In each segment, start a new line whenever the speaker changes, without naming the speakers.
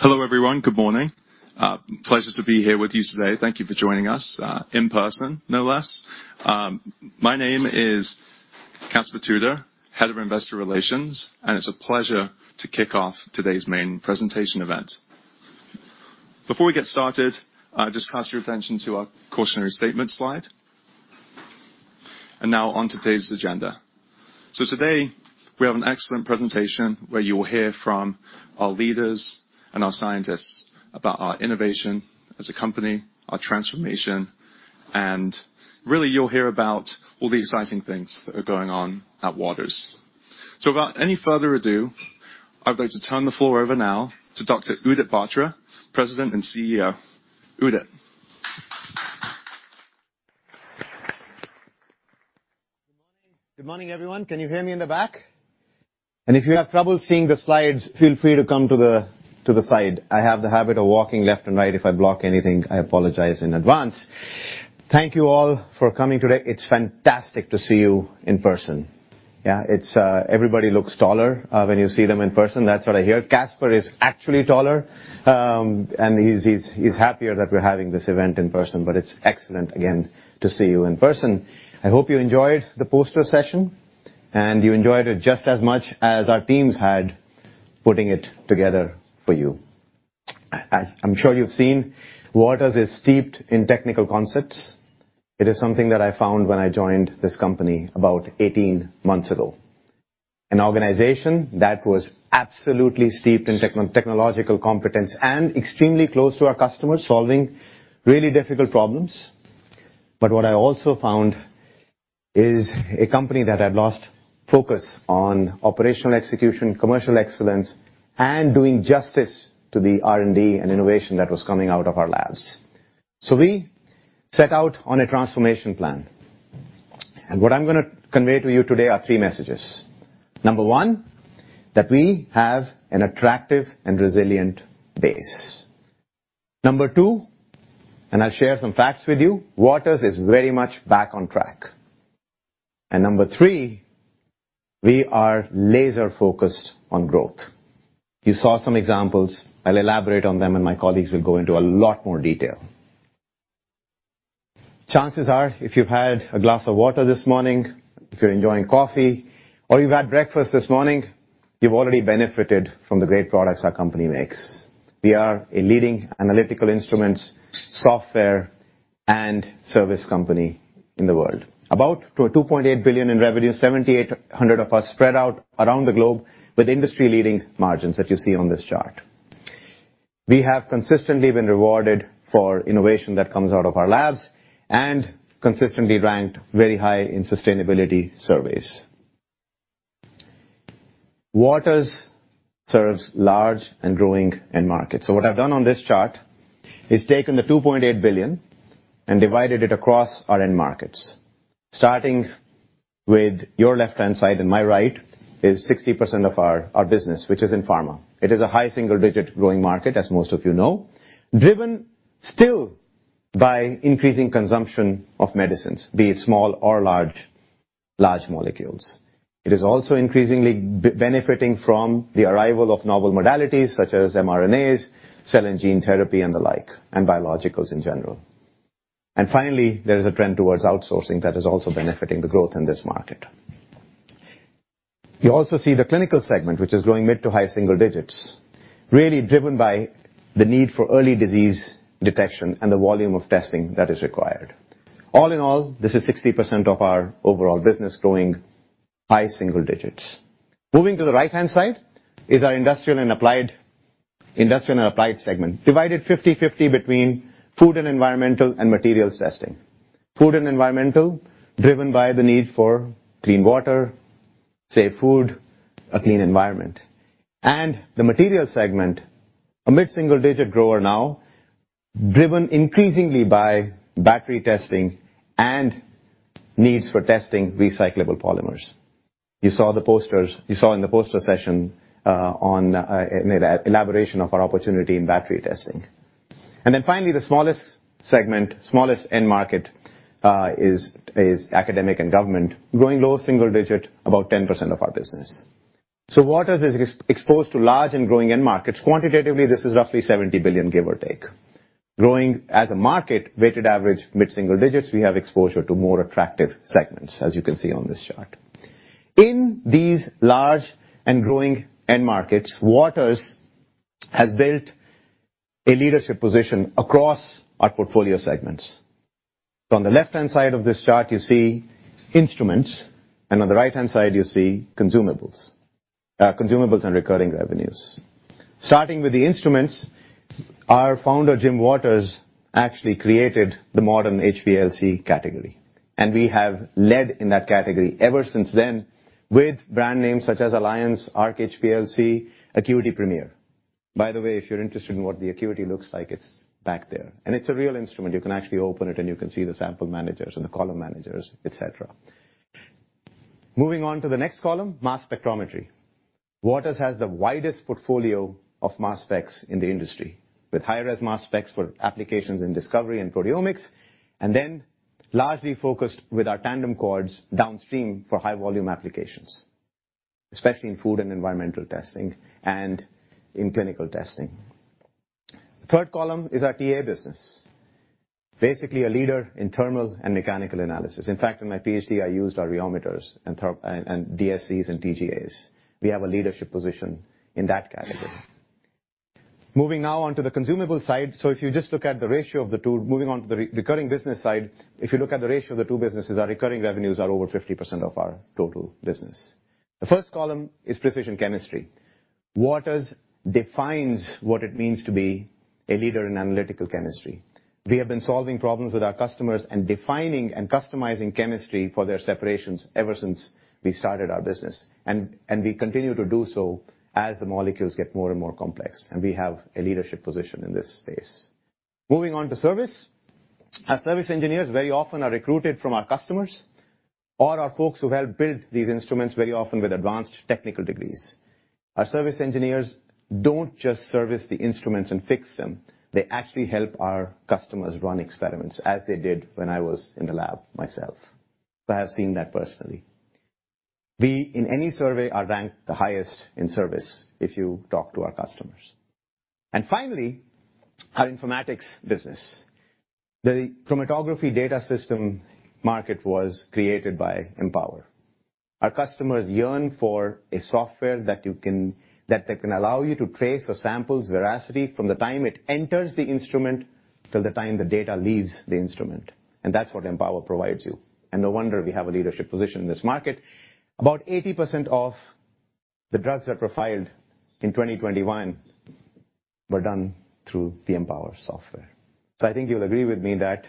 Hello, everyone. Good morning. Pleasure to be here with you today. Thank you for joining us in person, no less. My name is Caspar Tudor, Head of Investor Relations, and it's a pleasure to kick off today's main presentation event. Before we get started, I just draw your attention to our cautionary statement slide. Now on today's agenda. Today, we have an excellent presentation where you will hear from our leaders and our scientists about our innovation as a company, our transformation, and really you'll hear about all the exciting things that are going on at Waters. Without any further ado, I'd like to turn the floor over now to Dr. Udit Batra, President and CEO. Udit.
Good morning, everyone. Can you hear me in the back? If you have trouble seeing the slides, feel free to come to the side. I have the habit of walking left and right. If I block anything, I apologize in advance. Thank you all for coming today. It's fantastic to see you in person. Yeah, it's everybody looks taller when you see them in person. That's what I hear. Caspar is actually taller, and he's happier that we're having this event in person, but it's excellent again to see you in person. I hope you enjoyed the poster session, and you enjoyed it just as much as our teams had putting it together for you. I'm sure you've seen Waters is steeped in technical concepts. It is something that I found when I joined this company about 18 months ago. An organization that was absolutely steeped in technological competence and extremely close to our customers, solving really difficult problems. What I also found is a company that had lost focus on operational execution, commercial excellence, and doing justice to the R&D and innovation that was coming out of our labs. We set out on a transformation plan. What I'm gonna convey to you today are three messages. Number one, that we have an attractive and resilient base. Number two, and I'll share some facts with you, Waters is very much back on track. Number three, we are laser-focused on growth. You saw some examples. I'll elaborate on them, and my colleagues will go into a lot more detail. Chances are, if you've had a glass of water this morning, if you're enjoying coffee or you've had breakfast this morning, you've already benefited from the great products our company makes. We are a leading analytical instruments, software, and service company in the world. About $2.8 billion in revenue, 7,800 of us spread out around the globe with industry-leading margins that you see on this chart. We have consistently been rewarded for innovation that comes out of our labs and consistently ranked very high in sustainability surveys. Waters serves large and growing end markets. What I've done on this chart is taken the $2.8 billion and divided it across our end markets. Starting with your left-hand side and my right is 60% of our business, which is in pharma. It is a high single-digit growing market, as most of you know, driven still by increasing consumption of medicines, be it small or large molecules. It is also increasingly benefiting from the arrival of novel modalities such as mRNAs, cell and gene therapy, and the like, and biologics in general. Finally, there is a trend towards outsourcing that is also benefiting the growth in this market. You also see the clinical segment, which is growing mid- to high single digits, really driven by the need for early disease detection and the volume of testing that is required. All in all, this is 60% of our overall business growing high single digits. Moving to the right-hand side is our industrial and applied segment, divided 50/50 between food and environmental and materials testing. Food and environmental, driven by the need for clean water, safe food, a clean environment. The materials segment, a mid-single digit grower now, driven increasingly by battery testing and needs for testing recyclable polymers. You saw in the poster session on an elaboration of our opportunity in battery testing. Finally, the smallest segment, smallest end market, is academic and government, growing low single digit, about 10% of our business. Waters is exposed to large and growing end markets. Quantitatively, this is roughly $70 billion, give or take. Growing as a market, weighted average mid-single digits, we have exposure to more attractive segments, as you can see on this chart. In these large and growing end markets, Waters has built a leadership position across our portfolio segments. On the left-hand side of this chart, you see instruments, and on the right-hand side, you see consumables. Consumables and recurring revenues. Starting with the instruments, our founder, Jim Waters, actually created the modern HPLC category. We have led in that category ever since then with brand names such as Alliance, Arc HPLC, ACQUITY Premier. By the way, if you're interested in what the looks like, it's back there. It's a real instrument. You can actually open it, and you can see the sample managers and the column managers, et cetera. Moving on to the next column, mass spectrometry. Waters has the widest portfolio of mass specs in the industry, with high-res mass specs for applications in discovery and proteomics, and then largely focused with our tandem quads downstream for high volume applications, especially in food and environmental testing and in clinical testing. Third column is our TA business. Basically a leader in thermal and mechanical analysis. In fact, in my Ph.D., I used our rheometers and DSCs and TGAs. We have a leadership position in that category. Moving now on to the consumable side. Moving on to the recurring business side, if you look at the ratio of the two businesses, our recurring revenues are over 50% of our total business. The first column is precision chemistry. Waters defines what it means to be a leader in analytical chemistry. We have been solving problems with our customers and defining and customizing chemistry for their separations ever since we started our business. We continue to do so as the molecules get more and more complex, and we have a leadership position in this space. Moving on to service. Our service engineers very often are recruited from our customers or our folks who help build these instruments very often with advanced technical degrees. Our service engineers don't just service the instruments and fix them, they actually help our customers run experiments, as they did when I was in the lab myself. I have seen that personally. We, in any survey, are ranked the highest in service if you talk to our customers. Finally, our informatics business. The chromatography data system market was created by Empower. Our customers yearn for a software that can allow you to trace a sample's veracity from the time it enters the instrument till the time the data leaves the instrument. That's what Empower provides you. No wonder we have a leadership position in this market. About 80% of the drugs that were filed in 2021 were done through the Empower software. I think you'll agree with me that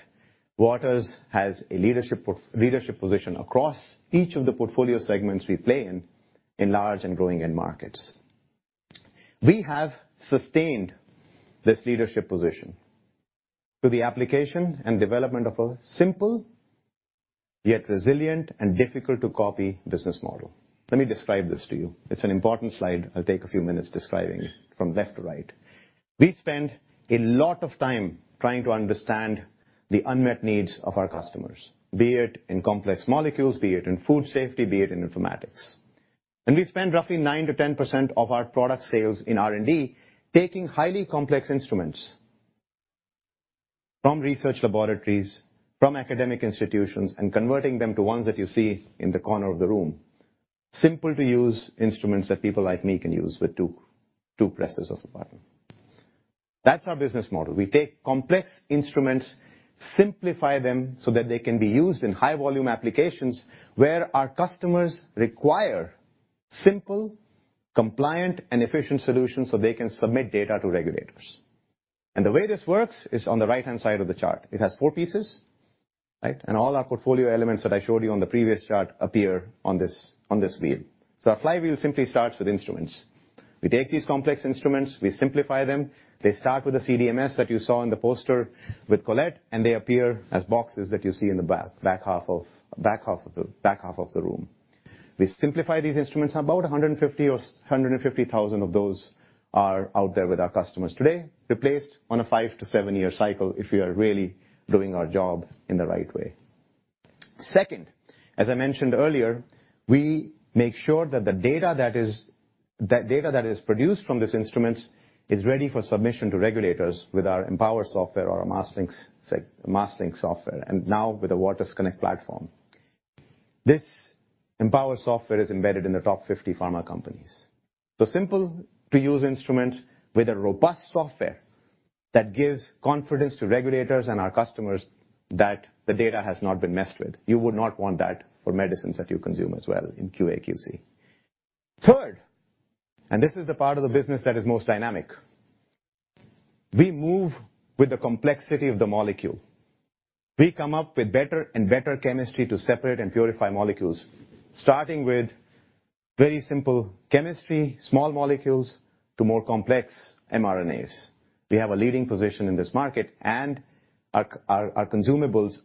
Waters has a leadership position across each of the portfolio segments we play in large and growing end markets. We have sustained this leadership position through the application and development of a simple yet resilient and difficult to copy business model. Let me describe this to you. It's an important slide. I'll take a few minutes describing from left to right. We spend a lot of time trying to understand the unmet needs of our customers, be it in complex molecules, be it in food safety, be it in informatics. We spend roughly 9%-10% of our product sales in R&D, taking highly complex instruments from research laboratories, from academic institutions, and converting them to ones that you see in the corner of the room. Simple to use instruments that people like me can use with two presses of a button. That's our business model. We take complex instruments, simplify them so that they can be used in high volume applications where our customers require simple, compliant, and efficient solutions so they can submit data to regulators. The way this works is on the right-hand side of the chart. It has four pieces, right? All our portfolio elements that I showed you on the previous chart appear on this wheel. Our flywheel simply starts with instruments. We take these complex instruments, we simplify them. They start with a CDMS that you saw in the poster with Colette, and they appear as boxes that you see in the back half of the room. We simplify these instruments. About 150,000 of those are out there with our customers today, replaced on a 5 to 7 year cycle if we are really doing our job in the right way. Second, as I mentioned earlier, we make sure that the data that is produced from these instruments is ready for submission to regulators with our Empower software or our MassLynx software, and now with the waters_connect platform. This Empower software is embedded in the top 50 pharma companies. Simple to use instruments with a robust software that gives confidence to regulators and our customers that the data has not been messed with. You would not want that for medicines that you consume as well in QA/QC. Third, this is the part of the business that is most dynamic. We move with the complexity of the molecule. We come up with better and better chemistry to separate and purify molecules, starting with very simple chemistry, small molecules, to more complex mRNAs. We have a leading position in this market, and our consumables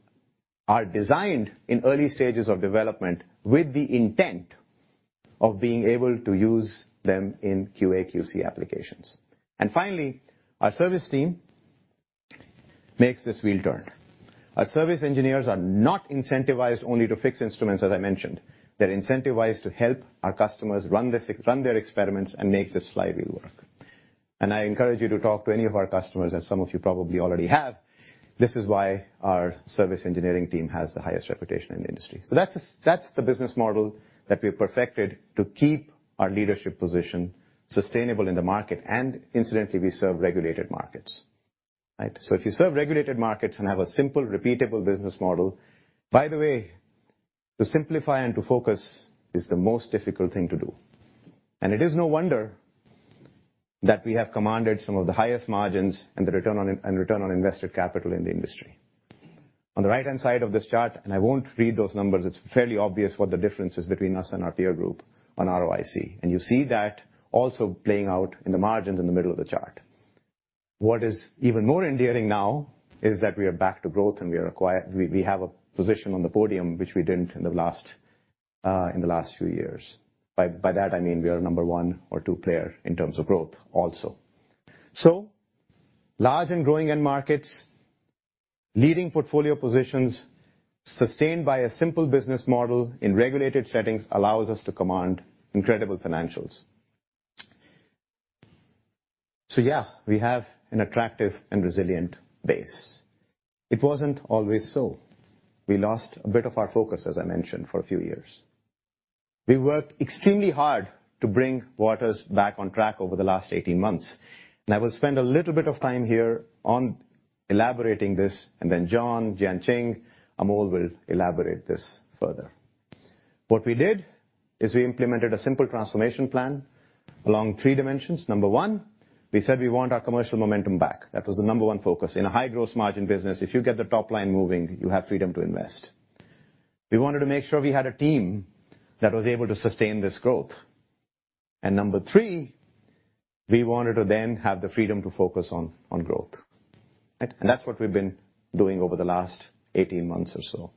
are designed in early stages of development with the intent of being able to use them in QA/QC applications. Finally, our service team makes this wheel turn. Our service engineers are not incentivized only to fix instruments, as I mentioned. They're incentivized to help our customers run their experiments and make this flywheel work. I encourage you to talk to any of our customers, as some of you probably already have. This is why our service engineering team has the highest reputation in the industry. That's the business model that we've perfected to keep our leadership position sustainable in the market, and incidentally, we serve regulated markets. Right? If you serve regulated markets and have a simple, repeatable business model. By the way, to simplify and to focus is the most difficult thing to do. It is no wonder that we have commanded some of the highest margins and the return on invested capital in the industry. On the right-hand side of this chart, and I won't read those numbers, it's fairly obvious what the difference is between us and our peer group on ROIC. You see that also playing out in the margins in the middle of the chart. What is even more endearing now is that we are back to growth, and we have a position on the podium, which we didn't in the last few years. By that, I mean we are number one or two player in terms of growth also. Large and growing end markets, leading portfolio positions, sustained by a simple business model in regulated settings allows us to command incredible financials. Yeah, we have an attractive and resilient base. It wasn't always so. We lost a bit of our focus, as I mentioned, for a few years. We worked extremely hard to bring Waters back on track over the last 18 months, and I will spend a little bit of time here on elaborating this, and then John, Jianqing, Amol will elaborate this further. What we did is we implemented a simple transformation plan along three dimensions. Number one, we said we want our commercial momentum back. That was the number one focus. In a high gross margin business, if you get the top line moving, you have freedom to invest. We wanted to make sure we had a team that was able to sustain this growth. And number three, we wanted to then have the freedom to focus on growth. Right? That's what we've been doing over the last 18 months or so.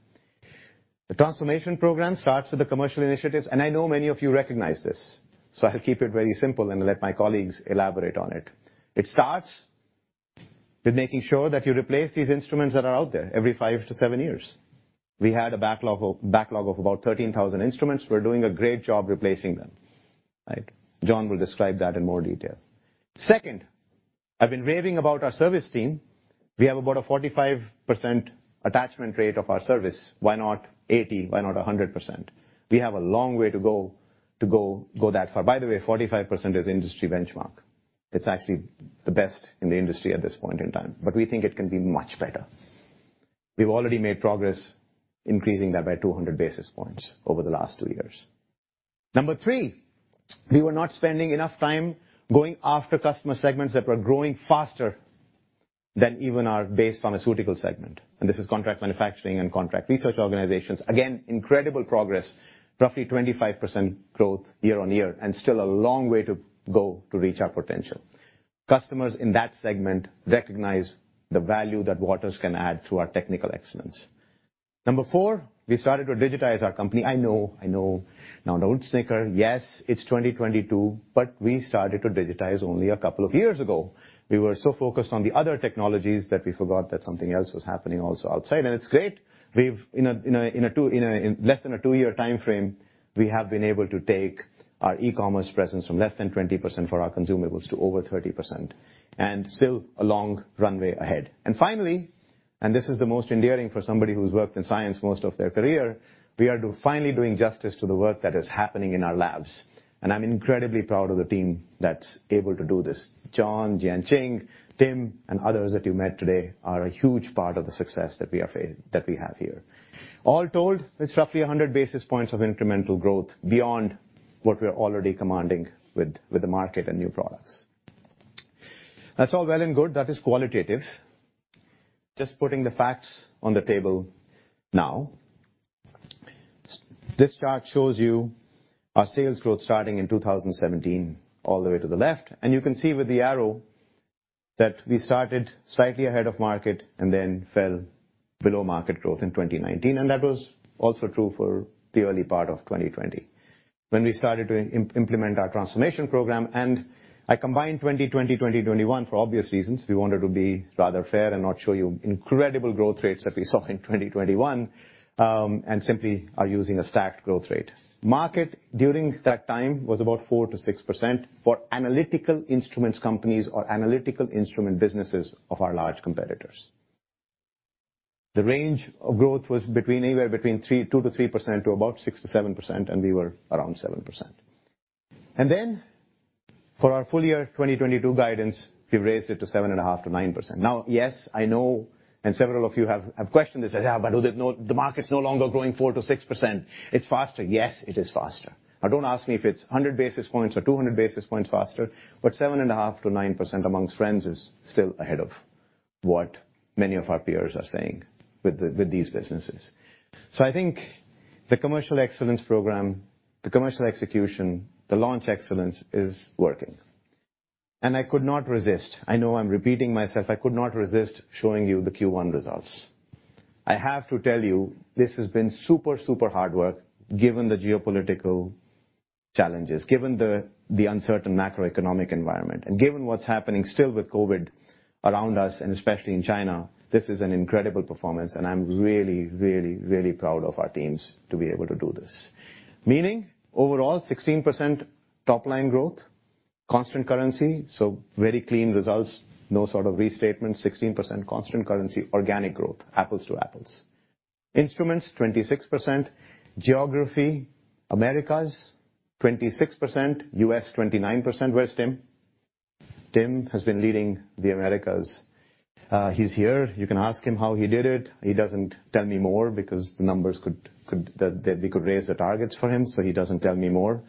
The transformation program starts with the commercial initiatives, and I know many of you recognize this, so I'll keep it very simple and let my colleagues elaborate on it. It starts with making sure that you replace these instruments that are out there every 5-7 years. We had a backlog of about 13,000 instruments. We're doing a great job replacing them. Right? John will describe that in more detail. Second, I've been raving about our service team. We have about a 45% attachment rate of our service. Why not 80%? Why not 100%? We have a long way to go that far. By the way, 45% is industry benchmark. It's actually the best in the industry at this point in time, but we think it can be much better. We've already made progress increasing that by 200 basis points over the last two years. Number three, we were not spending enough time going after customer segments that were growing faster than even our base pharmaceutical segment, and this is contract manufacturing and contract research organizations. Again, incredible progress. Roughly 25% growth year-on-year and still a long way to go to reach our potential. Customers in that segment recognize the value that Waters can add through our technical excellence. Number four, we started to digitize our company. I know, I know. Now, don't snicker. Yes, it's 2022, but we started to digitize only a couple of years ago. We were so focused on the other technologies that we forgot that something else was happening also outside. It's great. We've in a two... In less than a two-year timeframe, we have been able to take our e-commerce presence from less than 20% for our consumables to over 30%, and still a long runway ahead. Finally, this is the most endearing for somebody who's worked in science most of their career, we are finally doing justice to the work that is happening in our labs. I'm incredibly proud of the team that's able to do this. John, Jianqing, Tim, and others that you met today are a huge part of the success that we have here. All told, it's roughly 100 basis points of incremental growth beyond what we're already commanding with the market and new products. That's all well and good. That is qualitative. Just putting the facts on the table now. This chart shows you our sales growth starting in 2017 all the way to the left, and you can see with the arrow that we started slightly ahead of market and then fell below market growth in 2019. That was also true for the early part of 2020. When we started to implement our transformation program, and I combined 2020, 2021 for obvious reasons. We wanted to be rather fair and not show you incredible growth rates that we saw in 2021, and simply are using a stacked growth rate. Market during that time was about 4%-6% for analytical instruments companies or analytical instrument businesses of our large competitors. The range of growth was between, anywhere between 3.2%-3% to about 6%-7%, and we were around 7%. For our full year 2022 guidance, we've raised it to 7.5%-9%. Now, yes, I know, and several of you have questioned this. Said, "Yeah, but the market's no longer growing 4%-6%. It's faster." Yes, it is faster. Now don't ask me if it's 100 basis points or 200 basis points faster, but 7.5%-9% amongst friends is still ahead of what many of our peers are saying with the, with these businesses. I think the commercial excellence program, the commercial execution, the launch excellence is working. I could not resist. I know I'm repeating myself. I could not resist showing you the Q1 results. I have to tell you, this has been super hard work, given the geopolitical challenges, given the uncertain macroeconomic environment, and given what's happening still with COVID around us, and especially in China, this is an incredible performance, and I'm really proud of our teams to be able to do this. Meaning overall 16% top-line growth, constant currency, so very clean results. No sort of restatement. 16% constant currency, organic growth. Apples to apples. Instruments, 26%. Geography, Americas, 26%. U.S., 29%. Where's Tim? Tim has been leading the Americas. He's here. You can ask him how he did it. He doesn't tell me more because the numbers could that we could raise the targets for him, so he doesn't tell me more.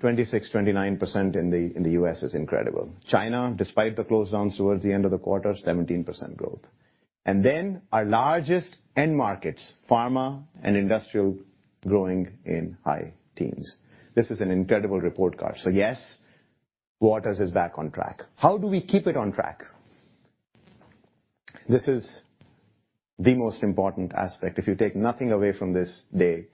Twenty-six, twenty-nine percent in the US is incredible. China, despite the slowdown towards the end of the quarter, 17% growth. Our largest end markets, pharma and industrial, growing in high teens. This is an incredible report card. Yes, Waters is back on track. How do we keep it on track? This is the most important aspect. If you take nothing away from this day,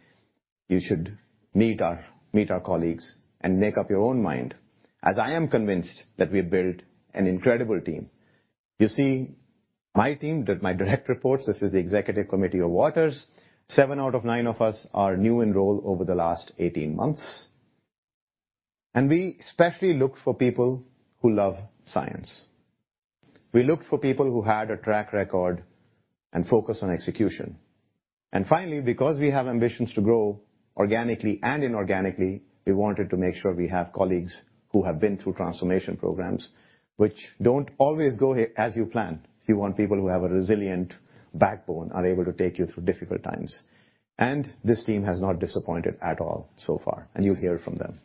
you should meet our colleagues and make up your own mind. As I am convinced that we've built an incredible team. You see my team, my direct reports. This is the executive committee of Waters. 7 out of 9 of us are new in role over the last 18 months. We especially look for people who love science. We look for people who had a track record and focus on execution. Finally, because we have ambitions to grow organically and inorganically, we wanted to make sure we have colleagues who have been through transformation programs, which don't always go as you plan. You want people who have a resilient backbone, are able to take you through difficult times. This team has not disappointed at all so far, and you'll hear from them.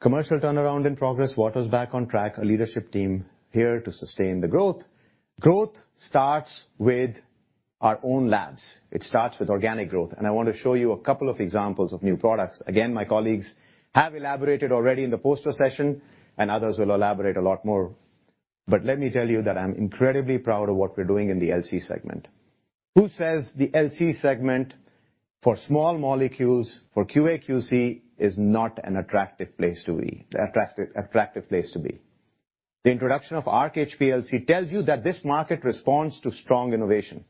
Commercial turnaround in progress, Waters back on track. A leadership team here to sustain the growth. Growth starts with our own labs. It starts with organic growth, and I want to show you a couple of examples of new products. Again, my colleagues have elaborated already in the poster session, and others will elaborate a lot more. Let me tell you that I'm incredibly proud of what we're doing in the LC segment. Who says the LC segment for small molecules, for QA/QC, is not an attractive place to be? The introduction of Arc HPLC tells you that this market responds to strong innovation.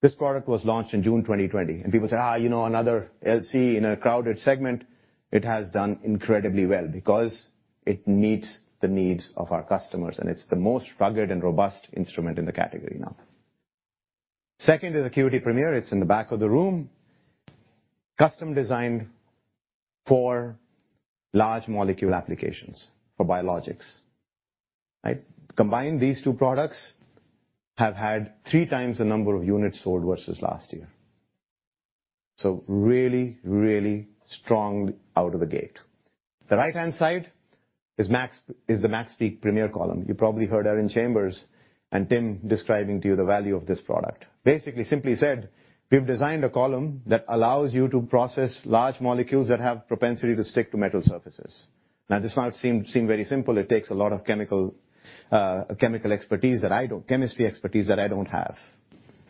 This product was launched in June 2020, and people said, "you know, another LC in a crowded segment." It has done incredibly well because it meets the needs of our customers, and it's the most rugged and robust instrument in the category now. Second is Acquity Premier. It's in the back of the room. Custom-designed for large molecule applications for biologics. Right? Combine these two products, have had three times the number of units sold versus last year. So really, really strong out of the gate. The right-hand side is the MaxPeak Premier column. You probably heard Erin Chambers and Tim describing to you the value of this product. Basically, simply said, we've designed a column that allows you to process large molecules that have propensity to stick to metal surfaces. Now, this might seem very simple. It takes a lot of chemistry expertise that I don't have.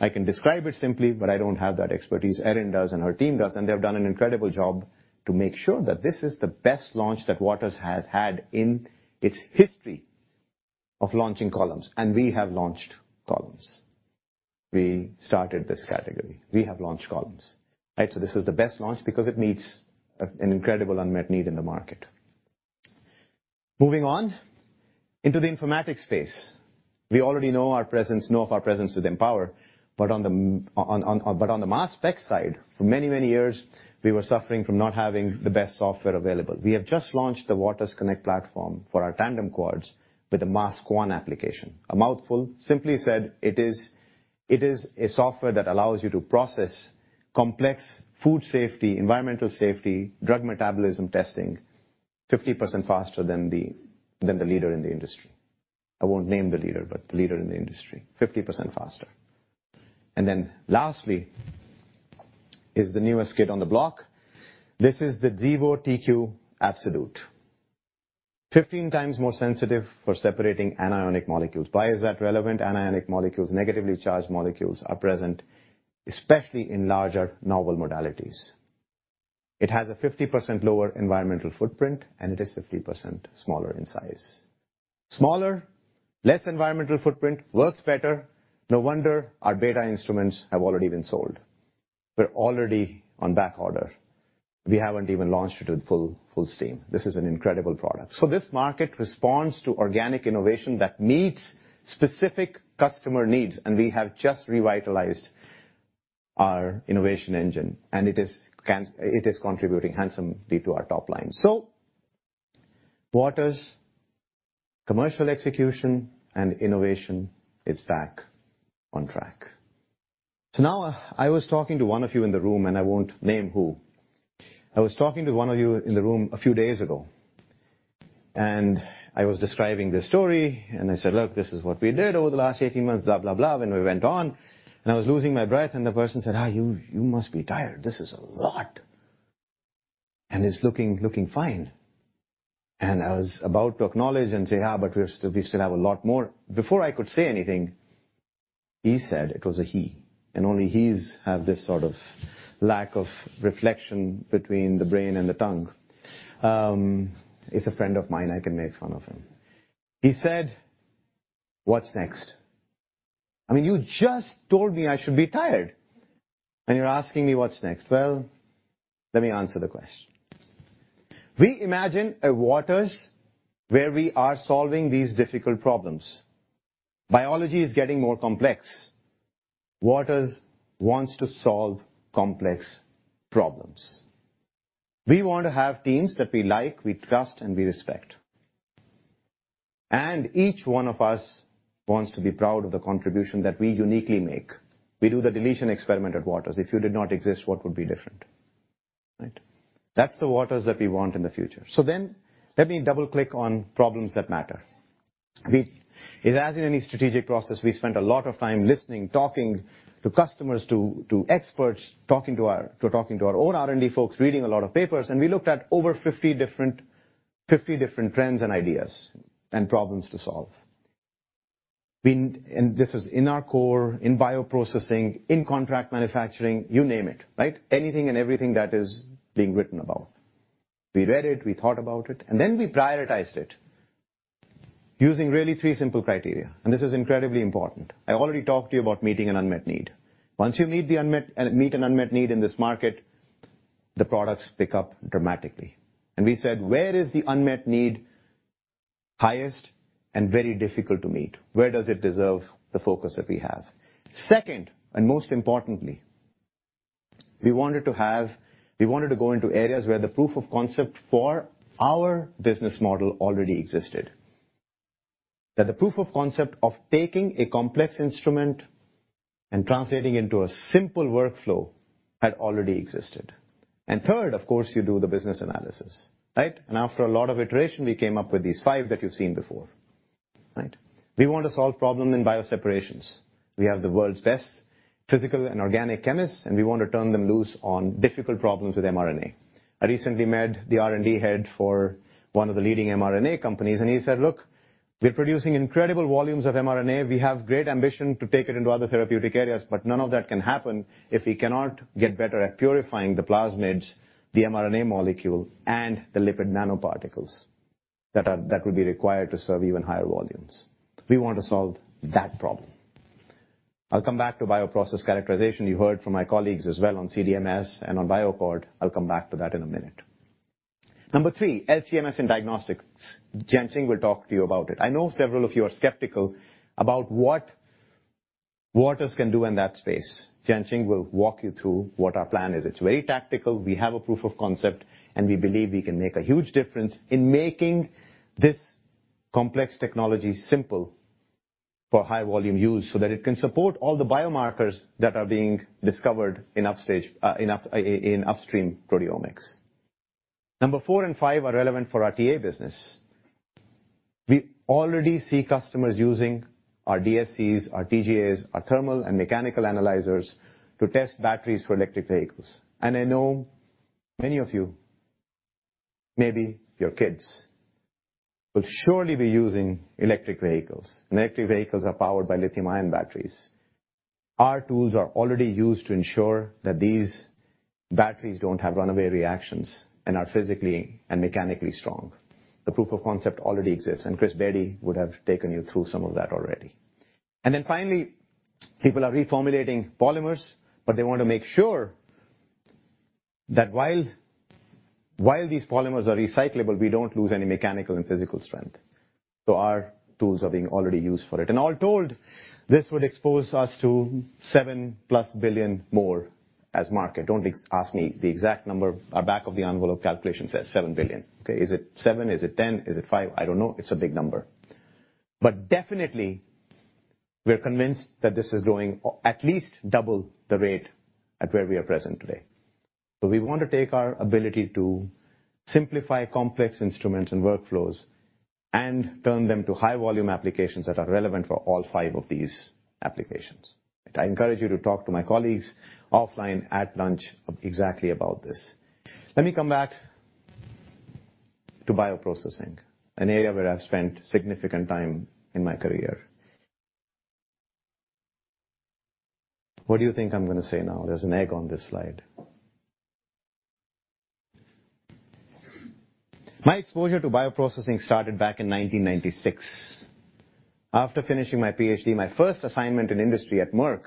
I can describe it simply, but I don't have that expertise. Erin does, and her team does, and they've done an incredible job to make sure that this is the best launch that Waters has had in its history of launching columns. We have launched columns. We started this category. We have launched columns, right? This is the best launch because it meets an incredible unmet need in the market. Moving on into the informatics space. We already know of our presence with Empower, but on the mass spec side, for many years, we were suffering from not having the best software available. We have just launched the waters_connect platform for our tandem quads with a MS Quan application. A mouthful. Simply said, it is a software that allows you to process complex food safety, environmental safety, drug metabolism testing 50% faster than the leader in the industry. I won't name the leader, but the leader in the industry, 50% faster. Lastly is the newest kid on the block. This is the Xevo TQ Absolute. 15 times more sensitive for separating anionic molecules. Why is that relevant? Anionic molecules, negatively charged molecules are present, especially in larger novel modalities. It has a 50% lower environmental footprint, and it is 50% smaller in size. Smaller, less environmental footprint, works better. No wonder our beta instruments have already been sold. We're already on backorder. We haven't even launched it at full steam. This is an incredible product. This market responds to organic innovation that meets specific customer needs, and we have just revitalized our innovation engine, and it is contributing handsomely to our top line. Waters' commercial execution and innovation is back on track. Now I was talking to one of you in the room, and I won't name who. I was talking to one of you in the room a few days ago, and I was describing this story, and I said, "Look, this is what we did over the last 18 months, blah, blah." We went on, and I was losing my breath, and the person said, "You must be tired. This is a lot. It's looking fine." I was about to acknowledge and say, "But we still have a lot more." Before I could say anything, he said. It was a he, and only he's have this sort of lack of reflection between the brain and the tongue. He's a friend of mine, I can make fun of him. He said, "What's next?" I mean, you just told me I should be tired, and you're asking me what's next. Well, let me answer the question. We imagine a Waters where we are solving these difficult problems. Biology is getting more complex. Waters wants to solve complex problems. We want to have teams that we like, we trust, and we respect. Each one of us wants to be proud of the contribution that we uniquely make. We do the deletion experiment at Waters. If you did not exist, what would be different? Right? That's the Waters that we want in the future. Let me double-click on problems that matter. As in any strategic process, we spent a lot of time listening, talking to customers, to experts, talking to our own R&D folks, reading a lot of papers, and we looked at over 50 different trends and ideas and problems to solve. This is in our core, in bioprocessing, in contract manufacturing, you name it, right? Anything and everything that is being written about. We read it, we thought about it, and then we prioritized it using really 3 simple criteria, and this is incredibly important. I already talked to you about meeting an unmet need. Once you meet an unmet need in this market, the products pick up dramatically. We said, "Where is the unmet need highest and very difficult to meet? Where does it deserve the focus that we have?" Second, and most importantly, we wanted to go into areas where the proof of concept for our business model already existed. That the proof of concept of taking a complex instrument and translating into a simple workflow had already existed. Third, of course, you do the business analysis, right? After a lot of iteration, we came up with these five that you've seen before. Right. We want to solve problem in bio separations. We have the world's best physical and organic chemists, and we want to turn them loose on difficult problems with mRNA. I recently met the R&D head for one of the leading mRNA companies, and he said, "Look, we're producing incredible volumes of mRNA. We have great ambition to take it into other therapeutic areas, but none of that can happen if we cannot get better at purifying the plasmids, the mRNA molecule, and the lipid nanoparticles that would be required to serve even higher volumes. We want to solve that problem. I'll come back to bioprocess characterization. You heard from my colleagues as well on CDMS and on BioAccord. I'll come back to that in a minute. Number three, LC-MS and diagnostics. Jianqing will talk to you about it. I know several of you are skeptical about what Waters can do in that space. Jianqing will walk you through what our plan is. It's very tactical. We have a proof of concept, and we believe we can make a huge difference in making this complex technology simple for high-volume use, so that it can support all the biomarkers that are being discovered in upstream proteomics. Number four and five are relevant for our TA business. We already see customers using our DSCs, our TGAs, our thermal and mechanical analyzers to test batteries for electric vehicles. I know many of you, maybe your kids, will surely be using electric vehicles. Electric vehicles are powered by lithium-ion batteries. Our tools are already used to ensure that these batteries don't have runaway reactions and are physically and mechanically strong. The proof of concept already exists, and Chris Berry would have taken you through some of that already. Then finally, people are reformulating polymers, but they want to make sure that while these polymers are recyclable, we don't lose any mechanical and physical strength. Our tools are being already used for it. All told, this would expose us to $7+ billion more as a market. Don't ask me the exact number. Our back-of-the-envelope calculation says $7 billion, okay? Is it 7? Is it 10? Is it 5? I don't know. It's a big number. Definitely, we're convinced that this is growing at least double the rate than where we are present today. We want to take our ability to simplify complex instruments and workflows and turn them to high-volume applications that are relevant for all five of these applications. I encourage you to talk to my colleagues offline at lunch exactly about this. Let me come back to bioprocessing, an area where I've spent significant time in my career. What do you think I'm gonna say now? There's an egg on this slide. My exposure to bioprocessing started back in 1996. After finishing my PhD, my first assignment in industry at Merck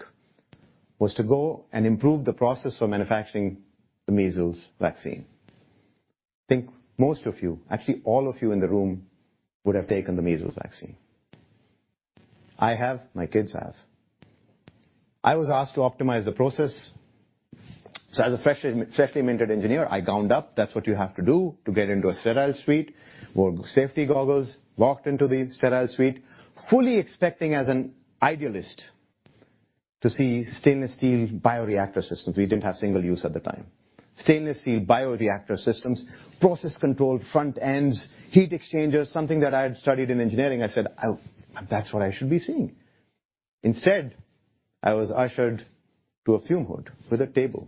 was to go and improve the process for manufacturing the measles vaccine. I think most of you, actually all of you in the room, would have taken the measles vaccine. I have, my kids have. I was asked to optimize the process. As a freshly minted engineer, I gowned up. That's what you have to do to get into a sterile suite. Wore safety goggles, walked into the sterile suite, fully expecting as an idealist to see stainless steel bioreactor systems. We didn't have single use at the time. Stainless steel bioreactor systems, process control front ends, heat exchangers, something that I had studied in engineering. I said, "That's what I should be seeing." Instead, I was ushered to a fume hood with a table,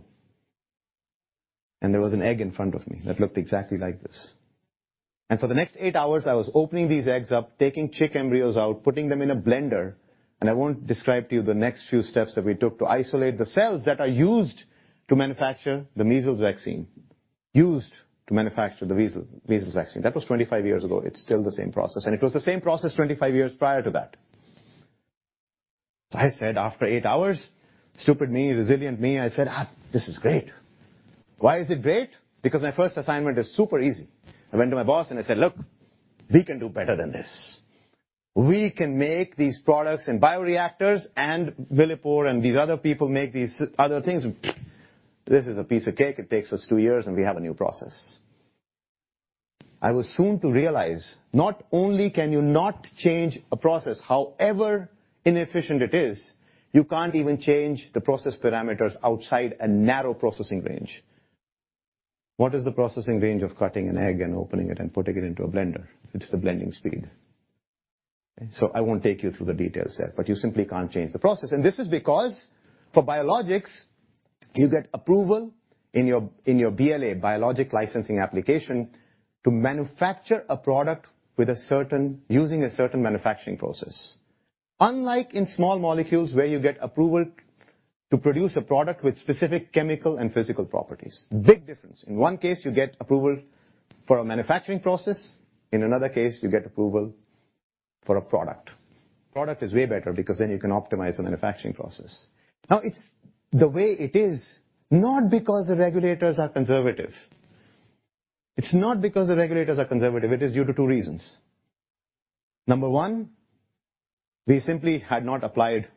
and there was an egg in front of me that looked exactly like this. For the next 8 hours, I was opening these eggs up, taking chick embryos out, putting them in a blender, and I won't describe to you the next few steps that we took to isolate the cells that are used to manufacture the measles vaccine. That was 25 years ago. It's still the same process. It was the same process 25 years prior to that. I said, after 8 hours, stupid me, resilient me, I said, "Ah, this is great." Why is it great? Because my first assignment is super easy. I went to my boss and I said, "Look, we can do better than this. We can make these products in bioreactors, and Millipore and these other people make these other things. This is a piece of cake. It takes us two years, and we have a new process." I was soon to realize, not only can you not change a process however inefficient it is, you can't even change the process parameters outside a narrow processing range. What is the processing range of cutting an egg and opening it and putting it into a blender? It's the blending speed. I won't take you through the details there, but you simply can't change the process. This is because for biologics, you get approval in your BLA, Biologic Licensing Application, to manufacture a product with a certain using a certain manufacturing process. Unlike in small molecules, where you get approval to produce a product with specific chemical and physical properties. Big difference. In one case, you get approval for a manufacturing process, in another case, you get approval for a product. Product is way better because then you can optimize the manufacturing process. Now, it's the way it is not because the regulators are conservative. It's not because the regulators are conservative. It is due to two reasons. Number one, we simply had not applied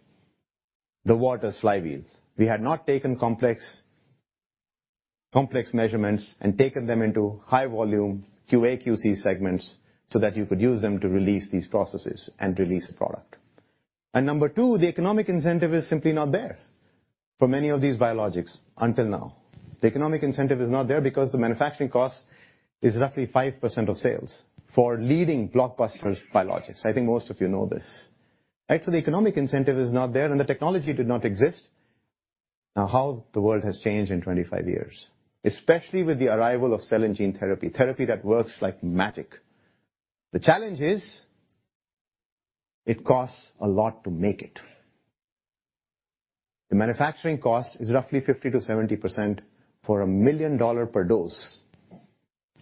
the Waters flywheel. We had not taken complex measurements and taken them into high volume QA/QC segments so that you could use them to release these processes and release the product. Number two, the economic incentive is simply not there for many of these biologics until now. The economic incentive is not there because the manufacturing cost is roughly 5% of sales for leading blockbuster biologics. I think most of you know this, right? The economic incentive is not there, and the technology did not exist. Now how the world has changed in 25 years, especially with the arrival of cell and gene therapy that works like magic. The challenge is it costs a lot to make it. The manufacturing cost is roughly 50%-70% for a $1 million per dose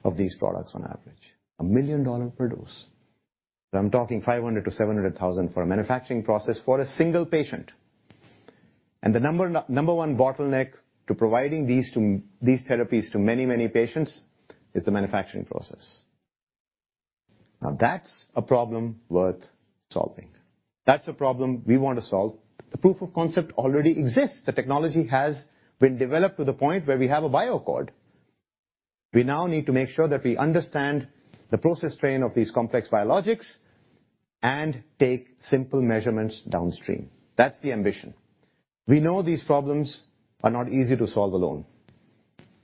of these products on average. A $1 million per dose. I'm talking $500,000-$700,000 for a manufacturing process for a single patient. The number one bottleneck to providing these therapies to many patients is the manufacturing process. Now, that's a problem worth solving. That's a problem we want to solve. The proof of concept already exists. The technology has been developed to the point where we have a BioAccord. We now need to make sure that we understand the process stream of these complex biologics and take simple measurements downstream. That's the ambition. We know these problems are not easy to solve alone,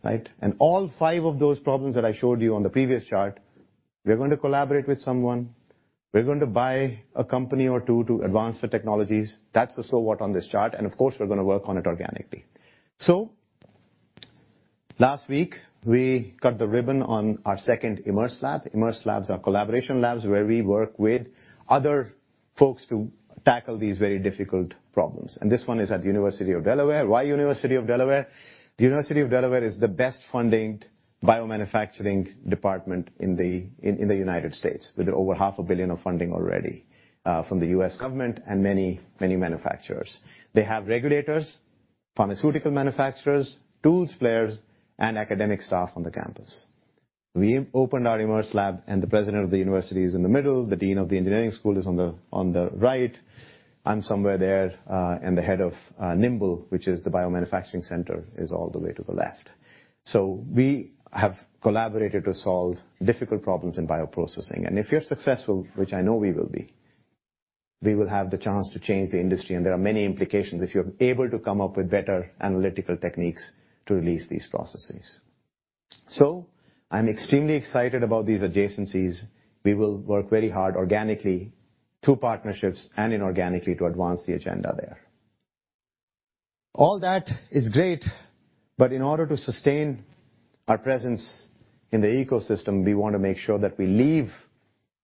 right? All five of those problems that I showed you on the previous chart, we're going to collaborate with someone. We're going to buy a company or two to advance the technologies. That's the so what on this chart, and of course, we're gonna work on it organically. Last week, we cut the ribbon on our second Immerse lab. Immerse labs are collaboration labs where we work with other folks to tackle these very difficult problems. This one is at the University of Delaware. Why University of Delaware? The University of Delaware is the best-funded biomanufacturing department in the United States, with over half a billion dollars of funding already from the U.S. government and many, many manufacturers. They have regulators, pharmaceutical manufacturers, tools players, and academic staff on the campus. We opened our Immerse lab, and the president of the university is in the middle, the dean of the engineering school is on the right, I'm somewhere there, and the head of NIIMBL, which is the biomanufacturing center, is all the way to the left. We have collaborated to solve difficult problems in bioprocessing. If you're successful, which I know we will be, we will have the chance to change the industry. There are many implications if you're able to come up with better analytical techniques to release these processes. I'm extremely excited about these adjacencies. We will work very hard organically through partnerships and inorganically to advance the agenda there. All that is great, but in order to sustain our presence in the ecosystem, we want to make sure that we leave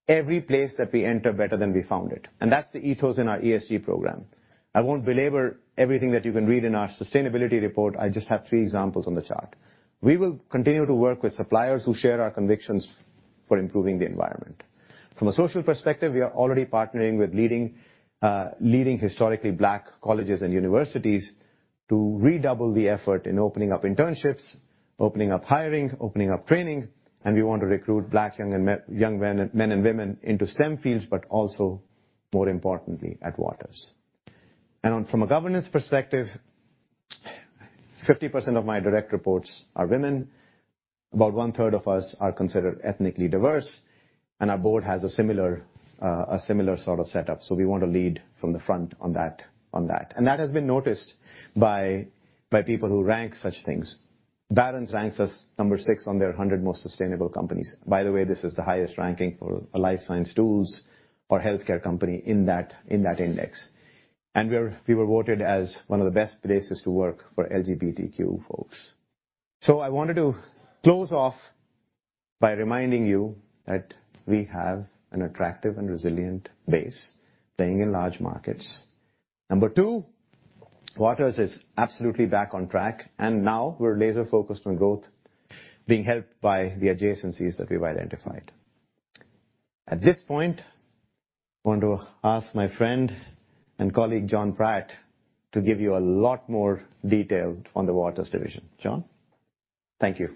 every place that we enter better than we found it. That's the ethos in our ESG program. I won't belabor everything that you can read in our sustainability report. I just have three examples on the chart. We will continue to work with suppliers who share our convictions for improving the environment. From a social perspective, we are already partnering with leading leading historically Black colleges and universities to redouble the effort in opening up internships, opening up hiring, opening up training, and we want to recruit Black young and young men men and women into STEM fields, but also, more importantly, at Waters. From a governance perspective, 50% of my direct reports are women, about one-third of us are considered ethnically diverse, and our board has a similar a similar sort of setup. We want to lead from the front on that. That has been noticed by people who rank such things. Barron's ranks us number six on their 100 most sustainable companies. By the way, this is the highest ranking for a life science tools or healthcare company in that index. We were voted as one of the best places to work for LGBTQ folks. I wanted to close off by reminding you that we have an attractive and resilient base playing in large markets. Number two, Waters is absolutely back on track, and now we're laser-focused on growth being helped by the adjacencies that we've identified. At this point, I want to ask my friend and colleague, Jonathan Pratt, to give you a lot more detail on the Waters Division. John. Thank you.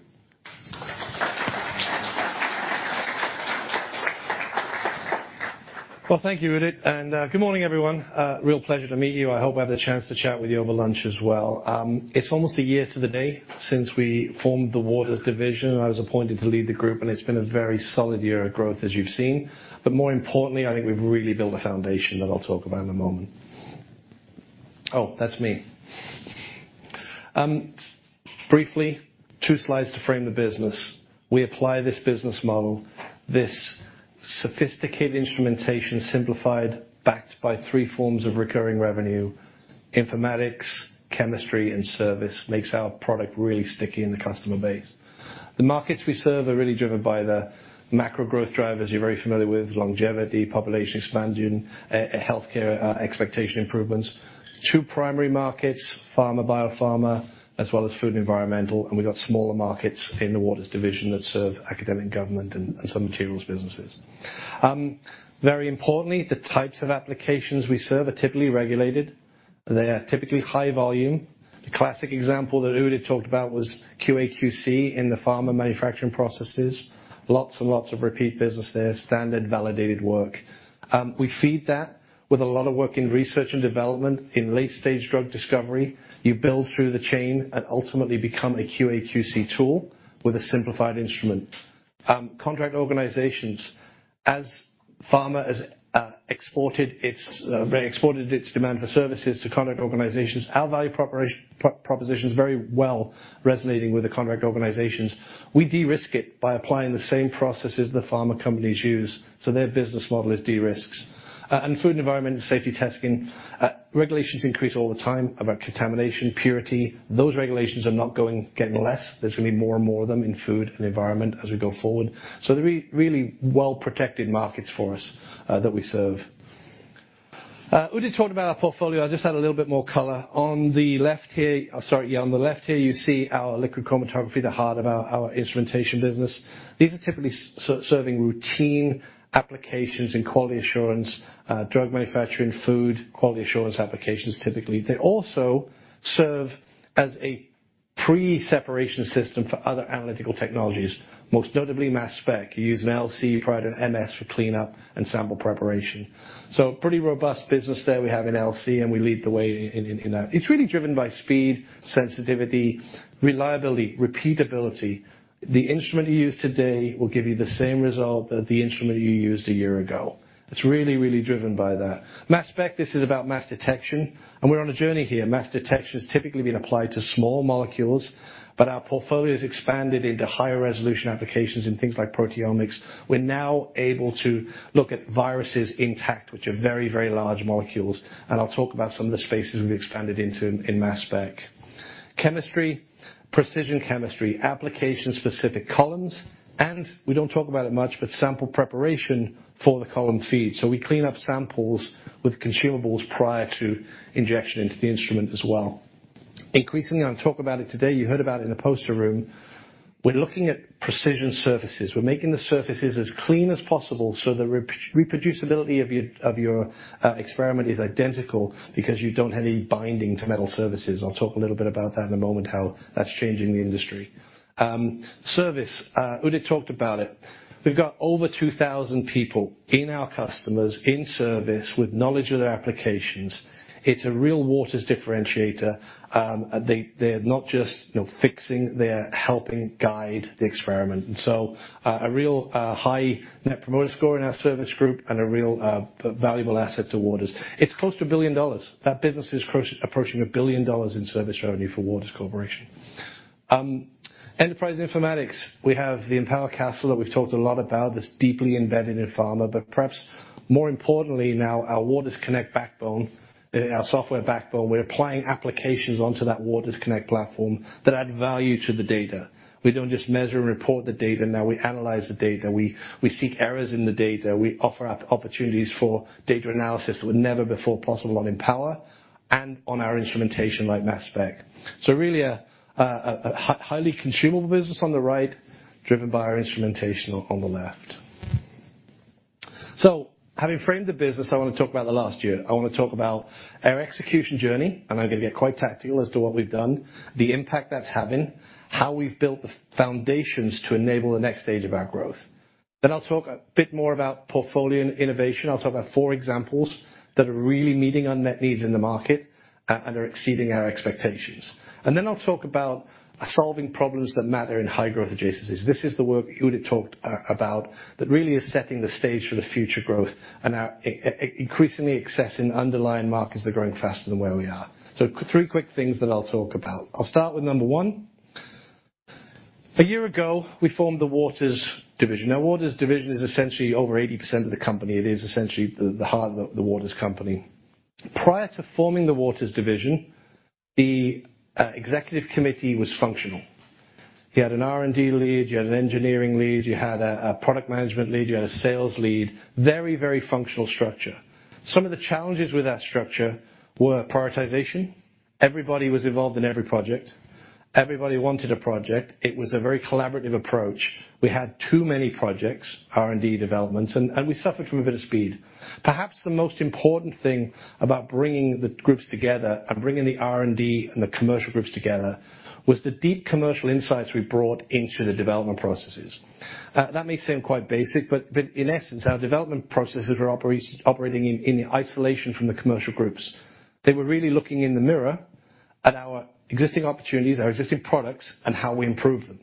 Well, thank you, Udit, and good morning, everyone. Real pleasure to meet you. I hope I have the chance to chat with you over lunch as well. It's almost a year to the day since we formed the Waters Division, and I was appointed to lead the group, and it's been a very solid year of growth as you've seen. But more importantly, I think we've really built a foundation that I'll talk about in a moment. Oh, that's me. Briefly, two slides to frame the business. We apply this business model, this sophisticated instrumentation simplified, backed by three forms of recurring revenue. Informatics, chemistry, and service makes our product really sticky in the customer base. The markets we serve are really driven by the macro growth drivers you're very familiar with. Longevity, population expanding, healthcare expectation improvements. Two primary markets, pharma, biopharma, as well as food and environmental. We've got smaller markets in the Waters Division that serve academic, government and some materials businesses. Very importantly, the types of applications we serve are typically regulated. They are typically high volume. The classic example that Udit talked about was QA/QC in the pharma manufacturing processes. Lots and lots of repeat business there. Standard validated work. We feed that with a lot of work in research and development. In late-stage drug discovery, you build through the chain and ultimately become a QA/QC tool with a simplified instrument. Contract organizations. As pharma has exported its demand for services to contract organizations, our value propositions very well resonating with the contract organizations. We de-risk it by applying the same processes the pharma companies use, so their business model is de-risked. Food, environment and safety testing. Regulations increase all the time about contamination, purity. Those regulations are not getting less. There's gonna be more and more of them in food and environment as we go forward. They're really well-protected markets for us that we serve. Udit talked about our portfolio. I'll just add a little bit more color. On the left here, you see our liquid chromatography, the heart of our instrumentation business. These are typically serving routine applications in quality assurance, drug manufacturing, food, quality assurance applications, typically. They also serve as a pre-separation system for other analytical technologies, most notably mass spec. You use an LC prior to an MS for cleanup and sample preparation. Pretty robust business there we have in LC, and we lead the way in that. It's really driven by speed, sensitivity, reliability, repeatability. The instrument you use today will give you the same result that the instrument you used a year ago. It's really, really driven by that. Mass spec, this is about mass detection, and we're on a journey here. Mass detection has typically been applied to small molecules, but our portfolio has expanded into higher resolution applications in things like proteomics. We're now able to look at viruses intact, which are very, very large molecules, and I'll talk about some of the spaces we've expanded into in mass spec. Chemistry, precision chemistry, application-specific columns, and we don't talk about it much, but sample preparation for the column feed. So we clean up samples with consumables prior to injection into the instrument as well. Increasingly, I'll talk about it today, you heard about in the poster room, we're looking at precision surfaces. We're making the surfaces as clean as possible so the reproducibility of your experiment is identical because you don't have any binding to metal surfaces. I'll talk a little bit about that in a moment, how that's changing the industry. Service. Udit talked about it. We've got over 2,000 people in customer service with knowledge of their applications. It's a real Waters differentiator. They're not just, you know, fixing, they're helping guide the experiment. A real high Net Promoter Score in our service group and a real valuable asset to Waters. It's close to $1 billion. That business is approaching $1 billion in service revenue for Waters Corporation. Enterprise informatics. We have the Empower CDS that we've talked a lot about that's deeply embedded in pharma. Perhaps more importantly now, our waters_connect backbone, our software backbone. We're applying applications onto that waters_connect platform that add value to the data. We don't just measure and report the data, now we analyze the data. We seek errors in the data. We offer up opportunities for data analysis that were never before possible on Empower and on our instrumentation like mass spec. Really a highly consumable business on the right, driven by our instrumentation on the left. Having framed the business, I wanna talk about the last year. I wanna talk about our execution journey, and I'm gonna get quite tactical as to what we've done, the impact that's having, how we've built the foundations to enable the next stage of our growth. I'll talk a bit more about portfolio and innovation. I'll talk about four examples that are really meeting unmet needs in the market and are exceeding our expectations. I'll talk about solving problems that matter in high-growth adjacencies. This is the work Udit talked about that really is setting the stage for the future growth and our increasingly accessing underlying markets that are growing faster than where we are. Three quick things that I'll talk about. I'll start with number one. A year ago, we formed the Waters Division. Now, Waters Division is essentially over 80% of the company. It is essentially the heart of the Waters company. Prior to forming the Waters Division, the executive committee was functional. You had an R&D lead, you had an engineering lead, you had a product management lead, you had a sales lead. Very functional structure. Some of the challenges with that structure were prioritization. Everybody was involved in every project. Everybody wanted a project. It was a very collaborative approach. We had too many projects, R&D developments, and we suffered from a bit of speed. Perhaps the most important thing about bringing the groups together and bringing the R&D and the commercial groups together was the deep commercial insights we brought into the development processes. That may seem quite basic, but in essence, our development processes were operating in isolation from the commercial groups. They were really looking in the mirror at our existing opportunities, our existing products, and how we improve them.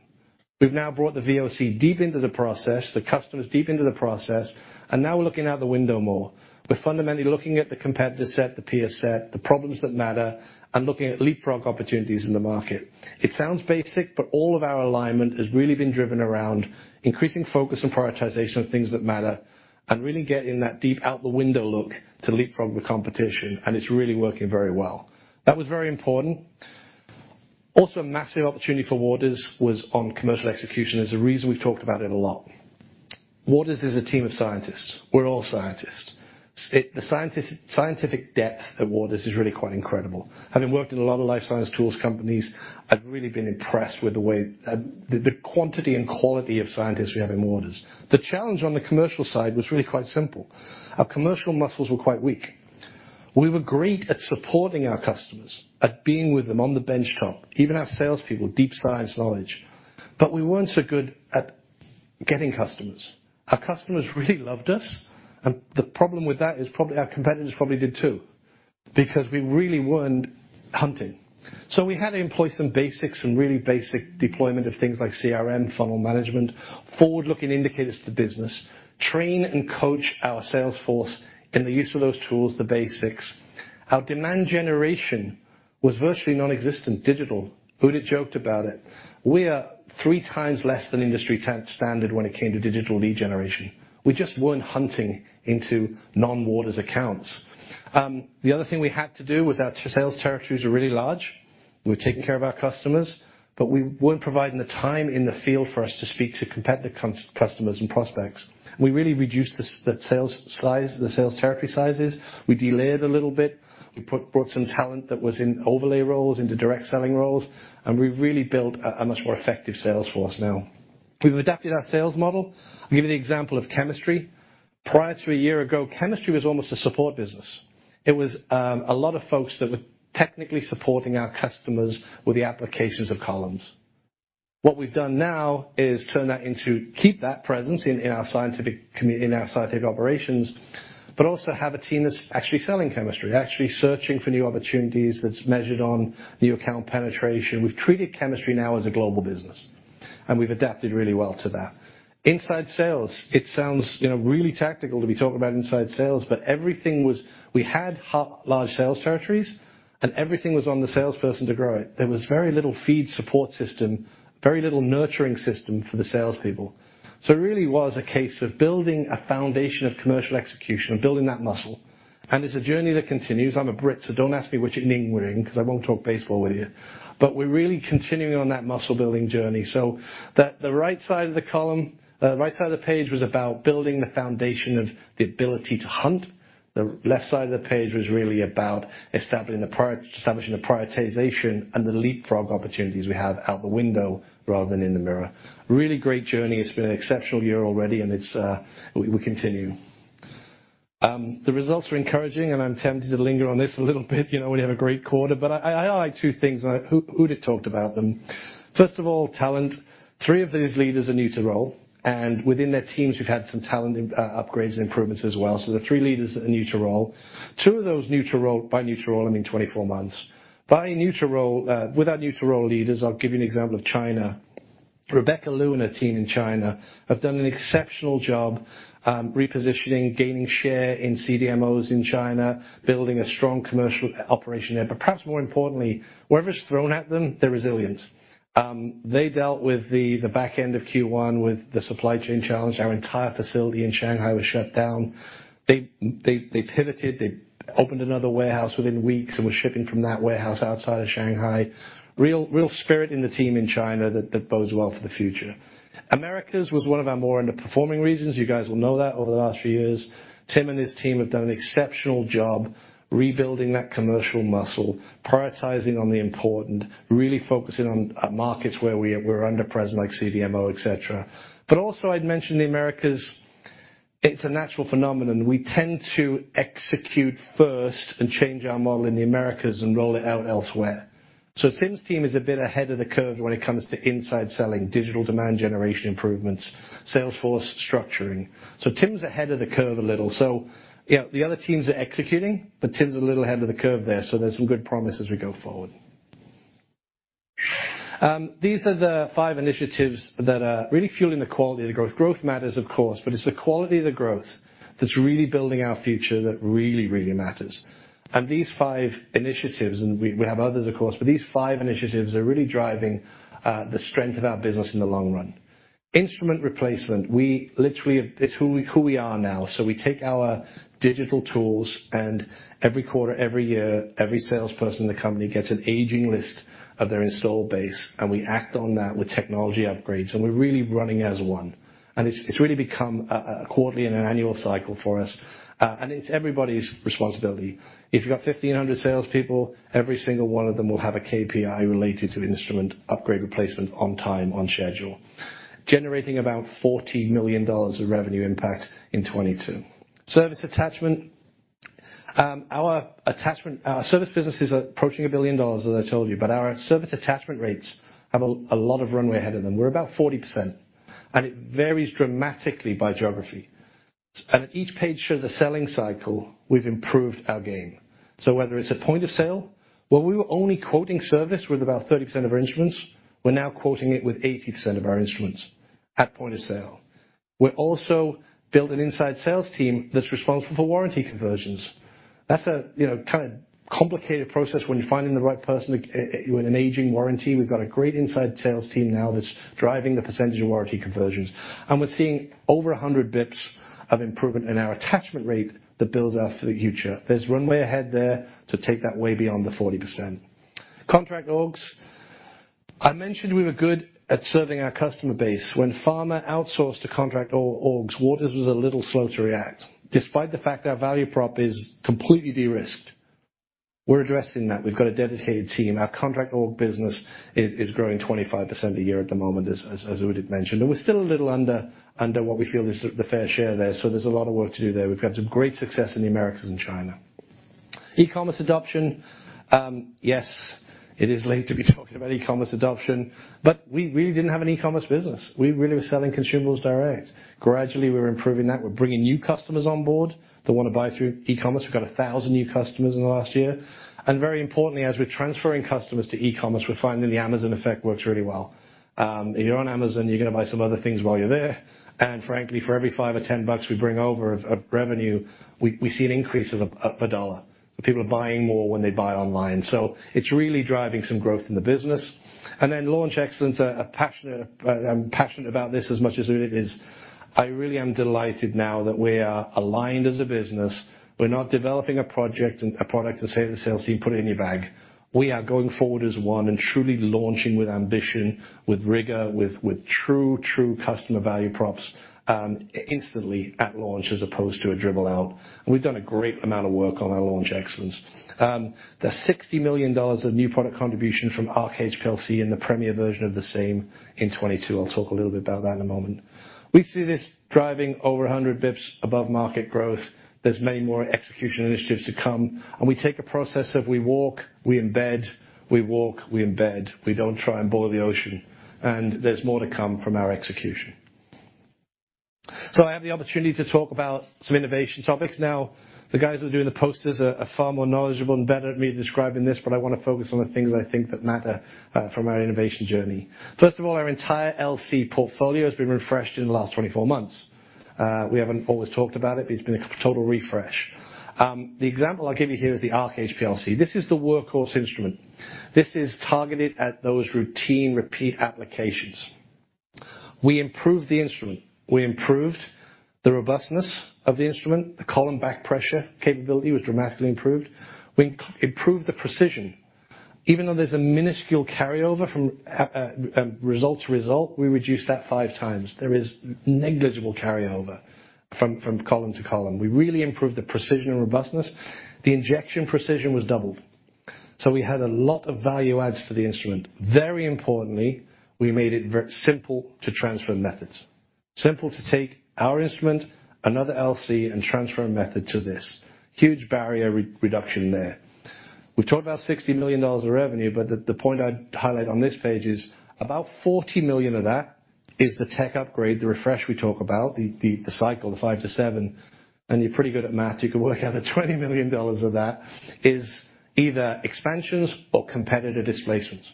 We've now brought the VOC deep into the process, the customers deep into the process, and now we're looking out the window more. We're fundamentally looking at the competitor set, the peer set, the problems that matter, and looking at leapfrog opportunities in the market. It sounds basic, but all of our alignment has really been driven around increasing focus and prioritization on things that matter and really getting that deep out-the-window look to leapfrog the competition, and it's really working very well. That was very important. Also, a massive opportunity for Waters was on commercial execution. There's a reason we've talked about it a lot. Waters is a team of scientists. We're all scientists. The scientific depth at Waters is really quite incredible. Having worked in a lot of life science tools companies, I've really been impressed with the way that the quantity and quality of scientists we have in Waters. The challenge on the commercial side was really quite simple, our commercial muscles were quite weak. We were great at supporting our customers, at being with them on the benchtop. Even our salespeople, deep science knowledge. We weren't so good at getting customers. Our customers really loved us, and the problem with that is probably our competitors probably did too, because we really weren't hunting. We had to employ some basics and really basic deployment of things like CRM, funnel management, forward-looking indicators to the business, train and coach our sales force in the use of those tools, the basics. Our demand generation was virtually nonexistent, digital. Udit joked about it. We are 3 times less than industry 10 standard when it came to digital lead generation. We just weren't hunting into non-Waters accounts. The other thing we had to do was our sales territories are really large. We're taking care of our customers, but we weren't providing the time in the field for us to speak to competitive customers and prospects. We really reduced the sales size, the sales territory sizes. We delayed a little bit. We brought some talent that was in overlay roles into direct selling roles, and we've really built a much more effective sales force now. We've adapted our sales model. I'll give you the example of chemistry. Prior to a year ago, chemistry was almost a support business. It was a lot of folks that were technically supporting our customers with the applications of columns. What we've done now is turn that into keep that presence in our scientific operations, but also have a team that's actually selling chemistry, actually searching for new opportunities that's measured on new account penetration. We've treated chemistry now as a global business, and we've adapted really well to that. Inside sales, it sounds, you know, really tactical to be talking about inside sales, but everything was. We had large sales territories, and everything was on the salesperson to grow it. There was very little field support system, very little nurturing system for the salespeople. It really was a case of building a foundation of commercial execution, of building that muscle. It's a journey that continues. I'm a Brit, so don't ask me which inning we're in, 'cause I won't talk baseball with you. We're really continuing on that muscle-building journey. The right side of the column, right side of the page was about building the foundation of the ability to hunt. The left side of the page was really about establishing the prioritization and the leapfrog opportunities we have out the window rather than in the mirror. Really great journey. It's been an exceptional year already, and we continue. The results are encouraging, and I'm tempted to linger on this a little bit. You know, we have a great quarter. I highlight two things, Udit talked about them. First of all, talent. Three of these leaders are new to role, and within their teams, we've had some talent upgrades and improvements as well. The three leaders are new to role. Two of those new to role, by new to role, I mean 24 months. By new to role, with our new to role leaders, I'll give you an example of China. Rebecca Liu and her team in China have done an exceptional job repositioning, gaining share in CDMOs in China, building a strong commercial operation there. Perhaps more importantly, whatever's thrown at them, they're resilient. They dealt with the back end of Q1 with the supply chain challenge. Our entire facility in Shanghai was shut down. They pivoted, they opened another warehouse within weeks and were shipping from that warehouse outside of Shanghai. Real spirit in the team in China that bodes well for the future. Americas was one of our more underperforming regions. You guys will know that over the last few years. Tim and his team have done an exceptional job rebuilding that commercial muscle, prioritizing on the important, really focusing on markets where we're underpenetrated, like CDMO, et cetera. I'd mention the Americas, it's a natural phenomenon. We tend to execute first and change our model in the Americas and roll it out elsewhere. Tim's team is a bit ahead of the curve when it comes to inside selling, digital demand generation improvements, sales force structuring. Tim's ahead of the curve a little. You know, the other teams are executing, but Tim's a little ahead of the curve there. There's some good promise as we go forward. These are the five initiatives that are really fueling the quality of the growth. Growth matters, of course, but it's the quality of the growth that's really building our future that really, really matters. These five initiatives, and we have others, of course, but these five initiatives are really driving the strength of our business in the long run. Instrument replacement. We literally. It's who we are now. We take our digital tools, and every quarter, every year, every salesperson in the company gets an aging list of their install base, and we act on that with technology upgrades. We're really running as one. It's really become a quarterly and an annual cycle for us. It's everybody's responsibility. If you've got 1,500 salespeople, every single one of them will have a KPI related to instrument upgrade replacement on time, on schedule. Generating about $40 million of revenue impact in 2022. Service attachment. Our attachment, our service business is approaching $1 billion, as I told you, but our service attachment rates have a lot of runway ahead of them. We're about 40%, and it varies dramatically by geography. Each page shows a selling cycle. We've improved our game. Whether it's a point of sale, where we were only quoting service with about 30% of our instruments, we're now quoting it with 80% of our instruments at point of sale. We also built an inside sales team that's responsible for warranty conversions. That's a, you know, kind of complicated process when you're finding the right person, you're in an aging warranty. We've got a great inside sales team now that's driving the percentage of warranty conversions. We're seeing over 100 basis points of improvement in our attachment rate that builds out for the future. There's runway ahead there to take that way beyond the 40%. Contract orgs. I mentioned we were good at serving our customer base. When pharma outsourced to contract orgs, Waters was a little slow to react, despite the fact our value prop is completely de-risked. We're addressing that. We've got a dedicated team. Our contract org business is growing 25% a year at the moment, as Udit mentioned. We're still a little under what we feel is the fair share there. There's a lot of work to do there. We've had some great success in the Americas and China. E-commerce adoption. Yes, it is late to be talking about e-commerce adoption, but we really didn't have an e-commerce business. We really were selling consumables direct. Gradually, we're improving that. We're bringing new customers on board that wanna buy through e-commerce. We've got 1,000 new customers in the last year. Very importantly, as we're transferring customers to e-commerce, we're finding the Amazon effect works really well. If you're on Amazon, you're gonna buy some other things while you're there. Frankly, for every $5 or $10 of revenue we bring over, we see an increase of $1. People are buying more when they buy online. It's really driving some growth in the business. Then launch excellence. I'm passionate about this as much as Udit is. I really am delighted now that we are aligned as a business. We're not developing a project and a product to say to the sales team, "Put it in your bag." We are going forward as one and truly launching with ambition, with rigor, with true customer value props instantly at launch as opposed to a dribble out. We've done a great amount of work on our launch excellence. There's $60 million of new product contribution from Arc HPLC and the premier version of the same in 2022. I'll talk a little bit about that in a moment. We see this driving over 100 basis points above market growth. There are many more execution initiatives to come. We take a process of we walk, we embed, we walk, we embed. We don't try and boil the ocean, and there's more to come from our execution. I have the opportunity to talk about some innovation topics. Now, the guys that are doing the posters are far more knowledgeable and better than me at describing this, but I wanna focus on the things I think that matter from our innovation journey. First of all, our entire LC portfolio has been refreshed in the last 24 months. We haven't always talked about it, but it's been a total refresh. The example I'll give you here is the Arc HPLC. This is the workhorse instrument. This is targeted at those routine repeat applications. We improved the instrument. We improved the robustness of the instrument. The column back pressure capability was dramatically improved. We improved the precision. Even though there's a minuscule carryover from result to result, we reduced that 5 times. There is negligible carryover from column to column. We really improved the precision and robustness. The injection precision was doubled. We had a lot of value adds to the instrument. Very importantly, we made it very simple to transfer methods. Simple to take our instrument, another LC, and transfer a method to this. Huge barrier to reduction there. We've talked about $60 million of revenue, but the point I'd highlight on this page is about $40 million of that is the tech upgrade, the refresh we talk about, the cycle, the 5-7. You're pretty good at math. You can work out the $20 million of that is either expansions or competitive displacements.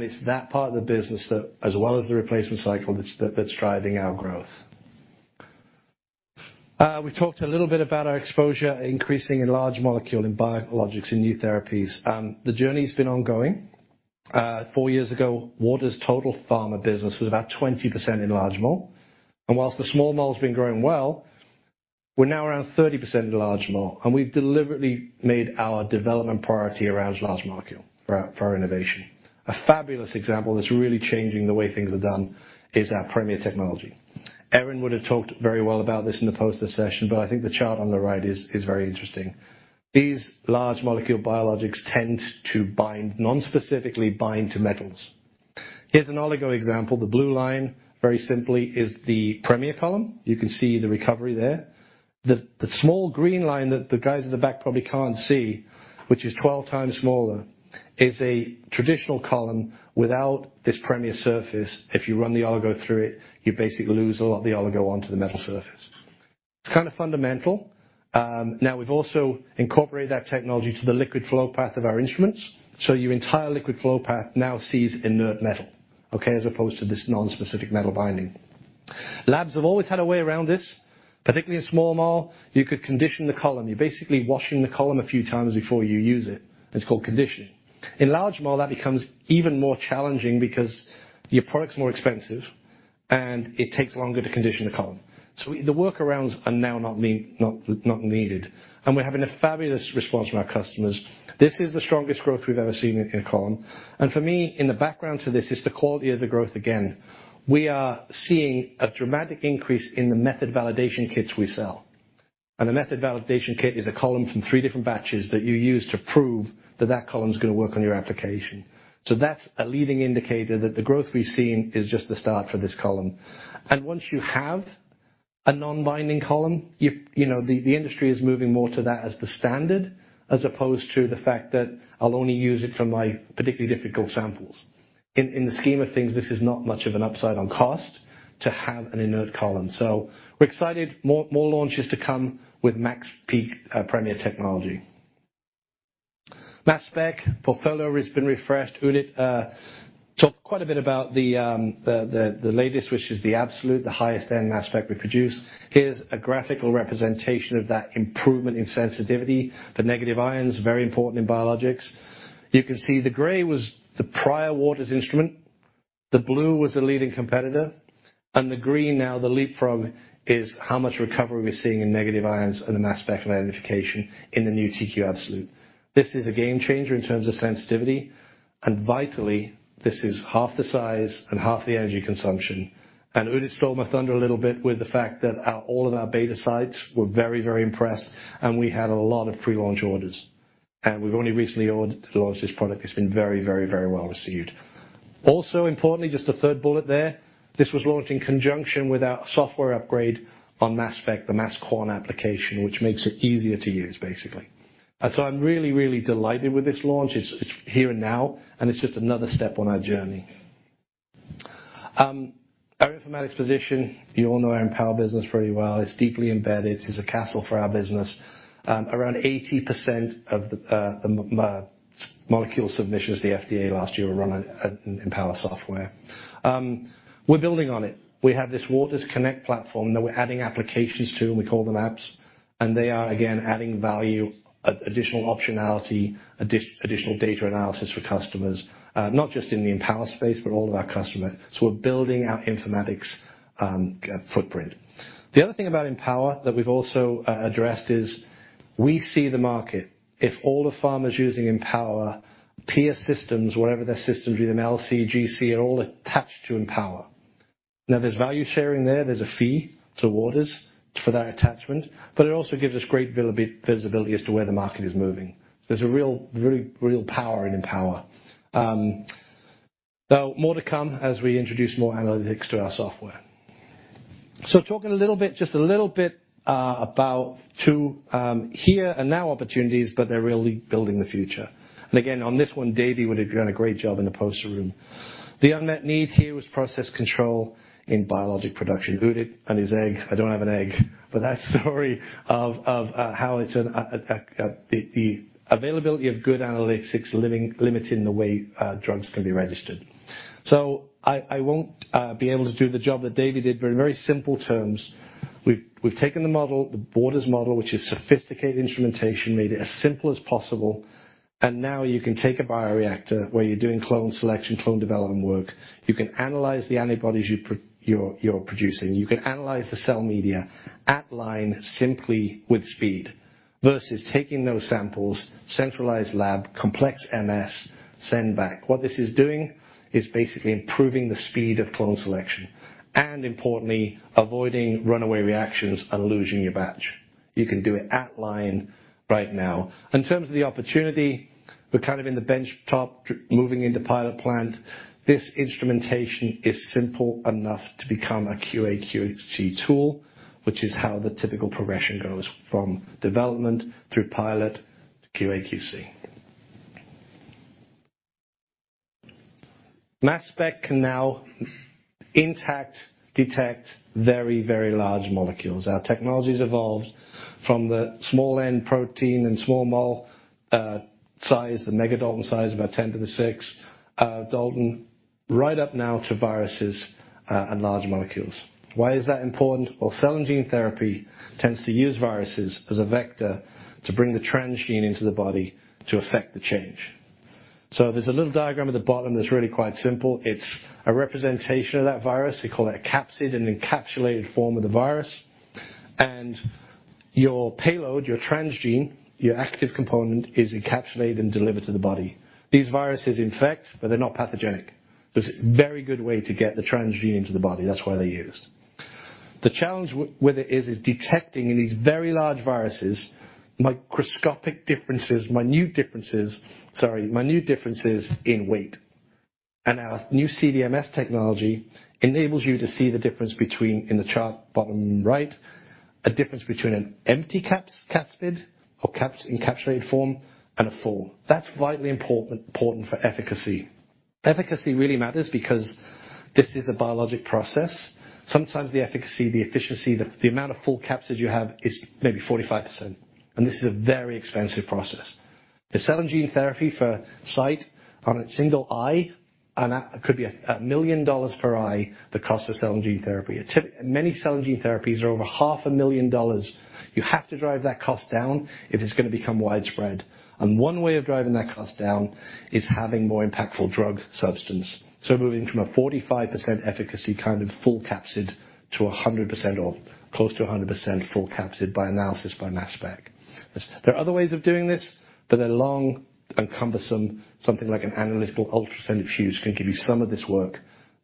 It's that part of the business that, as well as the replacement cycle, that's driving our growth. We've talked a little bit about our exposure increasing in large molecule, in biologics, in new therapies. The journey's been ongoing. Four years ago, Waters' total pharma business was about 20% in large mol. While the small mol's been growing well, we're now around 30% in large mol. We've deliberately made our development priority around large molecule for our innovation. A fabulous example that's really changing the way things are done is our Premier technology. Erin would have talked very well about this in the poster session, but I think the chart on the right is very interesting. These large molecule biologics tend to non-specifically bind to metals. Here's an oligo example. The blue line, very simply, is the Premier column. You can see the recovery there. The small green line that the guys at the back probably can't see, which is 12 times smaller, is a traditional column without this Premier surface. If you run the oligo through it, you basically lose a lot of the oligo onto the metal surface. It's kind of fundamental. Now we've also incorporated that technology to the liquid flow path of our instruments. Your entire liquid flow path now sees inert metal, okay, as opposed to this non-specific metal binding. Labs have always had a way around this, particularly in small mol. You could condition the column. You're basically washing the column a few times before you use it. It's called conditioning. In large mol, that becomes even more challenging because your product's more expensive, and it takes longer to condition the column. The workarounds are now not needed. We're having a fabulous response from our customers. This is the strongest growth we've ever seen in a column. For me, in the background to this is the quality of the growth again. We are seeing a dramatic increase in the Method Validation Kits we sell. A Method Validation Kit is a column from three different batches that you use to prove that that column's gonna work on your application. That's a leading indicator that the growth we've seen is just the start for this column. Once you have a non-binding column, you know, the industry is moving more to that as the standard, as opposed to the fact that I'll only use it for my particularly difficult samples. In the scheme of things, this is not much of an upside on cost to have an inert column. We're excited. More launches to come with MaxPeak Premier technology. Mass spec portfolio has been refreshed. Udit talked quite a bit about the latest, which is the Absolute, the highest end mass spec we produce. Here's a graphical representation of that improvement in sensitivity. The negative ions, very important in biologics. You can see the gray was the prior Waters instrument. The blue was the leading competitor. The green now, the leapfrog, is how much recovery we're seeing in negative ions and the mass spec identification in the new TQ Absolute. This is a game changer in terms of sensitivity, and vitally, this is half the size and half the energy consumption. Udit stole my thunder a little bit with the fact that all of our beta sites were very, very impressed, and we had a lot of pre-launch orders. We've only recently launched this product. It's been very, very, very well received. Also importantly, just the third bullet there, this was launched in conjunction with our software upgrade on mass spec, the MS Quan application, which makes it easier to use, basically. I'm really, really delighted with this launch. It's here and now, and it's just another step on our journey. Our informatics position, you all know our Empower business very well. It's deeply embedded. It's a castle for our business. Around 80% of the molecule submissions to the FDA last year were run on Empower software. We're building on it. We have this waters_connect platform that we're adding applications to, and we call them apps. They are again adding value, additional optionality, additional data analysis for customers, not just in the Empower space, but all of our customers. We're building our informatics footprint. The other thing about Empower that we've also addressed is we see the market. If all the pharmas using Empower, peer systems, whatever their systems, be they LC, GC, are all attached to Empower. Now, there's value sharing there. There's a fee to Waters for that attachment, but it also gives us great visibility as to where the market is moving. There's a real, very real power in Empower. Now more to come as we introduce more analytics to our software. Talking a little bit, just a little bit about 2 here and now opportunities, but they're really building the future. Again, on this one, Davy would have done a great job in the poster room. The unmet need here was process control in biologic production. Udit and his team. I don't have an egg, but that story of how it's the availability of good analytics limiting the way drugs can be registered. I won't be able to do the job that Davy did, but in very simple terms, we've taken the model, the Waters model. Which is sophisticated instrumentation, made it as simple as possible. Now you can take a bioreactor where you're doing clone selection, clone development work. You can analyze the antibodies you're producing. You can analyze the cell media at line simply with speed versus taking those samples, centralized lab, complex MS, send back. What this is doing is basically improving the speed of clone selection and importantly, avoiding runaway reactions and losing your batch. You can do it at line right now. In terms of the opportunity, we're kind of in the benchtop, moving into pilot plant. This instrumentation is simple enough to become a QA/QC tool, which is how the typical progression goes from development through pilot to QA/QC. Mass spec can now detect intact very, very large molecules. Our technology's evolved from the small end protein and small molecule size, the mega Dalton size, about 10 to the 6 Dalton, right up now to viruses and large molecules. Why is that important? Well, cell and gene therapy tends to use viruses as a vector to bring the transgene into the body to affect the change. There's a little diagram at the bottom that's really quite simple. It's a representation of that virus. We call it a capsid, an encapsulated form of the virus. Your payload, your transgene, your active component, is encapsulated and delivered to the body. These viruses infect, but they're not pathogenic. There's a very good way to get the transgene into the body. That's why they're used. The challenge with it is detecting in these very large viruses, microscopic differences, minute differences in weight. Our new CDMS technology enables you to see the difference between, in the chart bottom right, an empty capsid or encapsulated form and a full. That's vitally important for efficacy. Efficacy really matters because this is a biologic process. Sometimes the efficacy, the efficiency, the amount of full capsids you have is maybe 45%, and this is a very expensive process. The cell and gene therapy for sight on a single eye, and that could be $1 million per eye, the cost of cell and gene therapy. Many cell and gene therapies are over half a million dollars. You have to drive that cost down if it's gonna become widespread. One way of driving that cost down is having more impactful drug substance. Moving from a 45% efficacy kind of full capsid to a 100% or close to a 100% full capsid by analysis by mass spec. There are other ways of doing this, but they're long and cumbersome, something like an analytical ultracentrifuge can give you some of this work.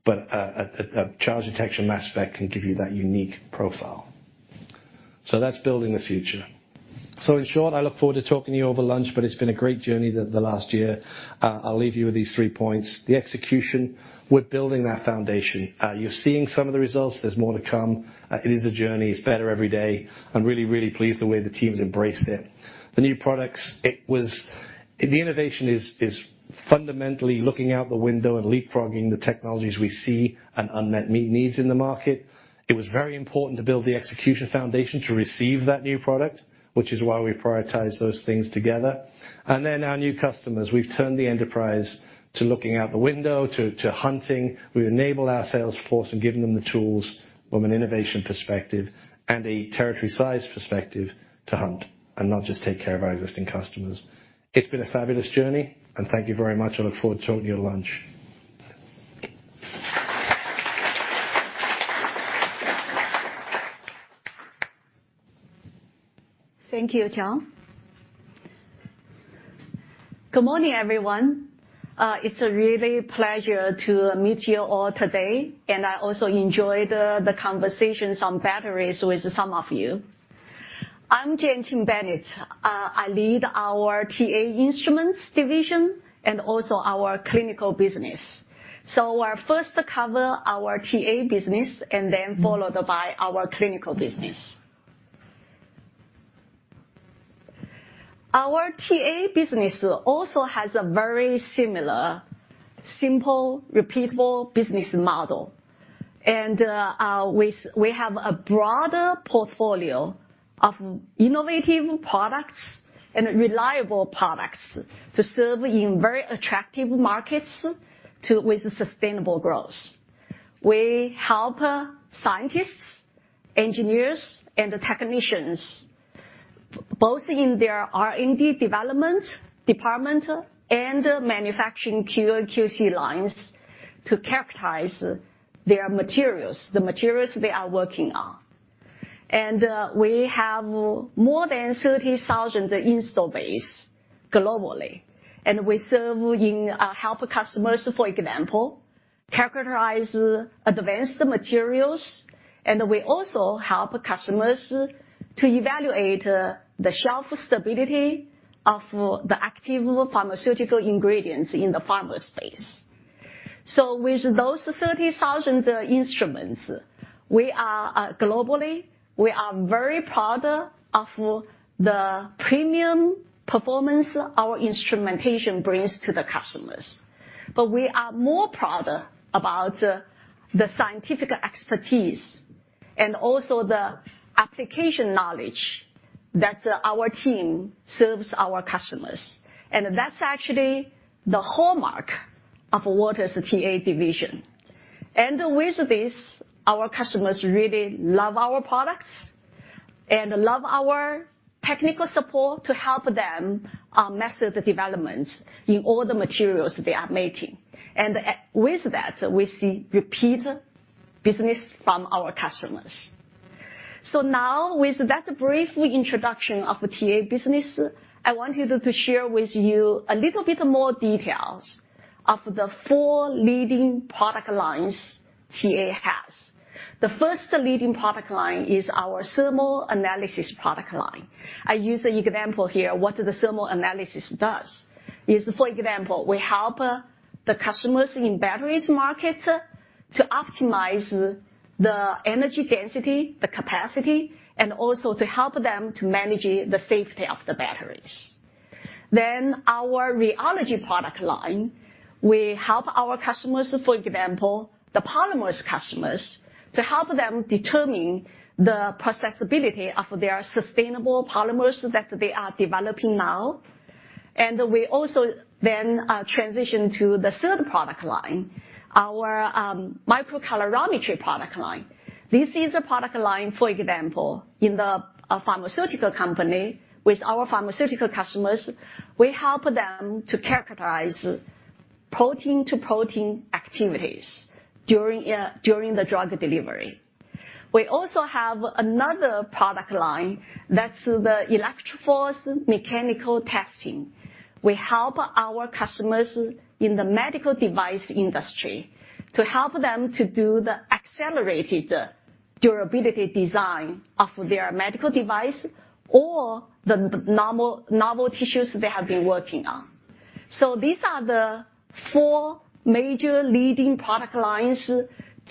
A charge detection mass spec can give you that unique profile. That's building the future. In short, I look forward to talking to you over lunch, but it's been a great journey the last year. I'll leave you with these three points. The execution, we're building that foundation. You're seeing some of the results. There's more to come. It is a journey. It's better every day. I'm really pleased the way the team's embraced it. The new products, it was. The innovation is fundamentally looking out the window and leapfrogging the technologies we see and unmet needs in the market. It was very important to build the execution foundation to receive that new product, which is why we prioritize those things together. Then our new customers. We've turned the enterprise to looking out the window to hunting. We enable our sales force and give them the tools from an innovation perspective and a territory size perspective to hunt and not just take care of our existing customers. It's been a fabulous journey, and thank you very much. I look forward to talking to you at lunch.
Thank you, John. Good morning, everyone. It's a real pleasure to meet you all today, and I also enjoyed the conversations on batteries with some of you. I'm Jianqing Bennett. I lead our TA Instruments division and also our clinical business. I'll first cover our TA business and then followed by our clinical business. Our TA business also has a very similar, simple, repeatable business model. We have a broader portfolio of innovative products and reliable products to serve in very attractive markets with sustainable growth. We help scientists, engineers, and technicians, both in their R&D development department and manufacturing QA/QC lines to characterize their materials, the materials they are working on. We have more than 30,000 installed base globally. We help customers, for example, characterize advanced materials, and we also help customers to evaluate the shelf stability of the active pharmaceutical ingredients in the pharma space. With those 30,000 instruments, we are globally very proud of the premium performance our instrumentation brings to the customers. We are more proud about the scientific expertise and also the application knowledge that our team serves our customers. That's actually the hallmark of what is TA Division. With this, our customers really love our products and love our technical support to help them on method developments in all the materials they are making. With that, we see repeat business from our customers. Now with that brief introduction of the TA business, I wanted to share with you a little bit more details of the four leading product lines TA has. The first leading product line is our thermal analysis product line. I use an example here, what the thermal analysis does. For example, we help the customers in batteries market to optimize the energy density, the capacity, and also to help them to manage the safety of the batteries. Our rheology product line, we help our customers, for example, the polymers customers, to help them determine the processability of their sustainable polymers that they are developing now. We also transition to the third product line, our microcalorimetry product line. This is a product line, for example, in a pharmaceutical company. With our pharmaceutical customers, we help them to characterize protein-to-protein activities during the drug delivery. We also have another product line that's the ElectroForce mechanical testing. We help our customers in the medical device industry to help them to do the accelerated durability design of their medical device or the novel tissues they have been working on. These are the four major leading product lines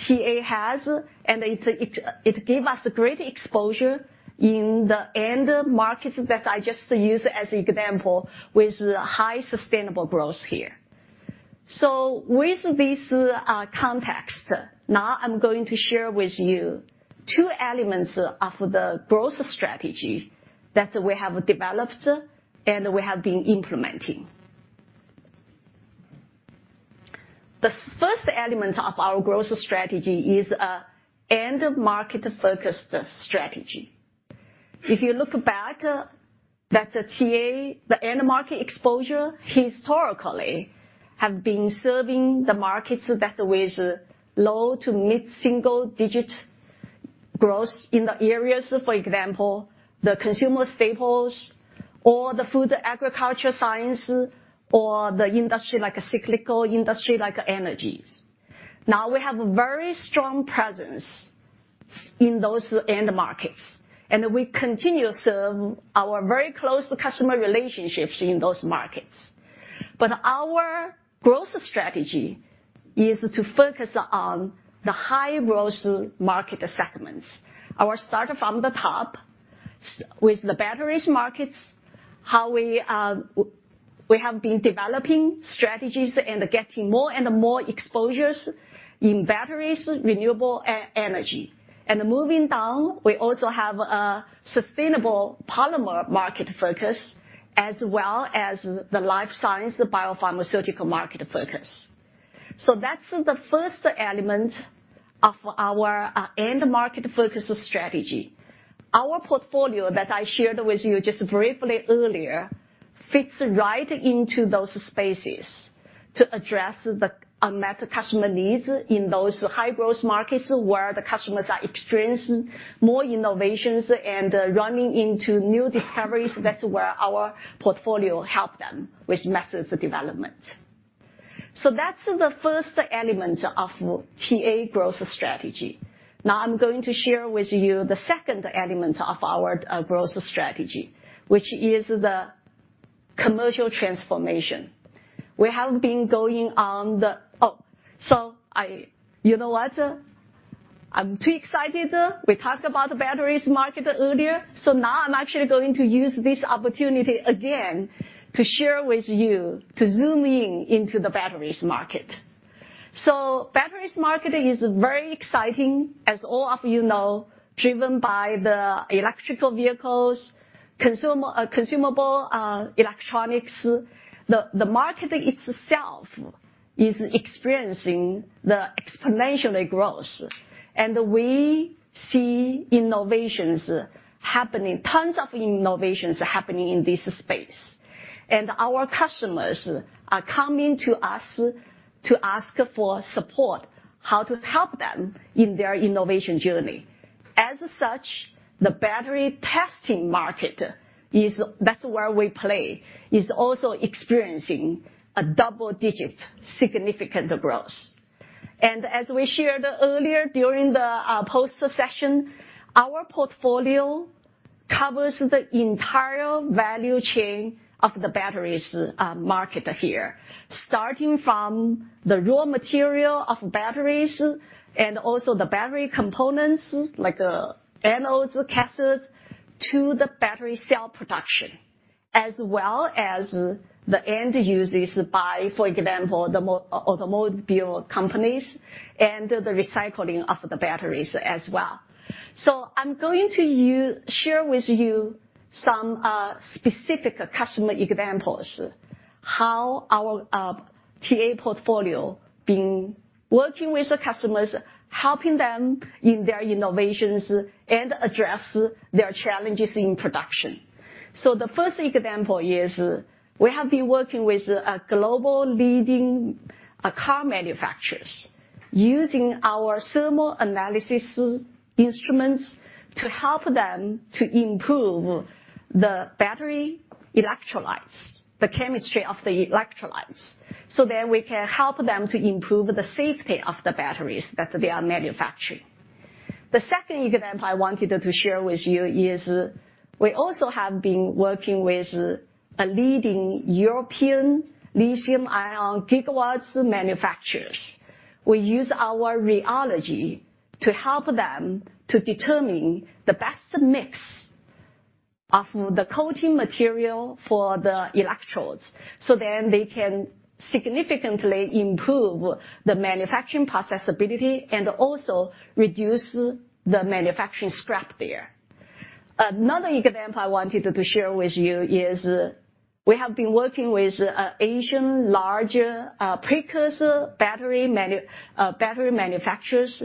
TA has, and it gives us great exposure in the end markets that I just used as example with high sustainable growth here. With this context, now I'm going to share with you two elements of the growth strategy that we have developed and we have been implementing. The first element of our growth strategy is an end market-focused strategy. If you look back at the TA, the end market exposure historically has been serving the markets that have low to mid-single-digit growth in the areas, for example, the consumer staples or the food agriculture science or the industries like cyclical industries like energy. Now we have very strong presence in those end markets, and we continue to serve our very close customer relationships in those markets. Our growth strategy is to focus on the high-growth market segments. We start from the top with the battery market, how we have been developing strategies and getting more and more exposures in batteries, renewable energy. Moving down, we also have a sustainable polymer market focus, as well as the life science, the biopharmaceutical market focus. That's the first element of our end market focus strategy. Our portfolio that I shared with you just briefly earlier fits right into those spaces to address the unmet customer needs in those high-growth markets where the customers are experiencing more innovations and running into new discoveries. That's where our portfolio help them with methods development. That's the first element of TA growth strategy. Now I'm going to share with you the second element of our growth strategy, which is the commercial transformation. You know what? I'm too excited. We talked about the batteries market earlier, now I'm actually going to use this opportunity again to share with you, to zoom in into the batteries market. Batteries market is very exciting, as all of you know, driven by the electric vehicles, consumer electronics. The market itself is experiencing exponential growth, and we see innovations happening, tons of innovations happening in this space. Our customers are coming to us to ask for support, how to help them in their innovation journey. As such, the battery testing market, that's where we play, is also experiencing double-digit significant growth. As we shared earlier during the post session, our portfolio covers the entire value chain of the batteries market here, starting from the raw material of batteries and also the battery components like anodes, cathodes, to the battery cell production, as well as the end users buy, for example, the OEM automobile companies and the recycling of the batteries as well. I'm going to share with you some specific customer examples, how our TA portfolio been working with the customers, helping them in their innovations and address their challenges in production. The first example is we have been working with a global leading car manufacturers using our thermal analysis instruments to help them to improve the battery electrolytes, the chemistry of the electrolytes, so that we can help them to improve the safety of the batteries that they are manufacturing. The second example I wanted to share with you is we also have been working with a leading European lithium-ion gigafactory manufacturers. We use our rheology to help them to determine the best mix of the coating material for the electrodes, so then they can significantly improve the manufacturing processability and also reduce the manufacturing scrap there. Another example I wanted to share with you is we have been working with an Asian large precursor battery manufacturers.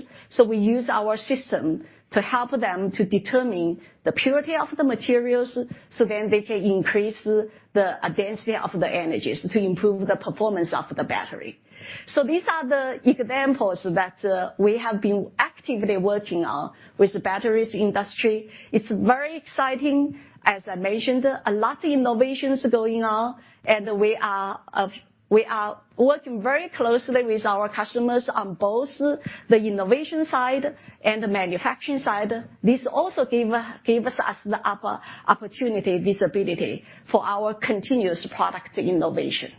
We use our system to help them determine the purity of the materials, so then they can increase the density of the energy to improve the performance of the battery. These are the examples that we have been actively working on with the battery industry. It's very exciting. As I mentioned, a lot of innovations going on and we are working very closely with our customers on both the innovation side and the manufacturing side. This also gives us the opportunity, visibility for our continuous product innovation.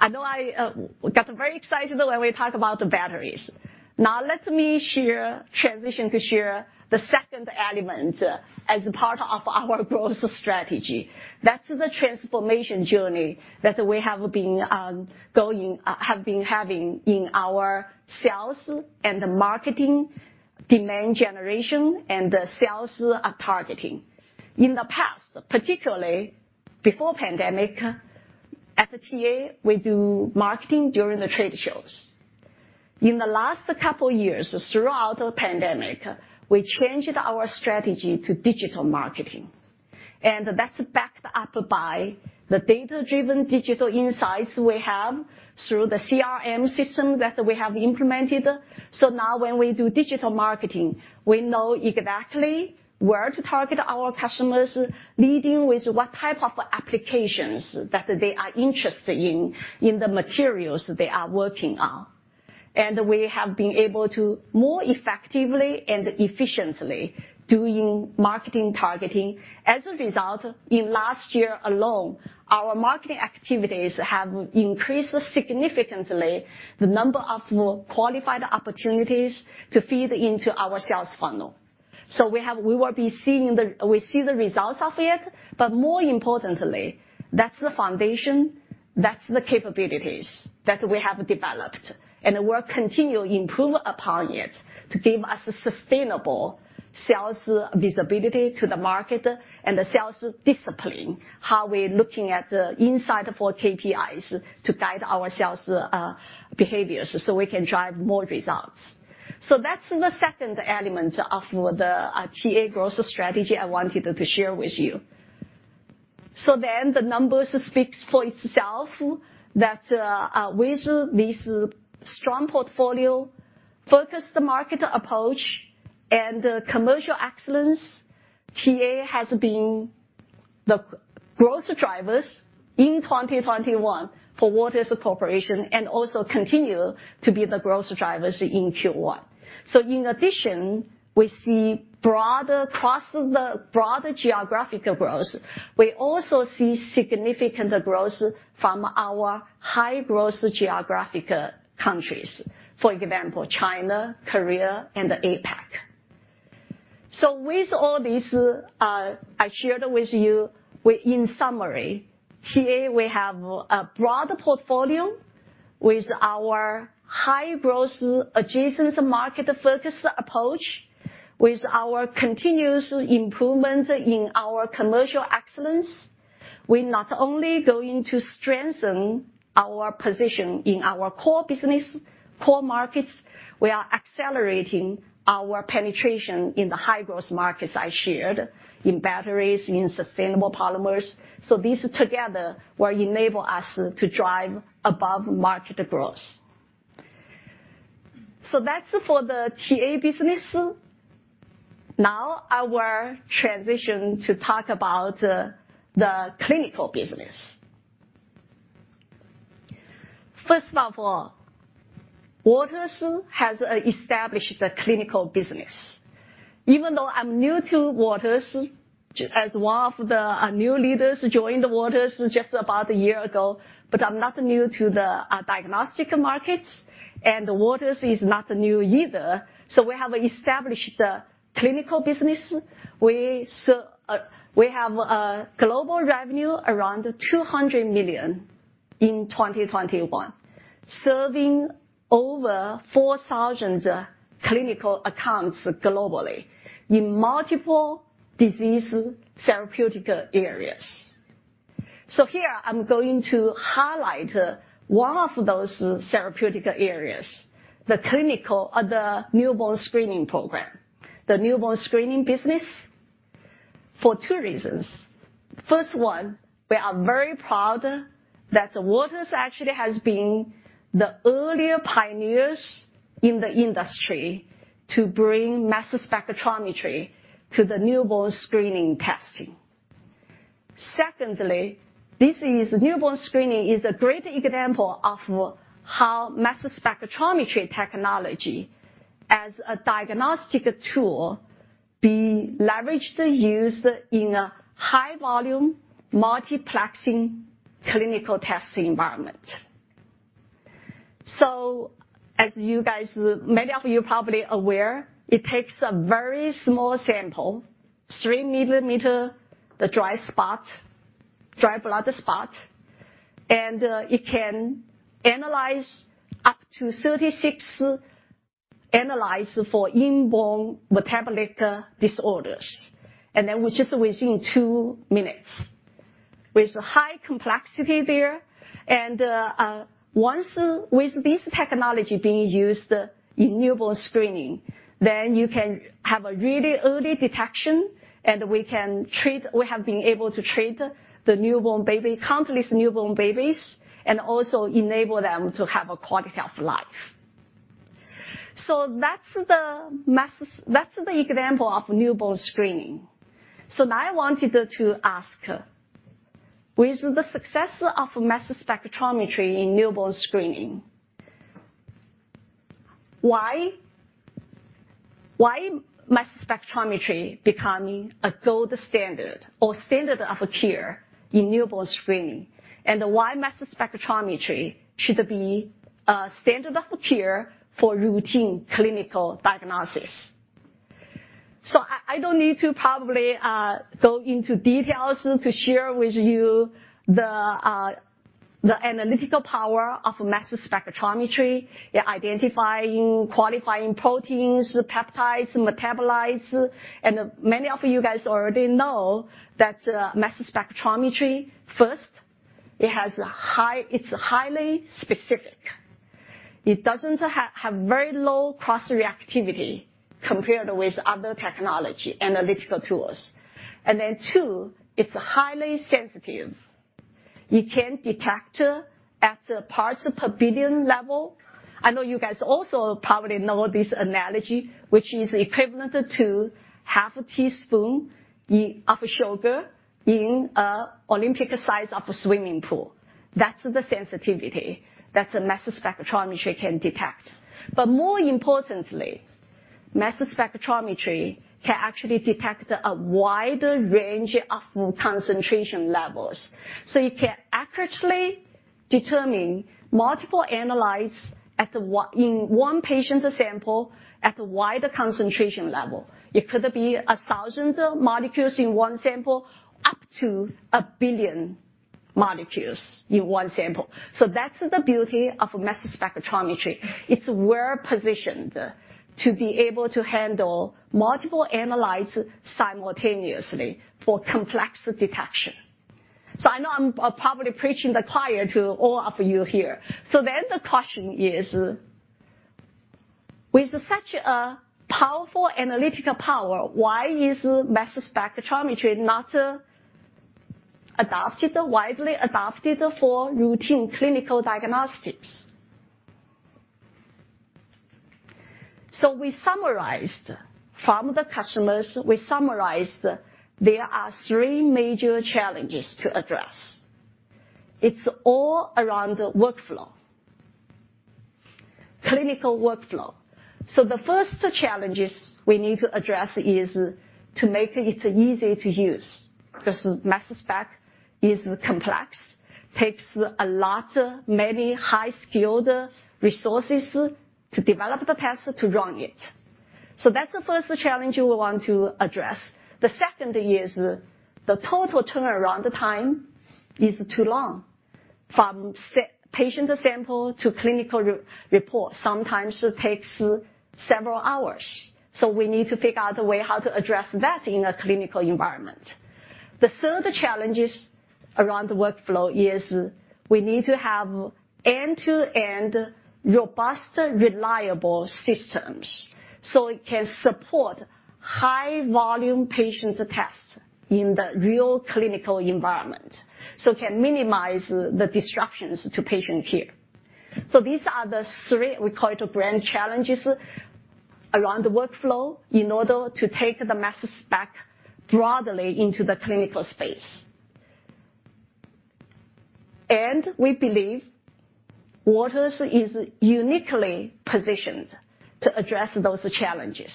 I know I got very excited when we talk about the battery. Now let me transition to share the second element as part of our growth strategy. That's the transformation journey that we have been having in our sales and marketing, demand generation and sales targeting. In the past, particularly before pandemic, at TA, we do marketing during the trade shows. In the last couple years, throughout the pandemic, we changed our strategy to digital marketing, and that's backed up by the data-driven digital insights we have through the CRM system that we have implemented. Now when we do digital marketing, we know exactly where to target our customers, leading with what type of applications that they are interested in the materials they are working on. We have been able to more effectively and efficiently doing marketing targeting. As a result, in last year alone, our marketing activities have increased significantly the number of qualified opportunities to feed into our sales funnel. We see the results of it, but more importantly, that's the foundation, that's the capabilities that we have developed, and we'll continue to improve upon it to give us sustainable sales visibility to the market and the sales discipline, how we're looking at the insight for KPIs to guide our sales behaviors, so we can drive more results. That's the second element of the TA growth strategy I wanted to share with you. The numbers speak for themselves, that with this strong portfolio, focused market approach, and commercial excellence, TA has been the growth drivers in 2021 for Waters Corporation, and also continue to be the growth drivers in Q1. In addition, we see broader geographical growth. We also see significant growth from our high-growth geographic countries, for example, China, Korea, and the APAC. With all this, I shared with you in summary, here we have a broad portfolio with our high-growth adjacent market-focused approach, with our continuous improvement in our commercial excellence. We're not only going to strengthen our position in our core business, core markets, we are accelerating our penetration in the high-growth markets I shared, in batteries, in sustainable polymers, so these together will enable us to drive above-market growth. That's for the TA business. Now I will transition to talk about the clinical business. First of all, Waters has established the clinical business. Even though I'm new to Waters, as one of the new leaders joined Waters just about a year ago, but I'm not new to the diagnostic markets, and Waters is not new either. We have established a clinical business. We have a global revenue around $200 million in 2021, serving over 4,000 clinical accounts globally in multiple disease therapeutic areas. Here I'm going to highlight one of those therapeutic areas, the clinical, the newborn screening program. The newborn screening business for two reasons. First one, we are very proud that Waters actually has been the early pioneers in the industry to bring mass spectrometry to the newborn screening testing. Secondly, newborn screening is a great example of how mass spectrometry technology as a diagnostic tool be leveraged, used in a high-volume, multiplexing clinical testing environment. As you guys, many of you are probably aware, it takes a very small sample, 3-millimeter dried blood spot, and it can analyze up to 36 analytes for inborn metabolite disorders. That was just within 2 minutes. With high complexity there, and once with this technology being used in newborn screening, then you can have a really early detection, and we have been able to treat the newborn baby, countless newborn babies, and also enable them to have a quality of life. That's the example of newborn screening. Now I wanted to ask, with the success of mass spectrometry in newborn screening, why mass spectrometry becoming a gold standard or standard of care in newborn screening? Why mass spectrometry should be a standard of care for routine clinical diagnosis? I don't need to probably go into details to share with you the analytical power of mass spectrometry, identifying, quantifying proteins, peptides, metabolites. Many of you guys already know that mass spectrometry, first, it's highly specific. It doesn't have very low cross-reactivity compared with other technology, analytical tools. Then two, it's highly sensitive. You can detect at parts per billion level. I know you guys also probably know this analogy, which is equivalent to half a teaspoon of sugar in an Olympic size of a swimming pool. That's the sensitivity that the mass spectrometry can detect. More importantly, mass spectrometry can actually detect a wider range of concentration levels. You can accurately determine multiple analytes in one patient sample at the wider concentration level. It could be 1,000 molecules in one sample, up to 1 billion molecules in one sample. That's the beauty of mass spectrometry. It's, we're positioned to be able to handle multiple analytes simultaneously for complex detection. I know I'm probably preaching to the choir to all of you here. The question is, with such a powerful analytical power, why is mass spectrometry not widely adopted for routine clinical diagnostics? We summarized from the customers there are three major challenges to address. It's all around the workflow, clinical workflow. The first challenges we need to address is to make it easy to use, 'cause mass spec is complex, takes a lot, many high-skilled resources to develop the test to run it. That's the first challenge we want to address. The second is the total turnaround time is too long. From patient sample to clinical report, sometimes it takes several hours. We need to figure out a way how to address that in a clinical environment. The third challenge is around the workflow. We need to have end-to-end, robust, reliable systems, so it can support high volume patient tests in the real clinical environment. It can minimize the disruptions to patient care. These are the three we call it grand challenges around the workflow in order to take the mass spec broadly into the clinical space. We believe Waters is uniquely positioned to address those challenges.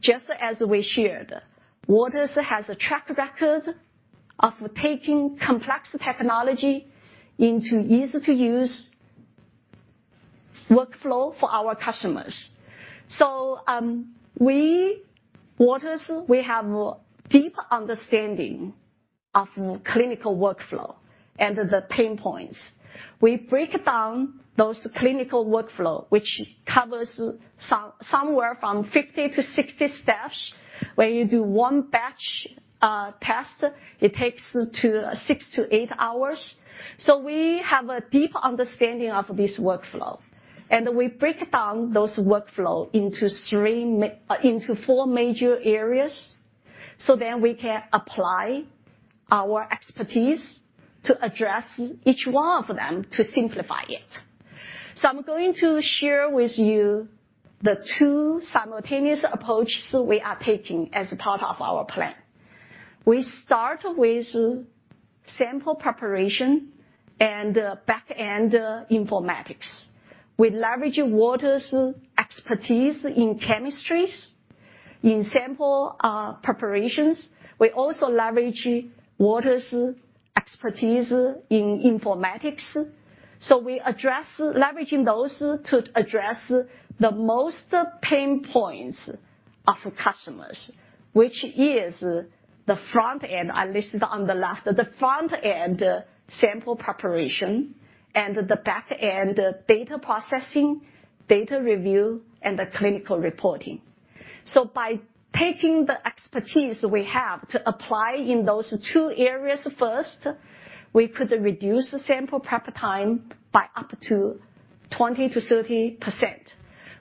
Just as we shared, Waters has a track record of taking complex technology into easy-to-use workflow for our customers. We, Waters, we have deep understanding of clinical workflow and the pain points. We break down those clinical workflow, which covers somewhere from 50 to 60 steps. When you do one batch test, it takes 6 to 8 hours. We have a deep understanding of this workflow. We break down those workflow into four major areas, so then we can apply our expertise to address each one of them to simplify it. I'm going to share with you the two simultaneous approaches we are taking as part of our plan. We start with sample preparation and backend informatics. We leverage Waters' expertise in chemistries, in sample preparations. We also leverage Waters' expertise in informatics. We address leveraging those to address the most pain points of customers, which is the front end I listed on the left. The front end sample preparation, and the backend data processing, data review, and the clinical reporting. By taking the expertise we have to apply in those two areas first, we could reduce the sample prep time by up to 20%-30%.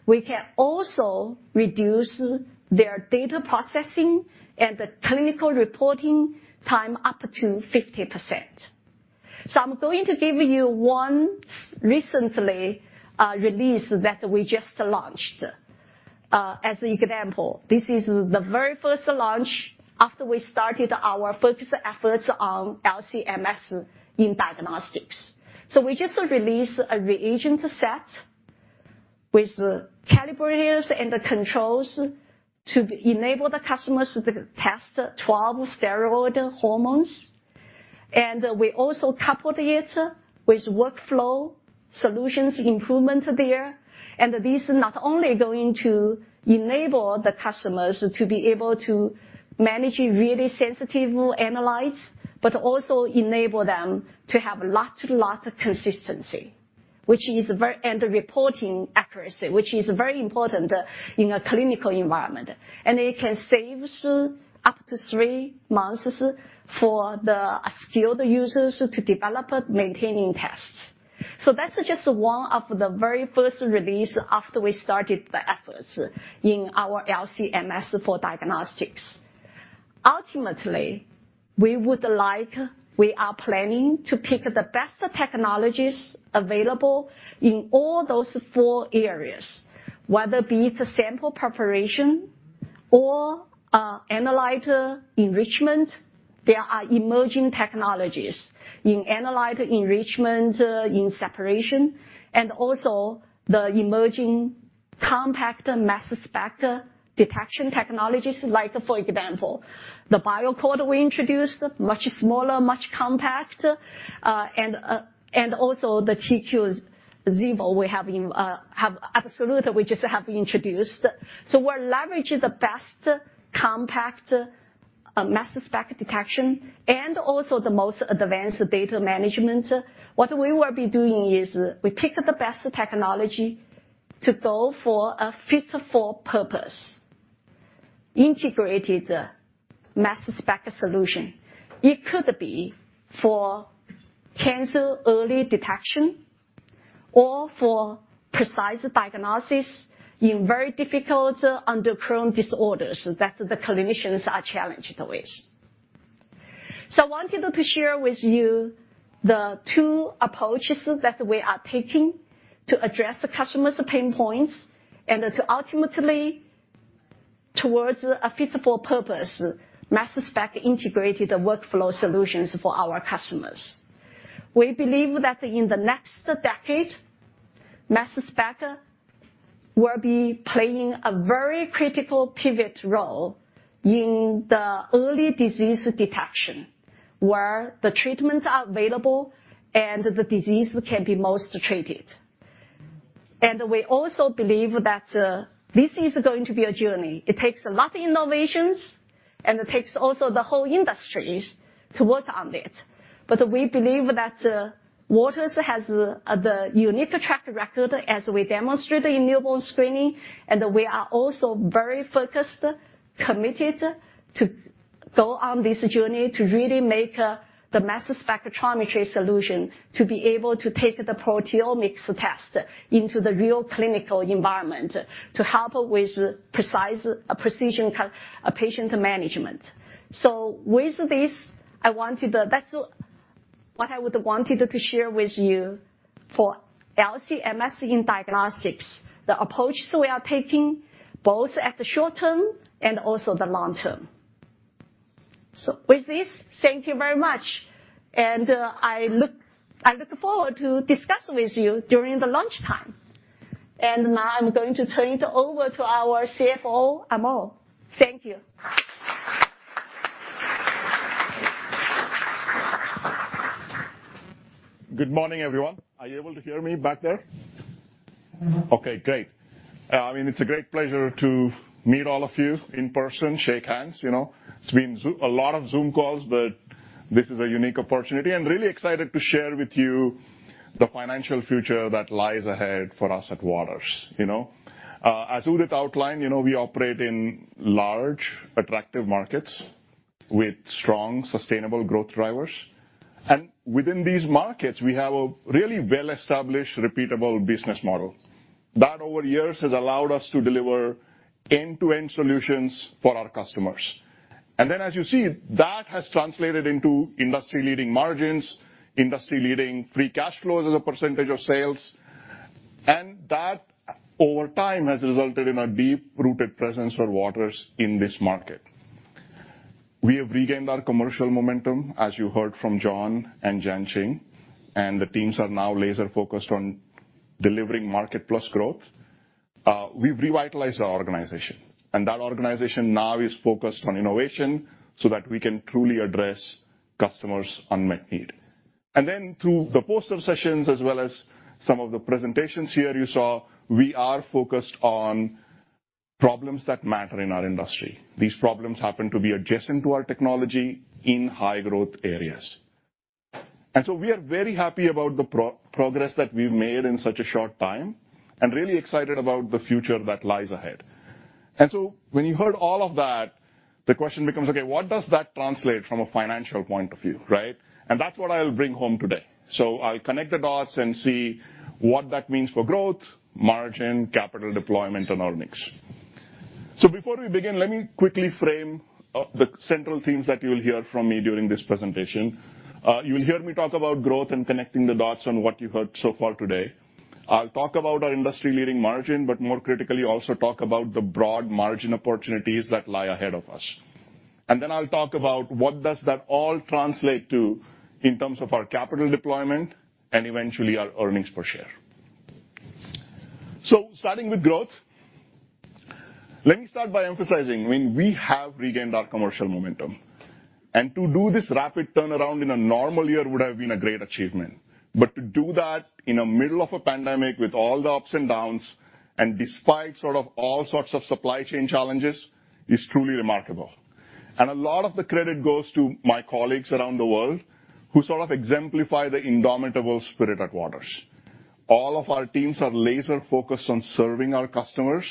We can also reduce their data processing and the clinical reporting time up to 50%. I'm going to give you one recent release that we just launched as an example. This is the very first launch after we started our focus efforts on LC-MS in diagnostics. We just released a reagent set with calibrators and the controls to enable the customers to test 12 steroid hormones. We also coupled it with workflow solutions improvement there. This is not only going to enable the customers to be able to manage really sensitive analytes, but also enable them to have lot-to-lot consistency, which is very important, and reporting accuracy, which is very important in a clinical environment. It can save up to 3 months for the skilled users to develop and maintain tests. That's just one of the very first releases after we started the efforts in our LC-MS for diagnostics. Ultimately, we are planning to pick the best technologies available in all those four areas, whether it be sample preparation or analyte enrichment. There are emerging technologies in analyte enrichment, in separation, and also the emerging compact mass spec detection technologies like, for example, the BioAccord we introduced, much smaller, much compact. And also the Xevo TQ Absolute we have introduced. We're leveraging the best compact mass spec detection and also the most advanced data management. What we will be doing is we pick the best technology to go for a fit-for-purpose integrated mass spec solution. It could be for cancer early detection or for precise diagnosis in very difficult chromosomal disorders that the clinicians are challenged with. I wanted to share with you the two approaches that we are taking to address the customers' pain points and to ultimately towards a fit-for-purpose mass spec integrated workflow solutions for our customers. We believe that in the next decade, mass spec will be playing a very critical pivotal role in the early disease detection, where the treatments are available and the disease can be most treated. We also believe that this is going to be a journey. It takes a lot of innovations, and it takes also the whole industries to work on it. We believe that Waters has the unique track record as we demonstrated in newborn screening, and we are also very focused, committed to go on this journey to really make the mass spectrometry solution to be able to take the proteomics test into the real clinical environment to help with precision patient management. With this, that's what I would want to share with you for LC-MS in diagnostics, the approach we are taking both at the short term and also the long term. With this, thank you very much, and I look forward to discuss with you during the lunchtime. Now I'm going to turn it over to our CFO, Amol. Thank you.
Good morning, everyone. Are you able to hear me back there? Okay, great. I mean, it's a great pleasure to meet all of you in person, shake hands, you know? It's been a lot of Zoom calls, but this is a unique opportunity, and really excited to share with you the financial future that lies ahead for us at Waters, you know? As Udit outlined, you know, we operate in large, attractive markets with strong, sustainable growth drivers. Within these markets, we have a really well-established, repeatable business model. That over years has allowed us to deliver end-to-end solutions for our customers. Then as you see, that has translated into industry-leading margins, industry-leading free cash flows as a percentage of sales. That over time has resulted in a deep-rooted presence for Waters in this market. We have regained our commercial momentum, as you heard from John and Jianqing, and the teams are now laser-focused on delivering market plus growth. We've revitalized our organization, and that organization now is focused on innovation so that we can truly address customers' unmet need. Through the poster sessions as well as some of the presentations here you saw, we are focused on problems that matter in our industry. These problems happen to be adjacent to our technology in high-growth areas. We are very happy about the progress that we've made in such a short time, and really excited about the future that lies ahead. When you heard all of that, the question becomes, okay, what does that translate from a financial point of view, right? That's what I'll bring home today. I'll connect the dots and see what that means for growth, margin, capital deployment, and earnings. Before we begin, let me quickly frame the central themes that you'll hear from me during this presentation. You'll hear me talk about growth and connecting the dots on what you've heard so far today. I'll talk about our industry-leading margin, but more critically, also talk about the broad margin opportunities that lie ahead of us. Then I'll talk about what does that all translate to in terms of our capital deployment and eventually our earnings per share. Starting with growth, let me start by emphasizing, I mean, we have regained our commercial momentum. To do this rapid turnaround in a normal year would have been a great achievement. To do that in a middle of a pandemic with all the ups and downs, and despite sort of all sorts of supply chain challenges, is truly remarkable. A lot of the credit goes to my colleagues around the world who sort of exemplify the indomitable spirit at Waters. All of our teams are laser-focused on serving our customers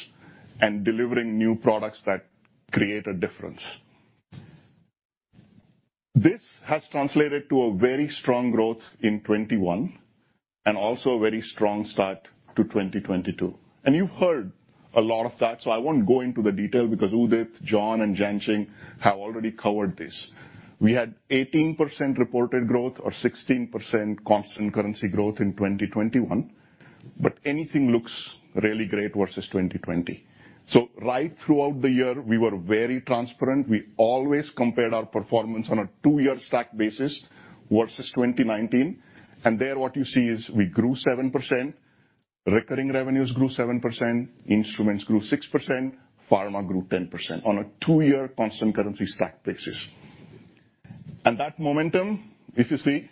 and delivering new products that create a difference. This has translated to a very strong growth in 2021, and also a very strong start to 2022. You've heard a lot of that, so I won't go into the detail because Udit, John, and Jianqing have already covered this. We had 18% reported growth or 16% constant currency growth in 2021, but anything looks really great versus 2020. So right throughout the year, we were very transparent. We always compared our performance on a 2-year stack basis versus 2019. There, what you see is we grew 7%, recurring revenues grew 7%, instruments grew 6%, pharma grew 10% on a 2-year constant currency stack basis. That momentum, if you see,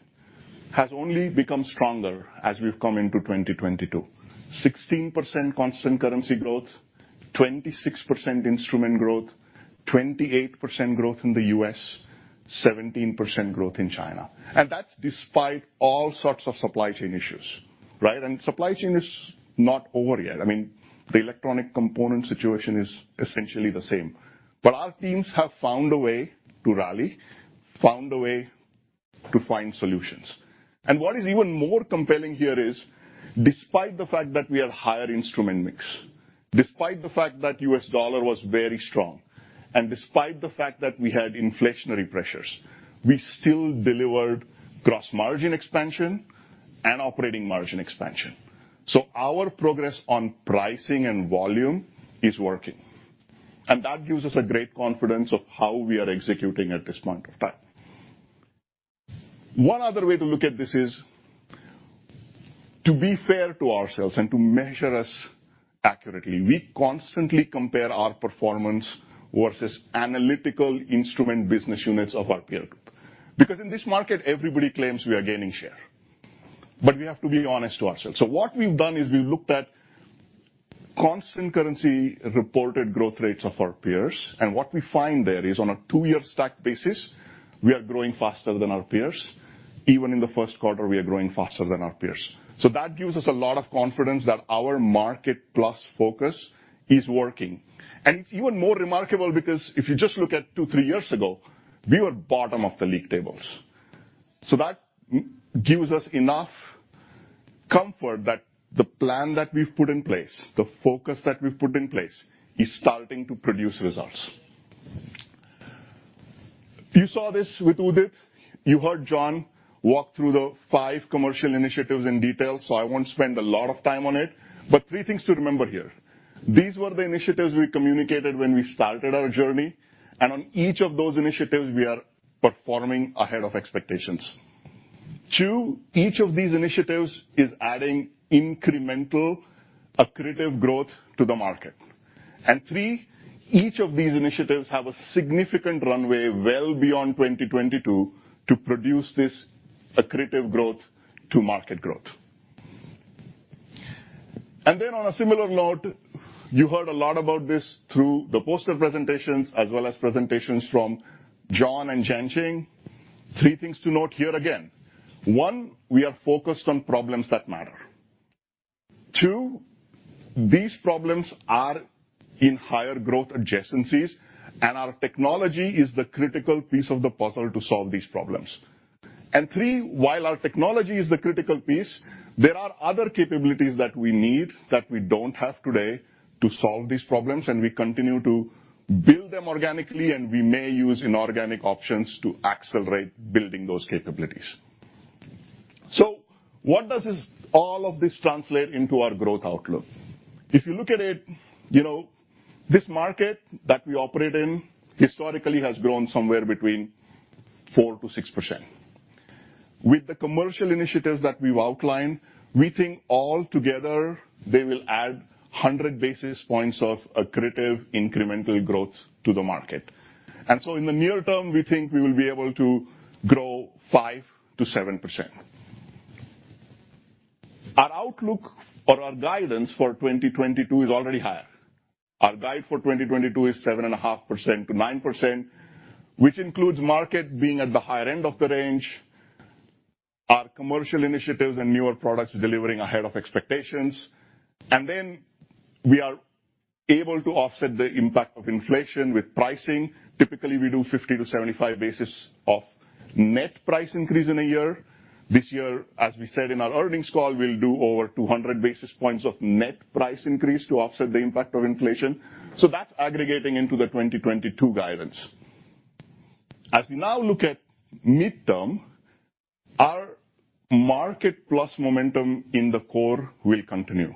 has only become stronger as we've come into 2022. 16% constant currency growth, 26% instrument growth, 28% growth in the U.S., 17% growth in China. That's despite all sorts of supply chain issues, right? Supply chain is not over yet. I mean, the electronic component situation is essentially the same. Our teams have found a way to rally, found a way to find solutions. What is even more compelling here is despite the fact that we have higher instrument mix, despite the fact that U.S. dollar was very strong, and despite the fact that we had inflationary pressures, we still delivered gross margin expansion and operating margin expansion. Our progress on pricing and volume is working, and that gives us a great confidence of how we are executing at this point of time. One other way to look at this is to be fair to ourselves and to measure us accurately. We constantly compare our performance versus analytical instrument business units of our peer group. Because in this market, everybody claims we are gaining share, but we have to be honest to ourselves. What we've done is we looked at constant currency reported growth rates of our peers, and what we find there is on a two-year stack basis, we are growing faster than our peers. Even in the first quarter, we are growing faster than our peers. That gives us a lot of confidence that our market plus focus is working. It's even more remarkable because if you just look at two, three years ago, we were bottom of the league tables. That gives us enough comfort that the plan that we've put in place, the focus that we've put in place, is starting to produce results. You saw this with Udit. You heard John walk through the five commercial initiatives in detail, so I won't spend a lot of time on it, but three things to remember here. These were the initiatives we communicated when we started our journey, and on each of those initiatives, we are performing ahead of expectations. Two, each of these initiatives is adding incremental accretive growth to the market. Three, each of these initiatives have a significant runway well beyond 2022 to produce this accretive growth to market growth. On a similar note, you heard a lot about this through the poster presentations as well as presentations from John and Jianqing. Three things to note here again. One, we are focused on problems that matter. Two, these problems are in higher growth adjacencies, and our technology is the critical piece of the puzzle to solve these problems. Three, while our technology is the critical piece, there are other capabilities that we need that we don't have today to solve these problems, and we continue to build them organically, and we may use inorganic options to accelerate building those capabilities. What does this, all of this translate into our growth outlook? If you look at it, you know, this market that we operate in historically has grown somewhere between 4%-6%. With the commercial initiatives that we've outlined, we think all together, they will add 100 basis points of accretive incremental growth to the market. In the near term, we think we will be able to grow 5%-7%. Our outlook or our guidance for 2022 is already higher. Our guide for 2022 is 7.5%-9%, which includes market being at the higher end of the range, our commercial initiatives and newer products delivering ahead of expectations, and then we are able to offset the impact of inflation with pricing. Typically, we do 50-75 basis points of net price increase in a year. This year, as we said in our earnings call, we'll do over 200 basis points of net price increase to offset the impact of inflation. That's aggregating into the 2022 guidance. As we now look at midterm, our market plus momentum in the core will continue.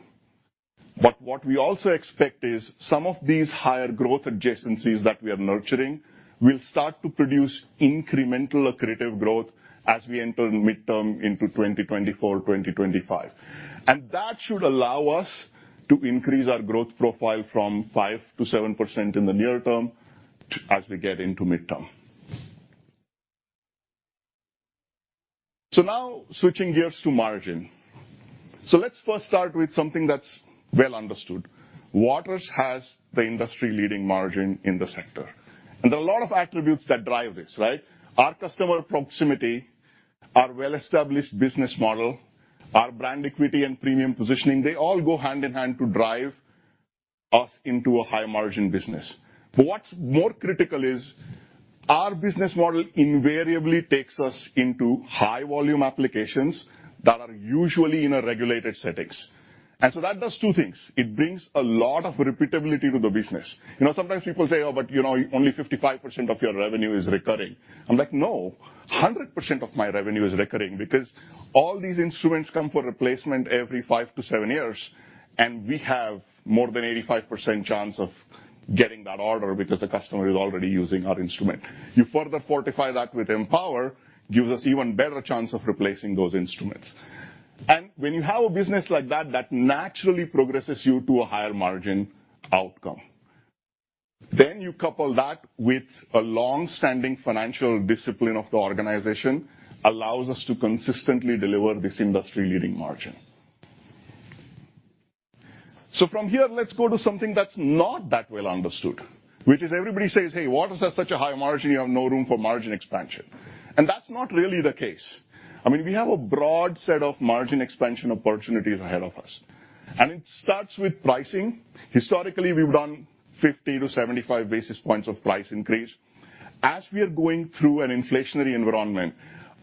What we also expect is some of these higher growth adjacencies that we are nurturing will start to produce incremental accretive growth as we enter midterm into 2024, 2025. That should allow us to increase our growth profile from 5%-7% in the near term as we get into midterm. Now switching gears to margin. Let's first start with something that's well understood. Waters has the industry-leading margin in the sector, and there are a lot of attributes that drive this, right? Our customer proximity, our well-established business model, our brand equity and premium positioning, they all go hand in hand to drive us into a high-margin business. What's more critical is our business model invariably takes us into high-volume applications that are usually in a regulated settings. That does two things. It brings a lot of repeatability to the business. You know, sometimes people say, "Oh, but, you know, only 55% of your revenue is recurring." I'm like, "No, 100% of my revenue is recurring," because all these instruments come for replacement every 5-7 years, and we have more than 85% chance of getting that order because the customer is already using our instrument. You further fortify that with Empower, gives us even better chance of replacing those instruments. When you have a business like that naturally progresses you to a higher margin outcome. You couple that with a long-standing financial discipline of the organization, allows us to consistently deliver this industry-leading margin. From here let's go to something that's not that well understood, which is everybody says, "Hey, Waters has such a high margin, you have no room for margin expansion." And that's not really the case. I mean, we have a broad set of margin expansion opportunities ahead of us, and it starts with pricing. Historically, we've done 50-75 basis points of price increase. As we are going through an inflationary environment,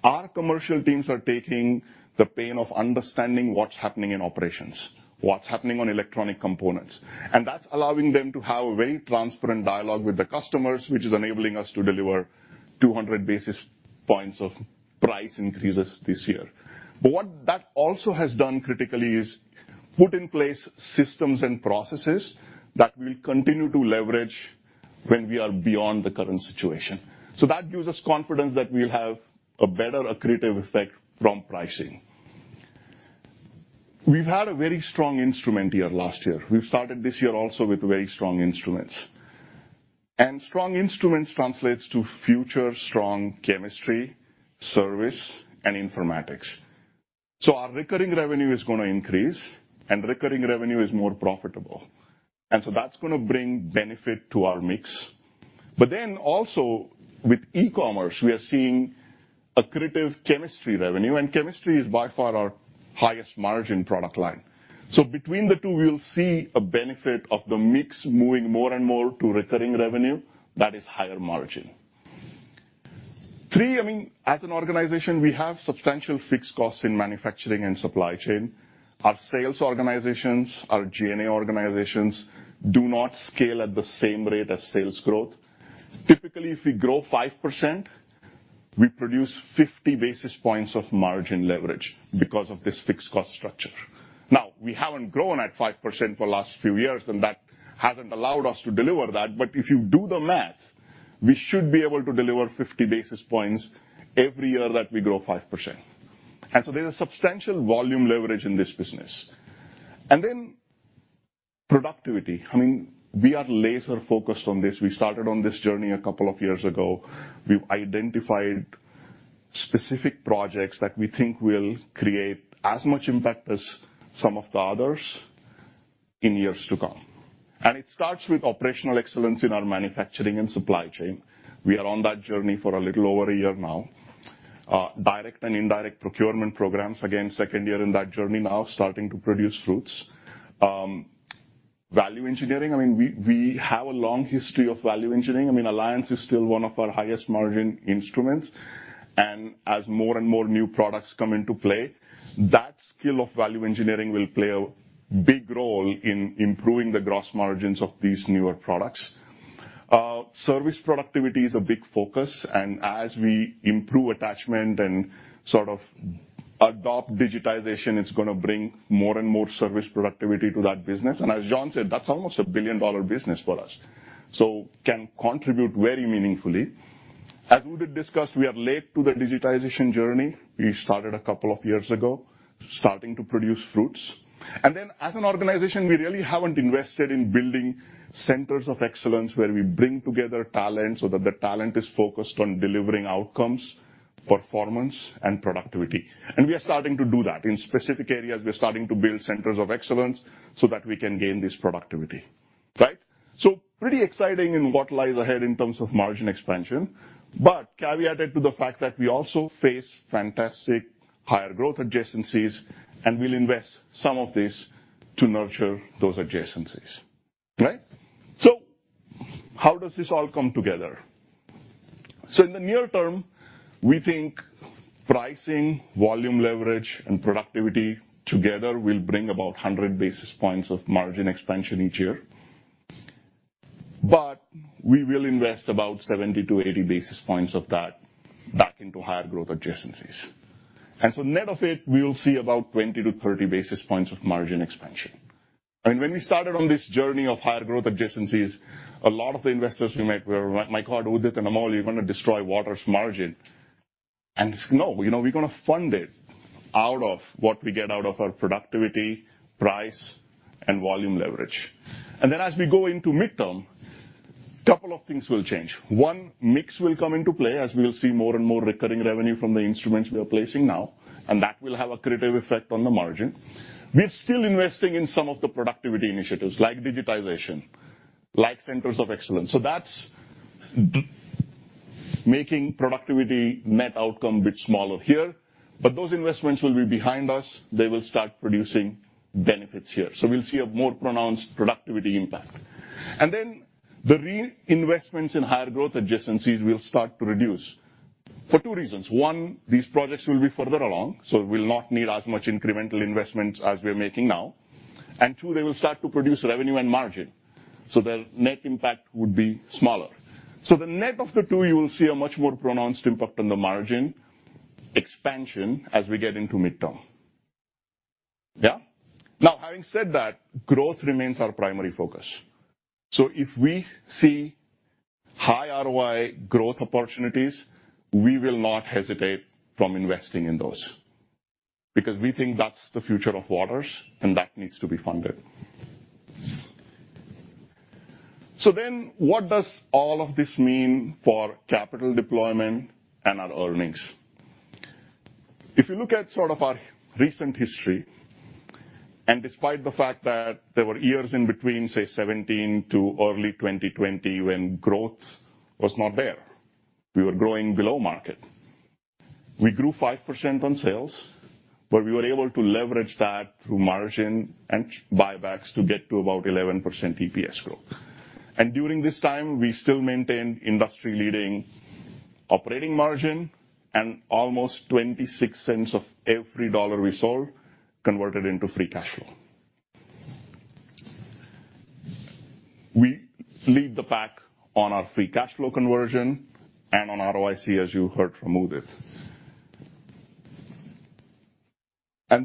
our commercial teams are taking the pain of understanding what's happening in operations, what's happening on electronic components, and that's allowing them to have a very transparent dialogue with the customers, which is enabling us to deliver 200 basis points of price increases this year. What that also has done critically is put in place systems and processes that we'll continue to leverage when we are beyond the current situation. That gives us confidence that we'll have a better accretive effect from pricing. We've had a very strong instrument year last year. We've started this year also with very strong instruments. Strong instruments translates to future strong chemistry, service, and informatics. Our recurring revenue is gonna increase, and recurring revenue is more profitable. That's gonna bring benefit to our mix. Also with e-commerce, we are seeing accretive chemistry revenue, and chemistry is by far our highest margin product line. Between the two, we'll see a benefit of the mix moving more and more to recurring revenue that is higher margin. Three, I mean, as an organization, we have substantial fixed costs in manufacturing and supply chain. Our sales organizations, our G&A organizations do not scale at the same rate as sales growth. Typically, if we grow 5%, we produce 50 basis points of margin leverage because of this fixed cost structure. Now, we haven't grown at 5% for the last few years, and that hasn't allowed us to deliver that. If you do the math, we should be able to deliver 50 basis points every year that we grow 5%. There's a substantial volume leverage in this business. Then productivity. I mean, we are laser-focused on this. We started on this journey a couple of years ago. We've identified specific projects that we think will create as much impact as some of the others in years to come. It starts with operational excellence in our manufacturing and supply chain. We are on that journey for a little over a year now. Direct and indirect procurement programs, again, second year in that journey now starting to bear fruit. Value engineering, I mean, we have a long history of value engineering. I mean, Alliance is still one of our highest margin instruments. As more and more new products come into play, that skill of value engineering will play a big role in improving the gross margins of these newer products. Service productivity is a big focus. As we improve attachment and sort of adopt digitization, it's gonna bring more and more service productivity to that business. As John said, that's almost a billion-dollar business for us. Can contribute very meaningfully. As we did discuss, we are late to the digitization journey. We started a couple of years ago, starting to produce fruits. Then as an organization, we really haven't invested in building centers of excellence where we bring together talent so that the talent is focused on delivering outcomes, performance and productivity. We are starting to do that. In specific areas, we're starting to build centers of excellence so that we can gain this productivity. Right? Pretty exciting in what lies ahead in terms of margin expansion, but caveated to the fact that we also face fantastic higher growth adjacencies, and we'll invest some of this to nurture those adjacencies. Right? How does this all come together? In the near term, we think pricing, volume leverage, and productivity together will bring about 100 basis points of margin expansion each year. We will invest about 70-80 basis points of that back into higher growth adjacencies. Net of it, we'll see about 20-30 basis points of margin expansion. I mean, when we started on this journey of higher growth adjacencies, a lot of the investors we met were, "Mike, Udit, and Amol, you're gonna destroy Waters margin." No, you know, we're gonna fund it out of what we get out of our productivity, price, and volume leverage. As we go into mid-term, a couple of things will change. One, mix will come into play as we will see more and more recurring revenue from the instruments we are placing now, and that will have accretive effect on the margin. We're still investing in some of the productivity initiatives like digitization, like centers of excellence. That's making productivity net outcome bit smaller here, but those investments will be behind us. They will start producing benefits here. We'll see a more pronounced productivity impact. Then the reinvestments in higher growth adjacencies will start to reduce for two reasons. One, these projects will be further along, so we'll not need as much incremental investments as we're making now. And two, they will start to produce revenue and margin, so the net impact would be smaller. The net of the two, you will see a much more pronounced impact on the margin expansion as we get into midterm. Yeah. Now, having said that, growth remains our primary focus. If we see high ROI growth opportunities, we will not hesitate from investing in those because we think that's the future of Waters, and that needs to be funded. What does all of this mean for capital deployment and our earnings? If you look at sort of our recent history, and despite the fact that there were years in between, say 2017 to early 2020 when growth was not there, we were growing below market. We grew 5% on sales, but we were able to leverage that through margin and buybacks to get to about 11% EPS growth. During this time, we still maintained industry-leading operating margin and almost 26 cents of every $1 we sold converted into free cash flow. We lead the pack on our free cash flow conversion and on ROIC, as you heard from Udit.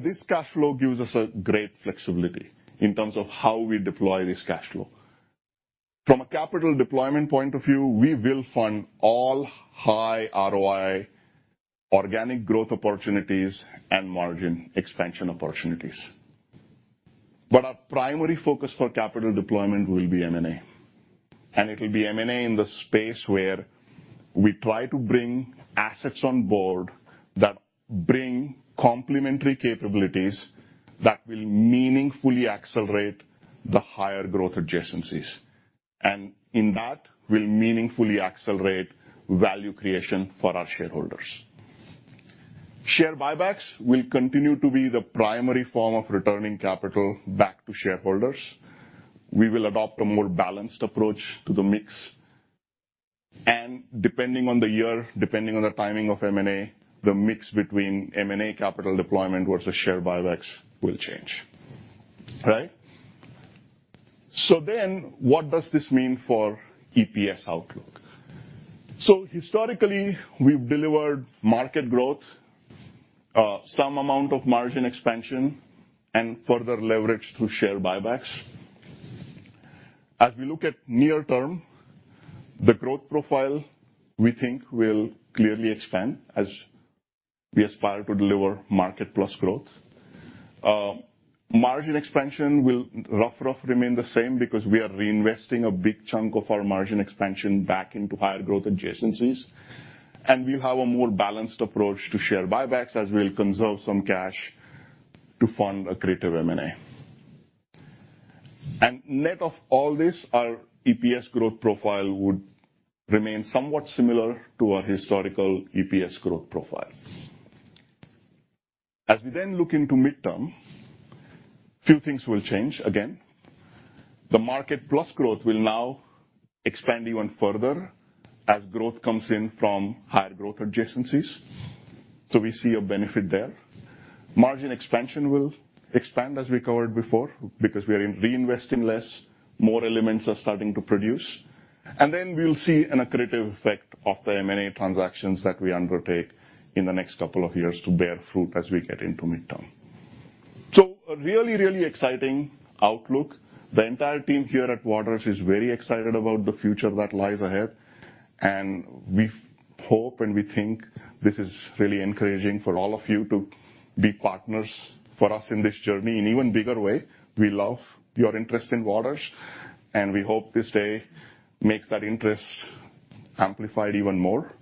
This cash flow gives us a great flexibility in terms of how we deploy this cash flow. From a capital deployment point of view, we will fund all high ROI organic growth opportunities and margin expansion opportunities. Our primary focus for capital deployment will be M&A, and it'll be M&A in the space where we try to bring assets on board that bring complementary capabilities that will meaningfully accelerate the higher growth adjacencies, and in that will meaningfully accelerate value creation for our shareholders. Share buybacks will continue to be the primary form of returning capital back to shareholders. We will adopt a more balanced approach to the mix. Depending on the year, depending on the timing of M&A, the mix between M&A capital deployment versus share buybacks will change. Right? What does this mean for EPS outlook? Historically, we've delivered market growth, some amount of margin expansion and further leverage through share buybacks. As we look at near term, the growth profile we think will clearly expand as we aspire to deliver market plus growth. Margin expansion will roughly remain the same because we are reinvesting a big chunk of our margin expansion back into higher growth adjacencies. We have a more balanced approach to share buybacks as we'll conserve some cash to fund accretive M&A. Net of all this, our EPS growth profile would remain somewhat similar to our historical EPS growth profile. As we then look into midterm, few things will change again. The market plus growth will now expand even further as growth comes in from higher growth adjacencies. We see a benefit there. Margin expansion will expand as we covered before because we are reinvesting less, more elements are starting to produce. We'll see an accretive effect of the M&A transactions that we undertake in the next couple of years to bear fruit as we get into midterm. A really, really exciting outlook. The entire team here at Waters is very excited about the future that lies ahead, and we hope and we think this is really encouraging for all of you to be partners for us in this journey in even bigger way. We love your interest in Waters, and we hope this day makes that interest amplified even more.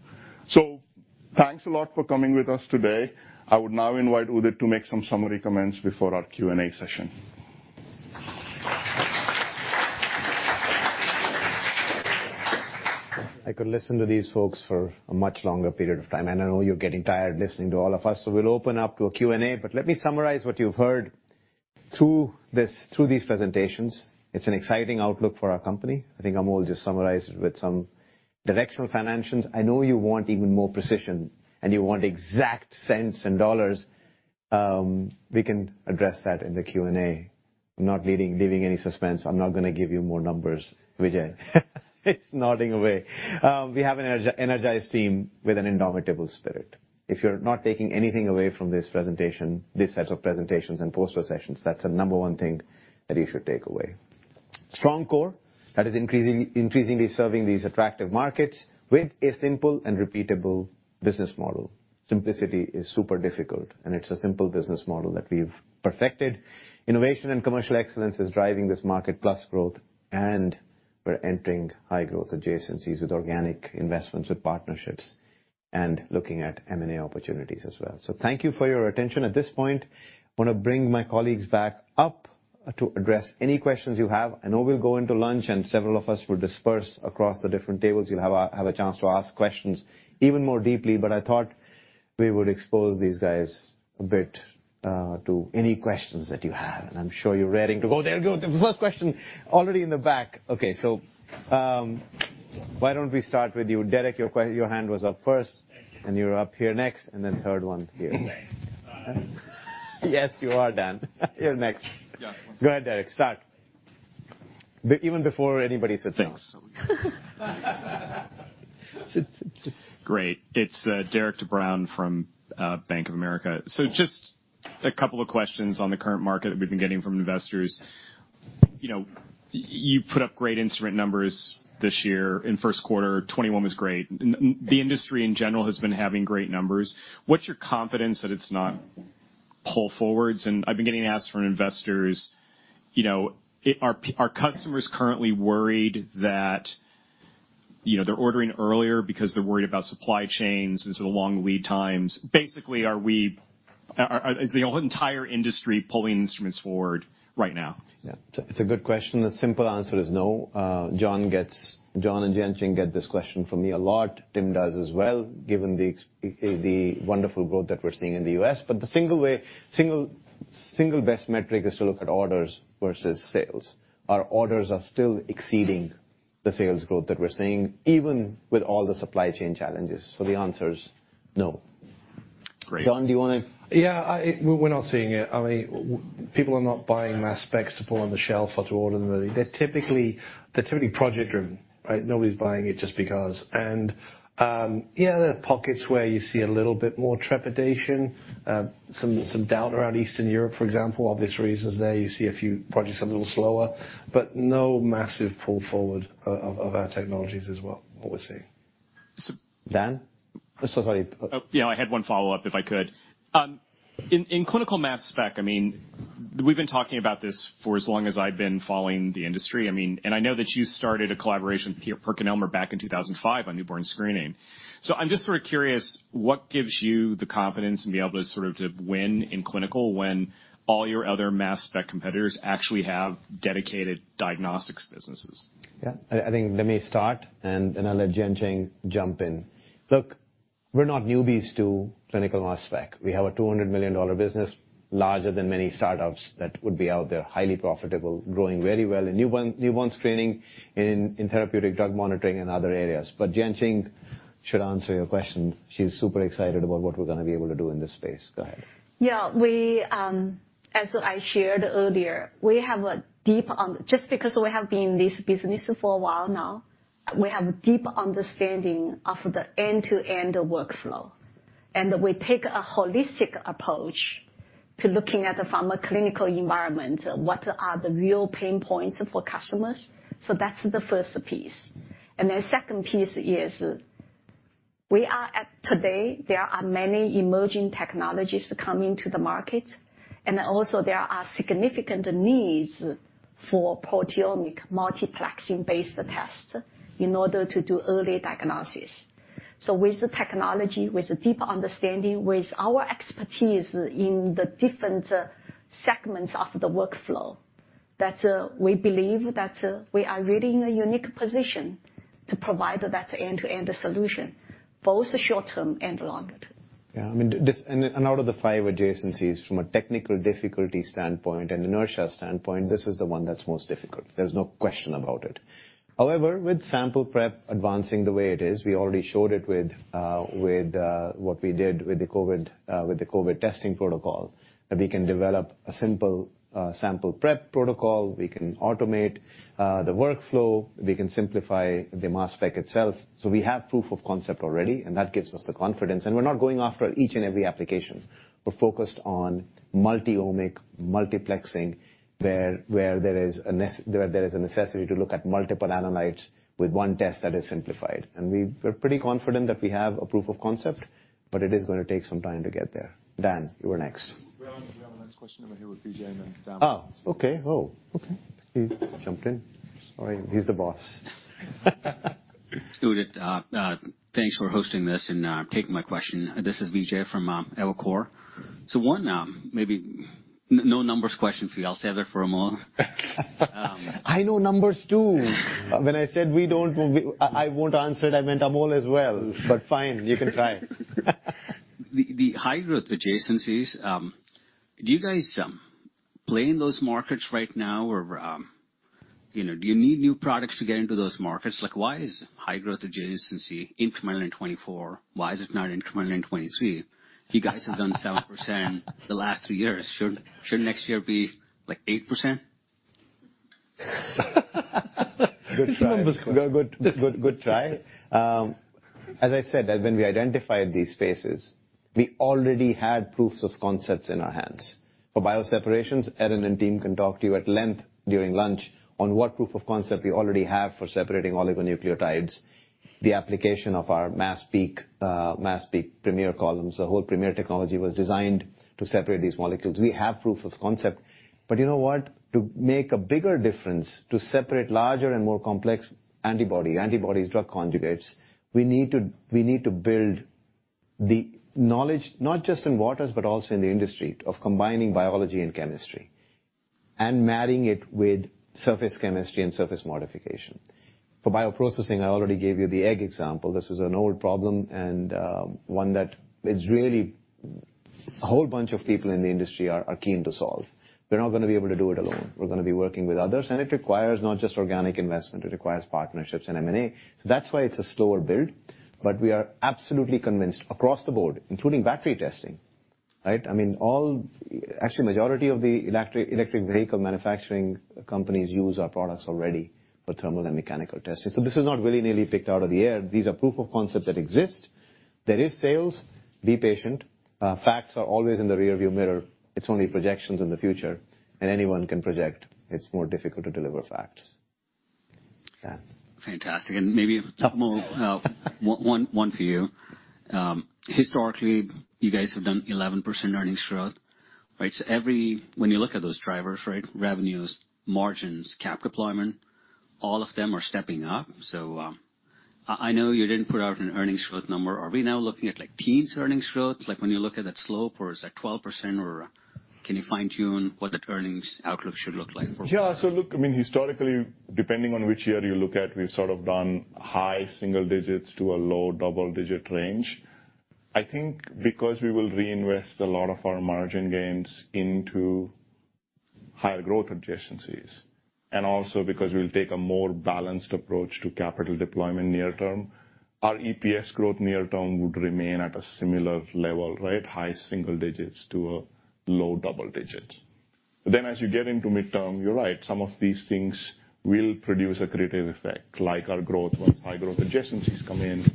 Thanks a lot for coming with us today. I would now invite Udit to make some summary comments before our Q&A session.
I could listen to these folks for a much longer period of time, and I know you're getting tired listening to all of us, so we'll open up to a Q&A. Let me summarize what you've heard through this, through these presentations. It's an exciting outlook for our company. I think Amol just summarized it with some directional financials. I know you want even more precision, and you want exact cents and dollars. We can address that in the Q&A. I'm not leaving any suspense. I'm not gonna give you more numbers. Vijay is nodding away. We have an energized team with an indomitable spirit. If you're not taking anything away from this presentation, this set of presentations and poster sessions, that's the number one thing that you should take away. Strong core that is increasingly serving these attractive markets with a simple and repeatable business model. Simplicity is super difficult, and it's a simple business model that we've perfected. Innovation and commercial excellence is driving this market plus growth, and we're entering high growth adjacencies with organic investments, with partnerships and looking at M&A opportunities as well. Thank you for your attention. At this point, wanna bring my colleagues back up to address any questions you have. I know we'll go into lunch, and several of us will disperse across the different tables. You'll have a chance to ask questions even more deeply. I thought we would expose these guys a bit, to any questions that you have. I'm sure you're raring to go. There we go. The first question already in the back. Okay. Why don't we start with you, Derek? Your hand was up first, and you're up here next, and then third one here.
Thanks. All right.
Yes, you are, Dan. You're next Go ahead, Derek. Start. Even before anybody sits down.
Thanks.
Great. It's Derek Brown from Bank of America. Just a couple of questions on the current market that we've been getting from investors. You know, you put up great instrument numbers this year in first quarter. 2021 was great. The industry in general has been having great numbers. What's your confidence that it's not pull forwards? And I've been getting asked from investors, you know, are customers currently worried that, you know, they're ordering earlier because they're worried about supply chains and sort of long lead times. Basically, is the entire industry pulling instruments forward right now?
Yeah. It's a good question. The simple answer is no. John and Jianqing get this question from me a lot. Tim does as well, given the wonderful growth that we're seeing in the US. The single best metric is to look at orders versus sales. Our orders are still exceeding the sales growth that we're seeing, even with all the supply chain challenges. The answer is no.
Great.
John, do you wanna
Yeah. We're not seeing it. I mean, people are not buying mass specs to put on the shelf or to order them. They're typically project driven, right? Nobody's buying it just because. Yeah, there are pockets where you see a little bit more trepidation, some doubt around Eastern Europe, for example. Obvious reasons there. You see a few projects a little slower, but no massive pull forward of our technologies as well, what we're seeing.
Dan? Sorry.
Oh, yeah, I had one follow-up, if I could. In clinical mass spec, I mean, we've been talking about this for as long as I've been following the industry. I mean, I know that you started a collaboration with PerkinElmer back in 2005 on newborn screening. I'm just sort of curious, what gives you the confidence and be able to sort of to win in clinical when all your other mass spec competitors actually have dedicated diagnostics businesses?
Yeah. I think let me start, and then I'll let Jianqing jump in. Look, we're not newbies to clinical mass spec. We have a $200 million business, larger than many startups that would be out there, highly profitable, growing very well in newborn screening, in therapeutic drug monitoring and other areas. Jianqing should answer your question. She's super excited about what we're gonna be able to do in this space. Go ahead.
Yeah. We, as I shared earlier, just because we have been in this business for a while now, we have deep understanding of the end-to-end workflow, and we take a holistic approach to looking at the pharma clinical environment, what are the real pain points for customers. That's the first piece. The second piece is today, there are many emerging technologies coming to the market, and also there are significant needs for proteomic multiplexing-based tests in order to do early diagnosis. With the technology, with deeper understanding, with our expertise in the different segments of the workflow, that we believe that we are really in a unique position to provide that end-to-end solution, both short-term and longer-term.
Yeah. I mean, this, out of the five adjacencies, from a technical difficulty standpoint and inertia standpoint, this is the one that's most difficult. There's no question about it. However, with sample prep advancing the way it is, we already showed it with what we did with the COVID testing protocol, that we can develop a simple sample prep protocol. We can automate the workflow. We can simplify the mass spec itself. So we have proof of concept already, and that gives us the confidence. We're not going after each and every application. We're focused on multi-omic multiplexing, where there is a necessity to look at multiple analytes with one test that is simplified. We're pretty confident that we have a proof of concept, but it is gonna take some time to get there. Dan, you were next.
We have our next question over here with Vijay and then Dan.
Oh, okay. He jumped in. Sorry, he's the boss.
It's good. Thanks for hosting this and taking my question. This is Vijay from Evercore ISI. One, maybe no numbers question for you. I'll save that for Amol.
I know numbers too. When I said we don't, I won't answer it, I meant Amol as well. Fine, you can try.
The high growth adjacencies, do you guys play in those markets right now? Or, you know, do you need new products to get into those markets? Like why is high growth adjacency incremental in 2024? Why is it not incremental in 2023? You guys have done 7% the last three years. Should next year be, like, 8%?
Good try.
Numbers-
Good try. As I said, when we identified these spaces, we already had proofs of concepts in our hands. For bio separations, Erin and team can talk to you at length during lunch on what proof of concept we already have for separating oligonucleotides. The application of our MaxPeak Premier columns, the whole Premier technology was designed to separate these molecules. We have proof of concept. But you know what? To make a bigger difference, to separate larger and more complex antibodies drug conjugates, we need to build the knowledge, not just in Waters but also in the industry, of combining biology and chemistry and marrying it with surface chemistry and surface modification. For bioprocessing, I already gave you the egg example. This is an old problem and one that is really a whole bunch of people in the industry are keen to solve. We're not gonna be able to do it alone. We're gonna be working with others. It requires not just organic investment, it requires partnerships and M&A. That's why it's a slower build, but we are absolutely convinced across the board, including battery testing, right? I mean, all. Actually, majority of the electric vehicle manufacturing companies use our products already for thermal and mechanical testing. So this is not really nearly picked out of the air. These are proof of concept that exist. There is sales. Be patient. Facts are always in the rearview mirror. It's only projections in the future, and anyone can project. It's more difficult to deliver facts. Dan.
Fantastic. Maybe a couple more, one for you. Historically, you guys have done 11% earnings growth, right? When you look at those drivers, right, revenues, margins, cap deployment, all of them are stepping up. I know you didn't put out an earnings growth number. Are we now looking at, like, teens earnings growth, like when you look at that slope, or is that 12%, or can you fine-tune what that earnings outlook should look like for-
Yeah. Look, I mean, historically, depending on which year you look at, we've sort of done high single digits to a low double-digit range. I think because we will reinvest a lot of our margin gains into higher growth adjacencies, and also because we'll take a more balanced approach to capital deployment near term, our EPS growth near term would remain at a similar level, right? High single digits to low double digits. As you get into mid-term, you're right, some of these things will produce a creative effect, like our growth when high growth adjacencies come in,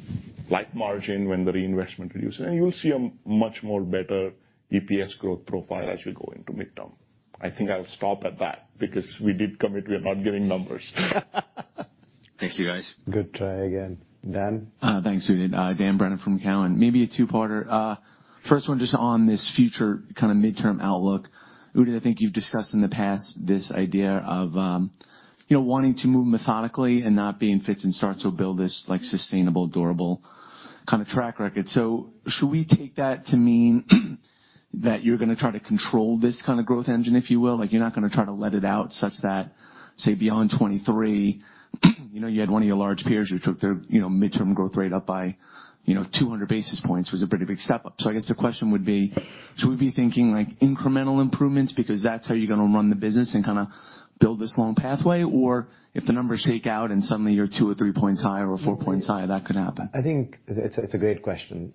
like margin when the reinvestment reduces. You'll see a much more better EPS growth profile as we go into mid-term. I think I'll stop at that because we did commit, we are not giving numbers.
Thank you, guys.
Good try again. Dan?
Thanks, Udit. Dan Brennan from TD Cowen. Maybe a two-parter. First one just on this future kind of mid-term outlook. Udit, I think you've discussed in the past this idea of, you know, wanting to move methodically and not be in fits and starts or build this like sustainable, durable kind of track record. Should we take that to mean that you're gonna try to control this kind of growth engine, if you will? Like, you're not gonna try to let it out such that, say, beyond 2023. You know, you had one of your large peers who took their, you know, mid-term growth rate up by, you know, 200 basis points. It was a pretty big step-up. I guess the question would be, should we be thinking like incremental improvements because that's how you're gonna run the business and kind of build this long pathway? If the numbers shake out and suddenly you're 2 or 3 points higher or 4 points higher, that could happen.
I think it's a great question.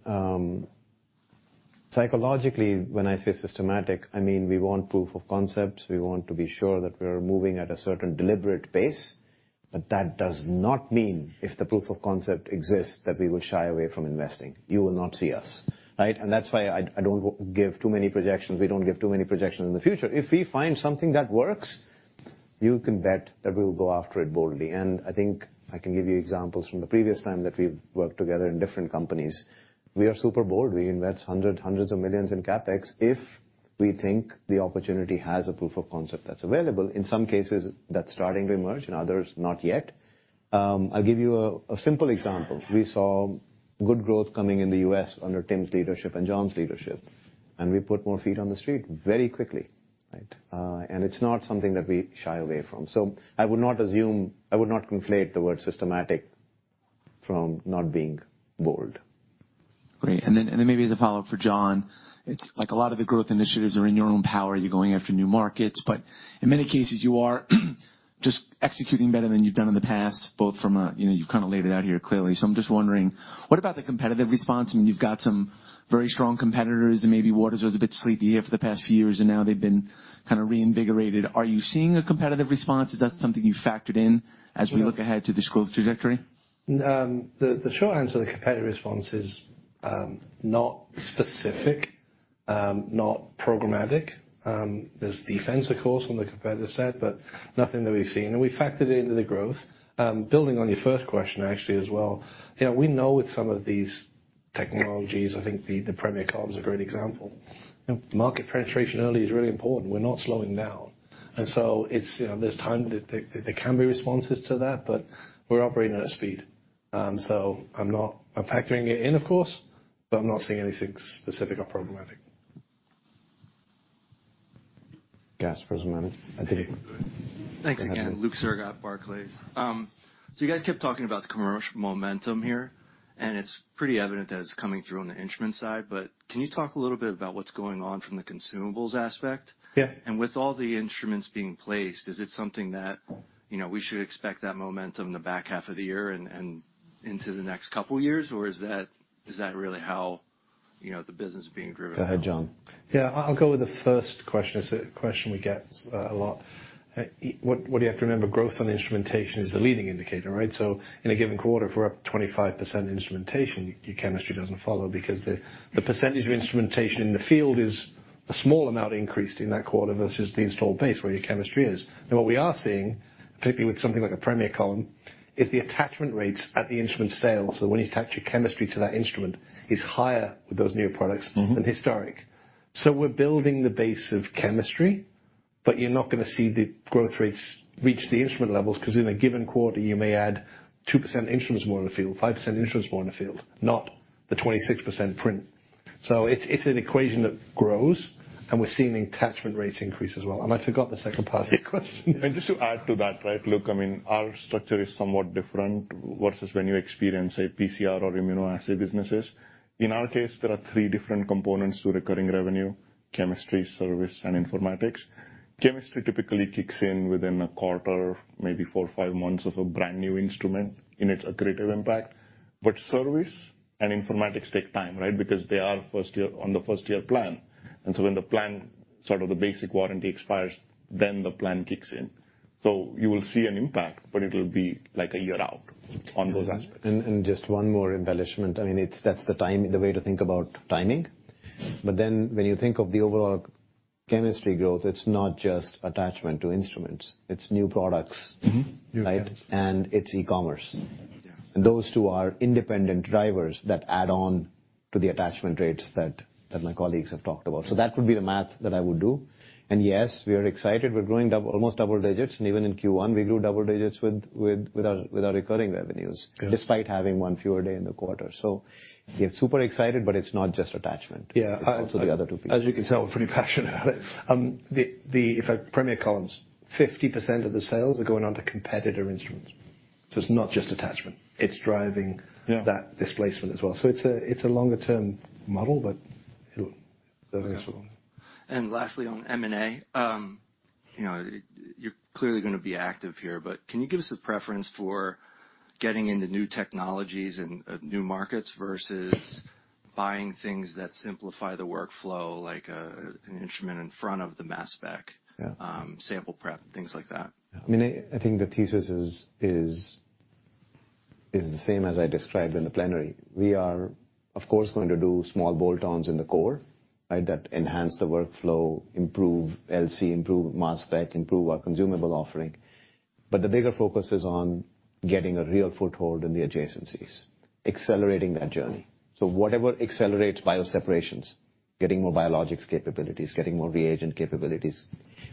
Psychologically, when I say systematic, I mean we want proof of concepts, we want to be sure that we're moving at a certain deliberate pace. That does not mean if the proof of concept exists, that we will shy away from investing. You will not see us, right? That's why I don't give too many projections. We don't give too many projections in the future. If we find something that works, you can bet that we'll go after it boldly. I think I can give you examples from the previous time that we've worked together in different companies. We are super bold. We invest hundreds of millions in CapEx if we think the opportunity has a proof of concept that's available. In some cases, that's starting to emerge, in others not yet. I'll give you a simple example. We saw good growth coming in the U.S. under Tim's leadership and John's leadership, and we put more feet on the street very quickly, right? It's not something that we shy away from. I would not assume, I would not conflate the word systematic from not being bold.
Great. Maybe as a follow-up for John, it's like a lot of the growth initiatives are in your own power. You're going after new markets, but in many cases, you are just executing better than you've done in the past, both from a. You know, you've kinda laid it out here clearly. I'm just wondering, what about the competitive response? I mean, you've got some very strong competitors and maybe Waters was a bit sleepy here for the past few years, and now they've been kinda reinvigorated. Are you seeing a competitive response? Is that something you factored in as we look ahead to this growth trajectory?
The short answer to the competitive response is not specific, not programmatic. There's defense, of course, on the competitor set, but nothing that we've seen, and we factored it into the growth. Building on your first question actually as well, you know, we know with some of these technologies, I think the Premier Column is a great example. You know, market penetration early is really important. We're not slowing down. It's, you know, there's time. There can be responses to that, but we're operating at speed. I'm factoring it in, of course, but I'm not seeing anything specific or programmatic.
Gas for just a moment. Aditi.
Thanks again. Luke Sergott, Barclays. You guys kept talking about the commercial momentum here, and it's pretty evident that it's coming through on the instrument side, but can you talk a little bit about what's going on from the consumables aspect? With all the instruments being placed, is it something that, you know, we should expect that momentum in the back half of the year and into the next couple of years, or is that really how, you know, the business is being driven?
Go ahead, John.
Yeah. I'll go with the first question. It's a question we get a lot. What you have to remember, growth on the instrumentation is a leading indicator, right? In a given quarter, if we're up 25% instrumentation, your chemistry doesn't follow because the percentage of instrumentation in the field is a small amount increase in that quarter versus the installed base where your chemistry is. Now, what we are seeing, particularly with something like a Premier column, is the attachment rates at the instrument sales. When you attach your chemistry to that instrument is higher with those new products- than historic. We're building the base of chemistry, but you're not gonna see the growth rates reach the instrument levels 'cause in a given quarter, you may add 2% instruments more in the field, 5% instruments more in the field, not the 26% print. It's an equation that grows, and we're seeing the attachment rates increase as well. I forgot the second part of your question.
Just to add to that, right? Look, I mean, our structure is somewhat different versus when you experience a PCR or immunoassay businesses. In our case, there are three different components to recurring revenue.
Chemistry, service, and informatics. Chemistry typically kicks in within a quarter, maybe 4 or 5 months of a brand-new instrument in its accretive impact. Service and informatics take time, right? Because they are on the first-year plan. When the plan, sort of the basic warranty expires, then the plan kicks in. You will see an impact, but it'll be like a year out on those aspects.
Just one more embellishment. I mean, it's that's the timing, the way to think about timing. When you think of the overall chemistry growth, it's not just attachment to instruments, it's new products. Right? It's e-commerce. Those two are independent drivers that add on to the attachment rates that my colleagues have talked about. That would be the math that I would do. Yes, we are excited. We're growing double, almost double digits. Even in Q1, we grew double digits with our recurring revenues. Despite having one fewer day in the quarter. Yeah, super excited, but it's not just attachment. It's also the other two pieces.
As you can tell, we're pretty passionate about it. Premier columns, 50% of the sales are going onto competitor instruments. It's not just attachment. It's driving- that displacement as well. It's a longer-term model, but it'll
Okay.
It'll resolve.
Lastly, on M&A. You know, you're clearly gonna be active here. Can you give us a preference for getting into new technologies and new markets versus buying things that simplify the workflow, like an instrument in front of the mass spec?
Sample prep, things like that. I mean, I think the thesis is the same as I described in the plenary. We are, of course, going to do small bolt-ons in the core, right? That enhance the workflow, improve LC, improve mass spec, improve our consumable offering. But the bigger focus is on getting a real foothold in the adjacencies, accelerating that journey. So whatever accelerates bio separations, getting more biologics capabilities, getting more reagent capabilities,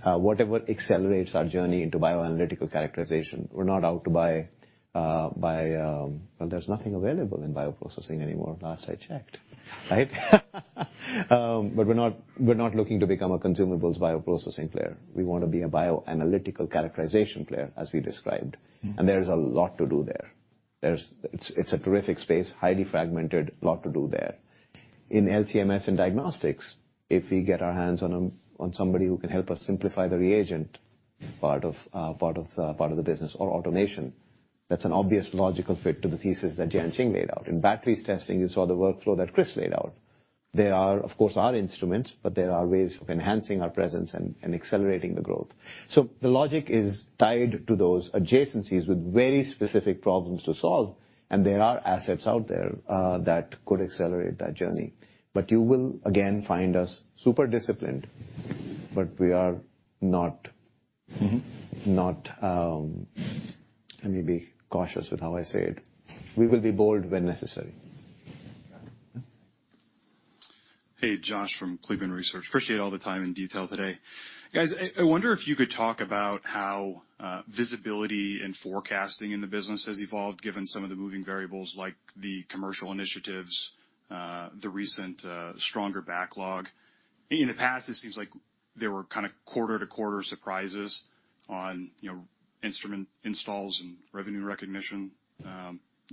whatever accelerates our journey into bioanalytical characterization. We're not out to buy. Well, there's nothing available in bioprocessing anymore last I checked, right? But we're not looking to become a consumables bioprocessing player. We wanna be a bioanalytical characterization player, as we described. There is a lot to do there. It's a terrific space, highly fragmented, lot to do there. In LC-MS and diagnostics, if we get our hands on somebody who can help us simplify the reagent part of the business or automation, that's an obvious logical fit to the thesis that Jianqing laid out. In batteries testing, you saw the workflow that Chris laid out. They are, of course, our instruments, but there are ways of enhancing our presence and accelerating the growth. The logic is tied to those adjacencies with very specific problems to solve, and there are assets out there that could accelerate that journey. You will, again, find us super disciplined. We are not- Let me be cautious with how I say it. We will be bold when necessary.
Got it.
Hey, Josh from Cleveland Research Company. Appreciate all the time and detail today. Guys, I wonder if you could talk about how visibility and forecasting in the business has evolved, given some of the moving variables like the commercial initiatives, the recent stronger backlog. In the past, it seems like there were kinda quarter-to-quarter surprises on, you know, instrument installs and revenue recognition.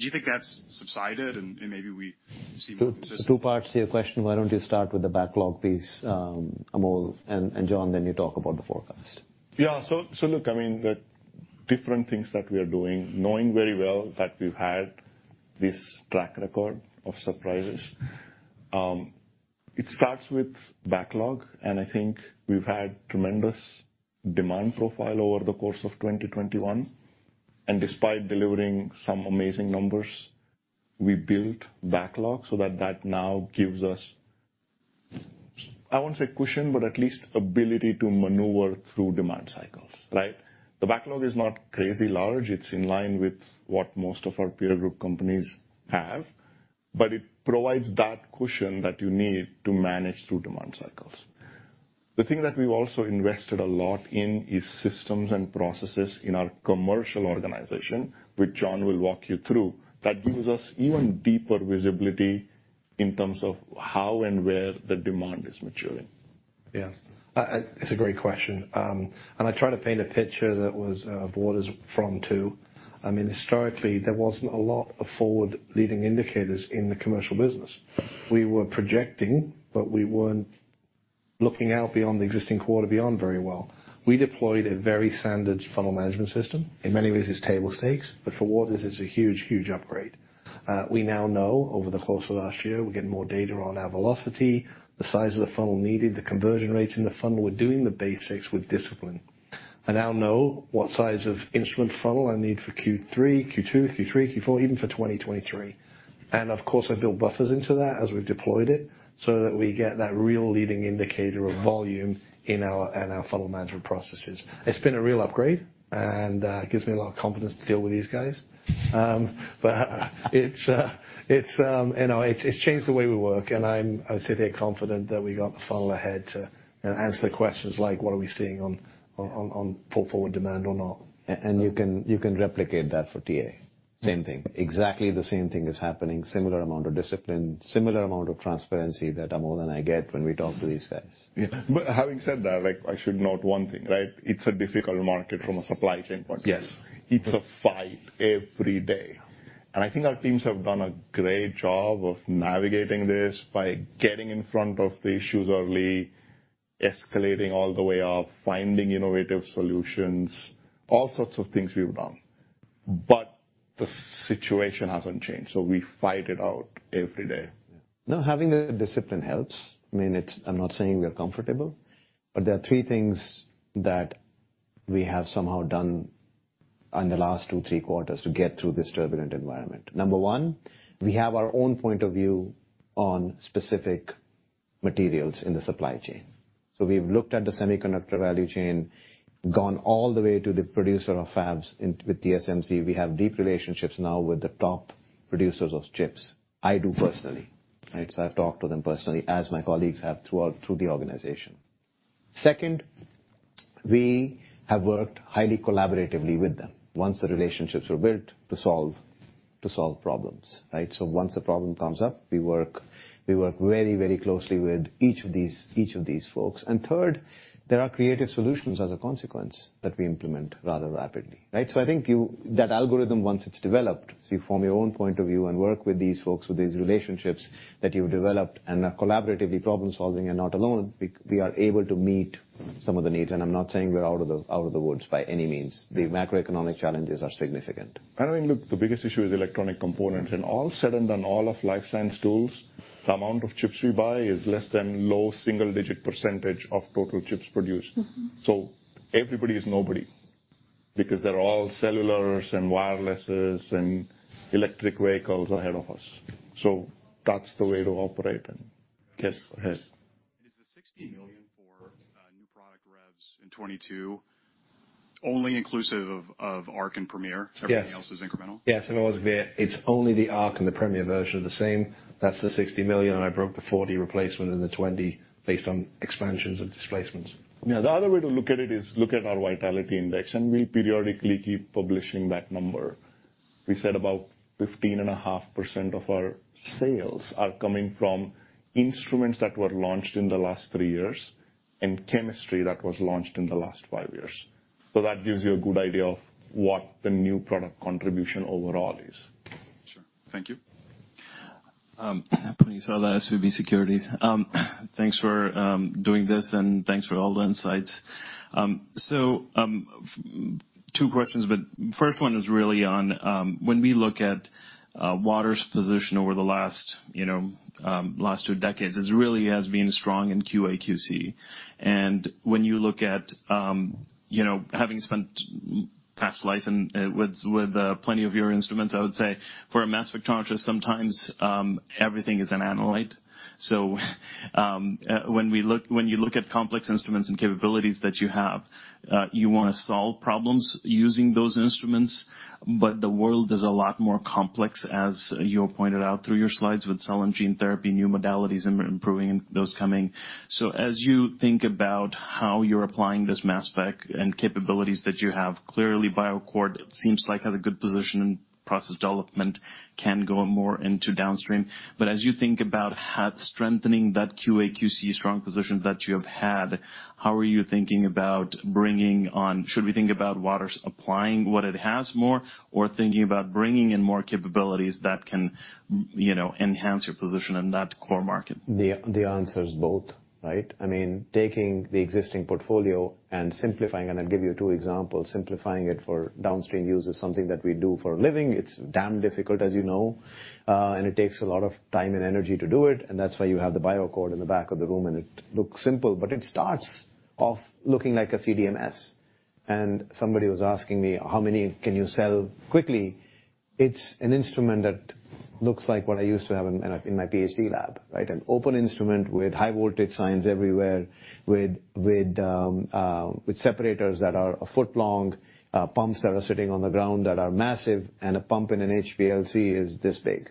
Do you think that's subsided and maybe we see more consistency?
Two parts to your question. Why don't you start with the backlog piece, Amol, and John, then you talk about the forecast.
Yeah. So look, I mean, the different things that we are doing, knowing very well that we've had this track record of surprises, it starts with backlog. I think we've had tremendous demand profile over the course of 2021. Despite delivering some amazing numbers, we built backlog so that now gives us, I won't say cushion, but at least ability to maneuver through demand cycles, right? The backlog is not crazy large. It's in line with what most of our peer group companies have. It provides that cushion that you need to manage through demand cycles. The thing that we've also invested a lot in is systems and processes in our commercial organization, which John will walk you through, that gives us even deeper visibility in terms of how and where the demand is maturing.
Yeah, it's a great question. I tried to paint a picture that was of Waters from two. I mean, historically, there wasn't a lot of forward-looking indicators in the commercial business. We were projecting, but we weren't looking out beyond the existing quarter beyond very well. We deployed a very standard funnel management system. In many ways, it's table stakes, but for Waters, it's a huge, huge upgrade. We now know over the course of last year, we're getting more data on our velocity, the size of the funnel needed, the conversion rates in the funnel. We're doing the basics with discipline. I now know what size of instrument funnel I need for Q3, Q2, Q3, Q4, even for 2023. Of course, I build buffers into that as we've deployed it, so that we get that real leading indicator of volume in our funnel management processes. It's been a real upgrade and gives me a lot of confidence to deal with these guys. It's, you know, it's changed the way we work, and I sit here confident that we got the funnel ahead to, you know, answer the questions like, what are we seeing on pull forward demand or not.
You can replicate that for TA. Same thing. Exactly the same thing is happening. Similar amount of discipline, similar amount of transparency that Amol and I get when we talk to these guys.
Yeah. Having said that, like, I should note one thing, right? It's a difficult market from a supply chain point of view. It's a fight every day. I think our teams have done a great job of navigating this by getting in front of the issues early, escalating all the way up, finding innovative solutions, all sorts of things we've done. The situation hasn't changed, so we fight it out every day.
No, having a discipline helps. I mean, it's. I'm not saying we are comfortable, but there are three things that we have somehow done on the last 2, 3 quarters to get through this turbulent environment. Number one, we have our own point of view on specific materials in the supply chain. We've looked at the semiconductor value chain, gone all the way to the producer of fabs. With TSMC, we have deep relationships now with the top producers of chips. I do personally, right? I've talked to them personally, as my colleagues have through the organization. Second, we have worked highly collaboratively with them once the relationships were built to solve problems, right? Once the problem comes up, we work very, very closely with each of these folks. Third, there are creative solutions as a consequence that we implement rather rapidly, right? I think that algorithm, once it's developed, so you form your own point of view and work with these folks, with these relationships that you've developed, and are collaboratively problem-solving and not alone, we are able to meet some of the needs. I'm not saying we're out of the woods by any means. The macroeconomic challenges are significant.
I think the biggest issue is electronic components. All said and done, all of life science tools, the amount of chips we buy is less than low single-digit % of total chips produced. Everybody is nobody, because they're all cellulars and wirelesses and electric vehicles ahead of us. That's the way to operate and.
Yes, go ahead.
Is the $60 million for new product revs in 2022 only inclusive of Arc and Premier? Everything else is incremental?
Yes. I'll also be clear. It's only the Arc and the Premier version of the same. That's the $60 million. I broke the $40 replacement and the $20 based on expansions and displacements.
Yeah. The other way to look at it is look at our Vitality Index, and we periodically keep publishing that number. We said about 15.5% of our sales are coming from instruments that were launched in the last 3 years and chemistry that was launched in the last 5 years. That gives you a good idea of what the new product contribution overall is.
Sure. Thank you.
Puneet Souda, SVB Securities. Thanks for doing this, and thanks for all the insights. Two questions, but first one is really on when we look at Waters' position over the last, you know, last two decades, it really has been strong in QA/QC. When you look at, you know, having spent past life with plenty of your instruments, I would say for a mass spectrometer, sometimes everything is an analyte. When you look at complex instruments and capabilities that you have, you wanna solve problems using those instruments, but the world is a lot more complex, as you have pointed out through your slides with cell and gene therapy, new modalities and improving those coming. As you think about how you're applying this mass spec and capabilities that you have, clearly BioAccord seems like has a good position in process development, can go more into downstream. But as you think about strengthening that QA/QC strong position that you have had, how are you thinking about bringing on. Should we think about Waters applying what it has more or thinking about bringing in more capabilities that can, you know, enhance your position in that core market?
The answer is both, right? I mean, taking the existing portfolio and simplifying, and I'll give you two examples. Simplifying it for downstream use is something that we do for a living. It's damn difficult, as you know. It takes a lot of time and energy to do it, and that's why you have the BioAccord in the back of the room, and it looks simple. It starts off looking like a CDMS. Somebody was asking me, "How many can you sell quickly?" It's an instrument that looks like what I used to have in my PhD lab, right? An open instrument with high voltage signs everywhere, with separators that are a foot long, pumps that are sitting on the ground that are massive, and a pump in an HPLC is this big,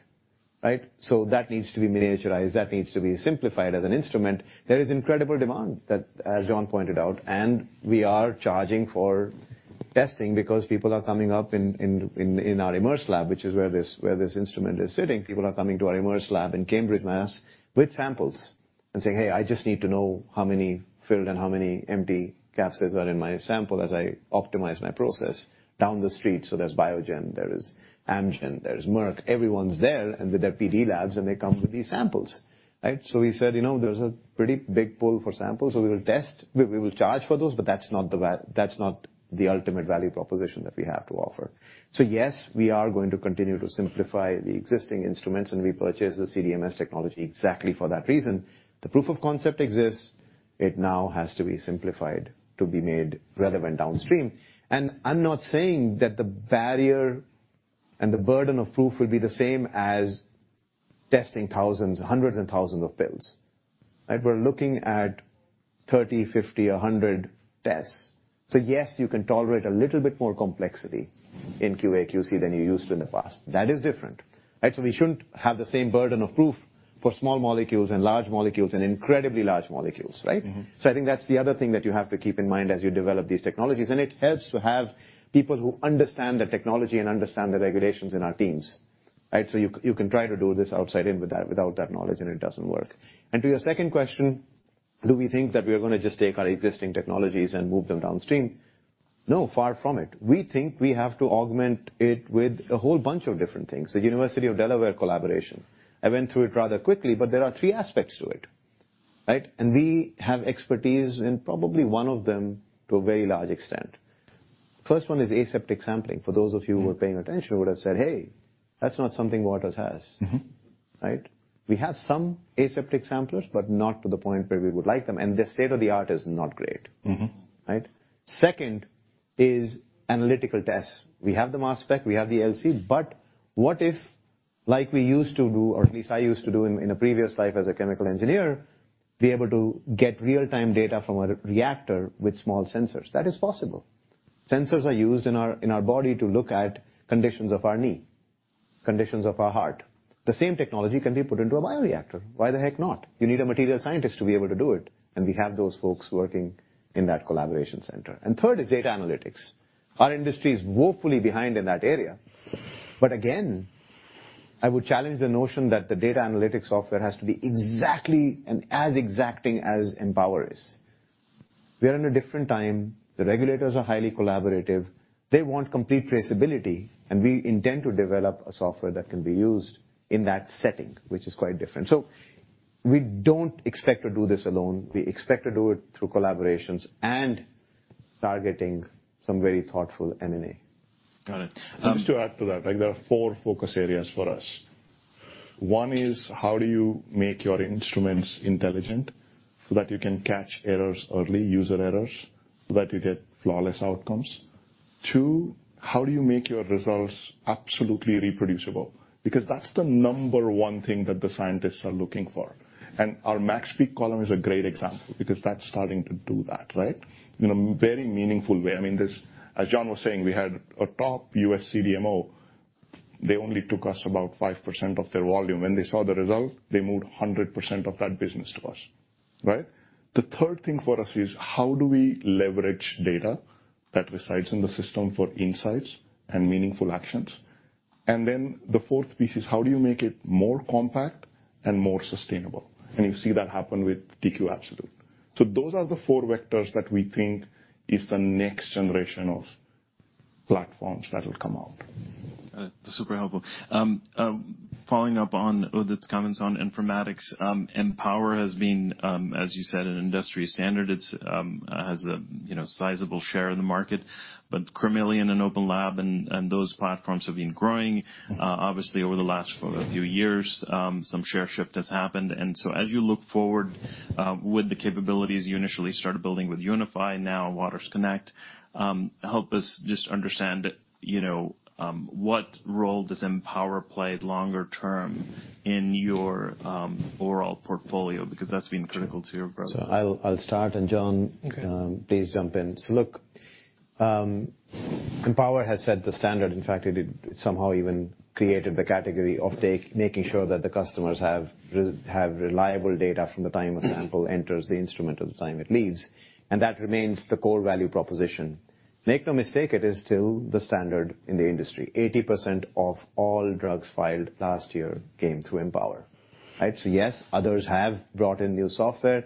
right? That needs to be miniaturized. That needs to be simplified as an instrument. There is incredible demand that, as John pointed out, and we are charging for testing because people are coming up in our Immerse lab, which is where this instrument is sitting. People are coming to our Immerse lab in Cambridge, Mass., with samples and saying, "Hey, I just need to know how many filled and how many empty capsids are in my sample as I optimize my process." Down the street, so there's Biogen, there is Amgen, there's Merck, everyone's there and with their PD labs, and they come with these samples, right? We said, you know, there's a pretty big pull for samples, so we will test. We will charge for those, but that's not the ultimate value proposition that we have to offer. Yes, we are going to continue to simplify the existing instruments, and we purchased the CDMS technology exactly for that reason. The proof of concept exists. It now has to be simplified to be made relevant downstream. I'm not saying that the barrier and the burden of proof will be the same as testing thousands, hundreds and thousands of pills, right? We're looking at 30, 50, 100 tests. Yes, you can tolerate a little bit more complexity in QA/QC than you used to in the past. That is different, right? We shouldn't have the same burden of proof for small molecules and large molecules and incredibly large molecules, right? I think that's the other thing that you have to keep in mind as you develop these technologies. It helps to have people who understand the technology and understand the regulations in our teams, right? You can try to do this outside in without that knowledge, and it doesn't work. To your second question, do we think that we are gonna just take our existing technologies and move them downstream? No, far from it. We think we have to augment it with a whole bunch of different things. The University of Delaware collaboration. I went through it rather quickly, but there are three aspects to it, right? We have expertise in probably one of them to a very large extent. First one is aseptic sampling. For those of you who are paying attention would have said, "Hey, that's not something Waters has Right? We have some aseptic samplers, but not to the point where we would like them, and their state-of-the-art is not great. Right? Second is analytical tests. We have the mass spec, we have the LCs, but what if, like we used to do, or at least I used to do in a previous life as a chemical engineer, be able to get real-time data from a reactor with small sensors? That is possible. Sensors are used in our body to look at conditions of our knee, conditions of our heart. The same technology can be put into a bioreactor. Why the heck not? You need a material scientist to be able to do it, and we have those folks working in that collaboration center. Third is data analytics. Our industry is woefully behind in that area. Again, I would challenge the notion that the data analytics software has to be exactly and as exacting as Empower is. We're in a different time. The regulators are highly collaborative. They want complete traceability, and we intend to develop a software that can be used in that setting, which is quite different. We don't expect to do this alone. We expect to do it through collaborations and targeting some very thoughtful M&A.
Got it.
Just to add to that, like, there are four focus areas for us. One is how do you make your instruments intelligent so that you can catch errors early, user errors, so that you get flawless outcomes? Two, how do you make your results absolutely reproducible? Because that's the number one thing that the scientists are looking for. Our MaxPeak column is a great example because that's starting to do that, right? In a very meaningful way. I mean, this as John was saying, we had a top U.S. CDMO. They only took us about 5% of their volume. When they saw the result, they moved 100% of that business to us, right? The third thing for us is, how do we leverage data that resides in the system for insights and meaningful actions? The fourth piece is how do you make it more compact and more sustainable? You see that happen with TQ Absolute. Those are the four vectors that we think is the next generation of platforms that will come out.
Got it. Super helpful. Following up on Udit's comments on informatics, Empower has been, as you said, an industry standard. It has a, you know, sizable share in the market. But Chromeleon and OpenLab and those platforms have been growing, obviously over the last few years. Some share shift has happened. As you look forward, with the capabilities you initially started building with UNIFI, now Waters Connect, help us just understand, you know, what role does Empower play longer term in your overall portfolio? Because that's been critical to your growth.
I'll start, and John.
Okay.
Please jump in. Look, Empower has set the standard. In fact, it somehow even created the category of making sure that the customers have reliable data from the time a sample enters the instrument to the time it leaves. That remains the core value proposition. Make no mistake, it is still the standard in the industry. 80% of all drugs filed last year came through Empower, right? Yes, others have brought in new software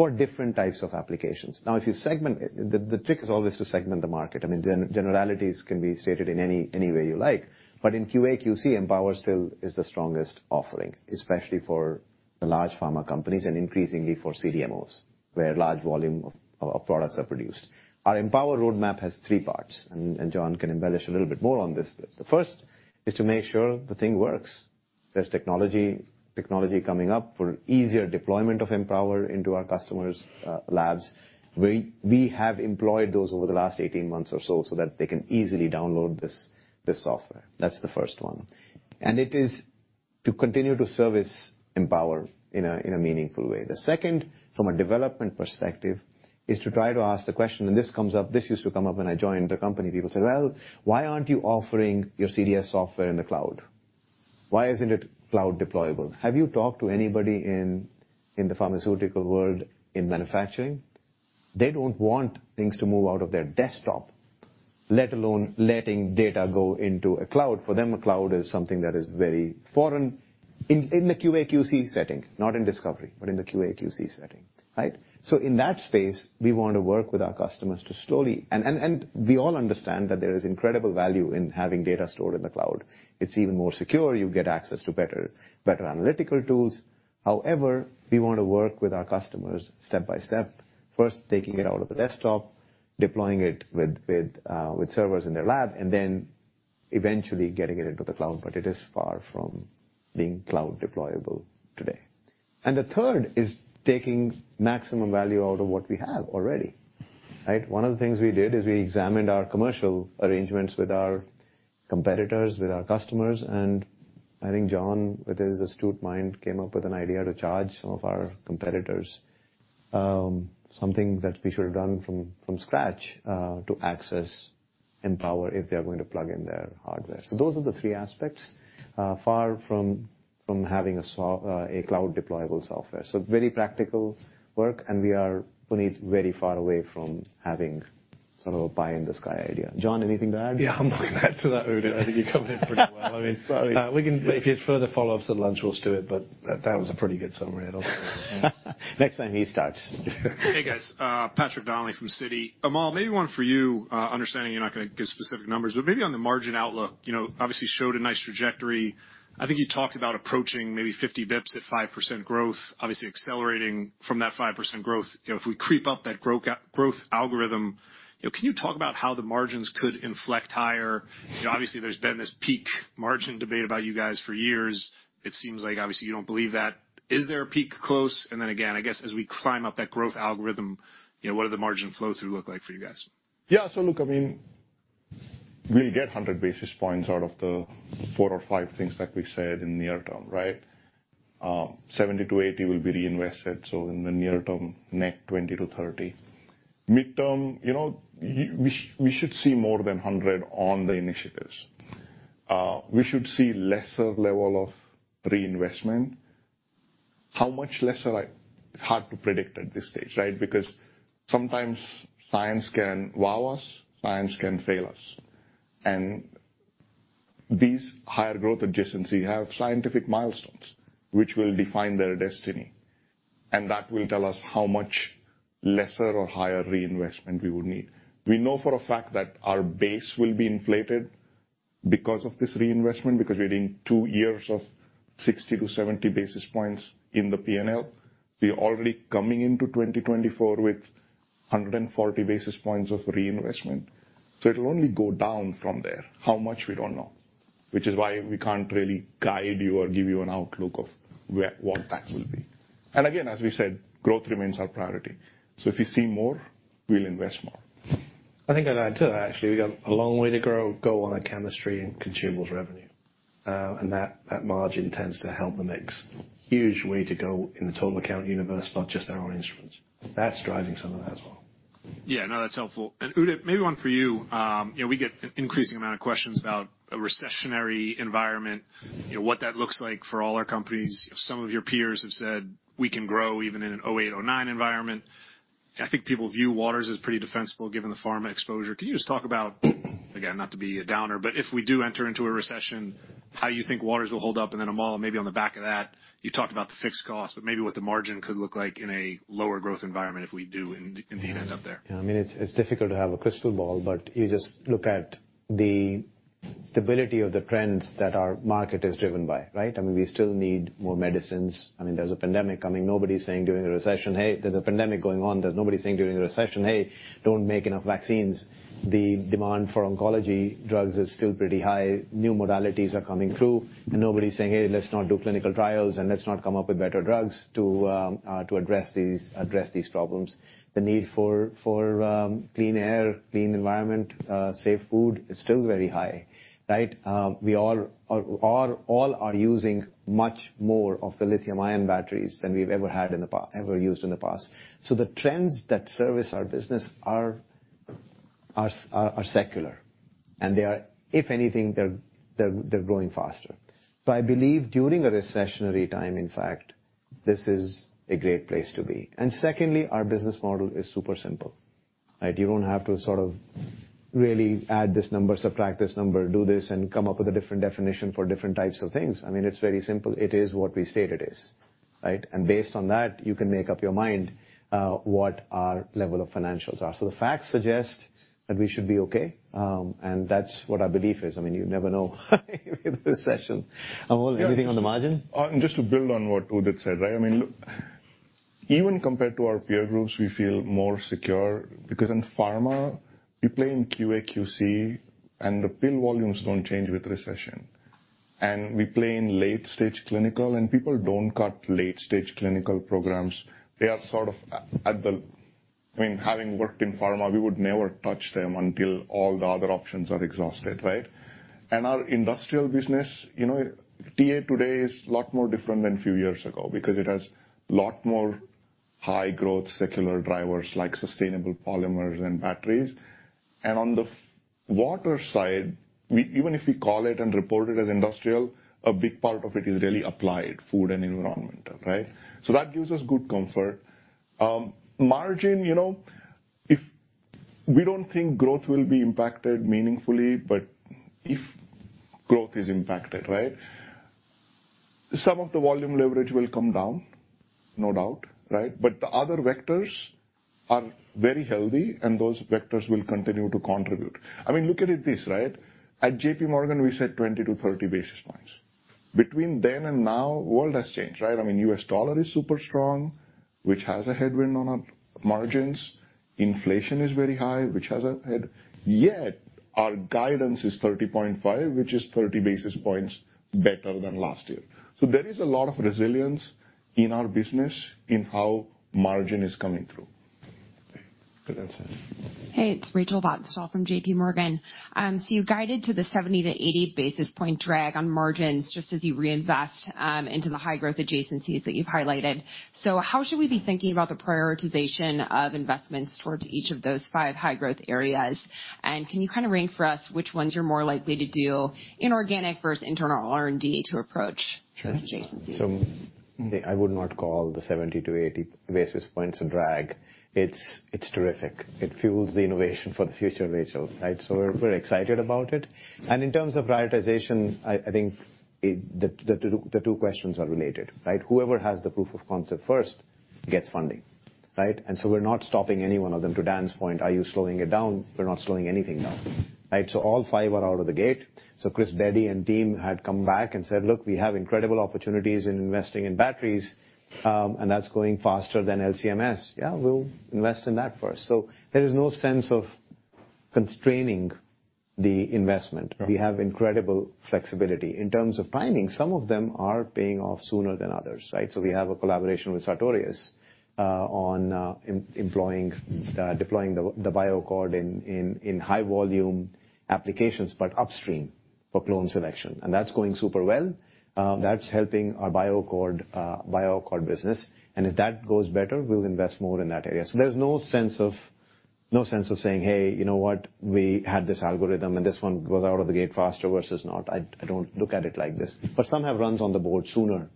for different types of applications. Now, if you segment it, the trick is always to segment the market. I mean, generalities can be stated in any way you like. In QA, QC, Empower still is the strongest offering, especially for the large pharma companies and increasingly for CDMOs, where large volume of products are produced. Our Empower roadmap has 3 parts, and John can embellish a little bit more on this. The first is to make sure the thing works. There's technology coming up for easier deployment of Empower into our customers' labs. We have employed those over the last 18 months or so that they can easily download this software. That's the first one. It is to continue to service Empower in a meaningful way. The second, from a development perspective, is to try to ask the question, and this comes up this used to come up when I joined the company. People say, "Well, why aren't you offering your CDS software in the cloud? Why isn't it cloud deployable?" Have you talked to anybody in the pharmaceutical world in manufacturing? They don't want things to move out of their desktop, let alone letting data go into a cloud. For them, a cloud is something that is very foreign in the QA/QC setting. Not in discovery, but in the QA/QC setting, right? In that space, we want to work with our customers to slowly. We all understand that there is incredible value in having data stored in the cloud. It's even more secure. You get access to better analytical tools. However, we want to work with our customers step by step. First, taking it out of the desktop, deploying it with servers in their lab, and then eventually getting it into the cloud. It is far from being cloud deployable today. The third is taking maximum value out of what we have already, right? One of the things we did is we examined our commercial arrangements with our competitors, with our customers, and I think John, with his astute mind, came up with an idea to charge some of our competitors, something that we should have done from scratch, to access Empower if they are going to plug in their hardware. Those are the three aspects, far from having a cloud deployable software. Very practical work, and we are only very far away from having sort of pie in the sky idea. John, anything to add?
Yeah, I'm not gonna add to that, Udit. I think you covered it pretty well.
Sorry.
I mean, we can if you have further follow-ups at lunch, we'll stew it, but that was a pretty good summary. I don't think.
Next time he starts.
Hey, guys, Patrick Donnelly from Citi. Amol, maybe one for you. Understanding you're not gonna give specific numbers, but maybe on the margin outlook, you know, obviously showed a nice trajectory. I think you talked about approaching maybe 50 basis points at 5% growth, obviously accelerating from that 5% growth. You know, if we creep up that growth algorithm, you know, can you talk about how the margins could inflect higher? You know, obviously, there's been this peak margin debate about you guys for years. It seems like obviously you don't believe that. Is there a peak close? Then again, I guess, as we climb up that growth algorithm, you know, what do the margin flow-through look like for you guys?
Yeah. Look, I mean, we get 100 basis points out of the 4 or 5 things that we said in the near term, right? Seventy to eighty will be reinvested, so in the near term, net 20-30. Midterm, you know, we should see more than 100 on the initiatives. We should see lesser level of reinvestment. How much lesser? It's hard to predict at this stage, right? Because sometimes science can wow us, science can fail us. These higher growth adjacencies have scientific milestones which will define their destiny, and that will tell us how much lesser or higher reinvestment we would need. We know for a fact that our base will be inflated because of this reinvestment, because we're doing two years of 60-70 basis points in the P&L. We're already coming into 2024 with 140 basis points of reinvestment. It'll only go down from there. How much? We don't know. Which is why we can't really guide you or give you an outlook of what that will be. Again, as we said, growth remains our priority. If we see more, we'll invest more.
I think I'd add to that, actually. We've got a long way to go on our chemistry and consumables revenue. That margin tends to help the mix. Huge way to go in the total account universe, not just our own instruments. That's driving some of that as well.
Yeah. No, that's helpful. Udit, maybe one for you. You know, we get an increasing amount of questions about a recessionary environment, you know, what that looks like for all our companies. Some of your peers have said, "We can grow even in a 2008, 2009 environment." I think people view Waters as pretty defensible, given the pharma exposure. Can you just talk about, again, not to be a downer, but if we do enter into a recession, how you think Waters will hold up? Then, Amol, maybe on the back of that, you talked about the fixed cost, but maybe what the margin could look like in a lower growth environment if we do indeed end up there.
Yeah. I mean, it's difficult to have a crystal ball, but you just look at the stability of the trends that our market is driven by, right? I mean, we still need more medicines. I mean, there's a pandemic coming. Nobody's saying during a recession, "Hey." There's a pandemic going on, there's nobody saying during a recession, "Hey, don't make enough vaccines." The demand for oncology drugs is still pretty high. New modalities are coming through, and nobody's saying, "Hey, let's not do clinical trials, and let's not come up with better drugs to address these problems." The need for clean air, clean environment, safe food is still very high, right? We all are using much more of the lithium-ion batteries than we've ever used in the past. The trends that service our business are secular, and they are. If anything, they're growing faster. I believe during a recessionary time, in fact, this is a great place to be. Secondly, our business model is super simple, right? You don't have to sort of really add this number, subtract this number, do this, and come up with a different definition for different types of things. I mean, it's very simple. It is what we state it is, right? Based on that, you can make up your mind what our level of financials are. The facts suggest that we should be okay, and that's what our belief is. I mean, you never know with the recession. Amol, anything on the margin?
Just to build on what Udit said, right? I mean, look, even compared to our peer groups, we feel more secure because in pharma, we play in QA, QC, and the pill volumes don't change with recession. We play in late-stage clinical, and people don't cut late-stage clinical programs. I mean, having worked in pharma, we would never touch them until all the other options are exhausted, right? Our industrial business, you know, TA today is a lot more different than a few years ago because it has a lot more high growth secular drivers like sustainable polymers and batteries. On the Waters side, even if we call it and report it as industrial, a big part of it is really applied food and environmental, right? That gives us good comfort. Margin, you know, if... We don't think growth will be impacted meaningfully, but if growth is impacted, right, some of the volume leverage will come down, no doubt, right? The other vectors are very healthy, and those vectors will continue to contribute. I mean, look at it this, right? At J.P. Morgan, we said 20-30 basis points. Between then and now, world has changed, right? I mean, U.S. dollar is super strong, which has a headwind on our margins. Inflation is very high, which has a headwind. Yet, our guidance is 30.5%, which is 30 basis points better than last year. There is a lot of resilience in our business in how margin is coming through.
Good answer.
Hey, it's Rachel Vatnsdal from JP Morgan. You guided to the 70-80 basis points drag on margins, just as you reinvest into the high growth adjacencies that you've highlighted. How should we be thinking about the prioritization of investments towards each of those five high growth areas? Can you kind of rank for us which ones you're more likely to do inorganic versus internal R&D to approach those adjacencies?
Sure. Okay, I would not call the 70-80 basis points a drag. It's terrific. It fuels the innovation for the future, Rachel, right? We're excited about it. In terms of prioritization, I think the two questions are related, right? Whoever has the proof of concept first gets funding. Right? We're not stopping any one of them. To Dan's point, are you slowing it down? We're not slowing anything down. Right? All five are out of the gate. Chris Addy and team had come back and said, "Look, we have incredible opportunities in investing in batteries, and that's going faster than LCMS." Yeah, we'll invest in that first. There is no sense of constraining the investment. We have incredible flexibility. In terms of timing, some of them are paying off sooner than others, right? We have a collaboration with Sartorius on deploying the BioAccord in high volume applications, but upstream for clone selection. That's going super well. That's helping our BioAccord business. If that goes better, we'll invest more in that area. There's no sense of saying, "Hey, you know what? We had this algorithm, and this one goes out of the gate faster versus not." I don't look at it like this. Some have runs on the board sooner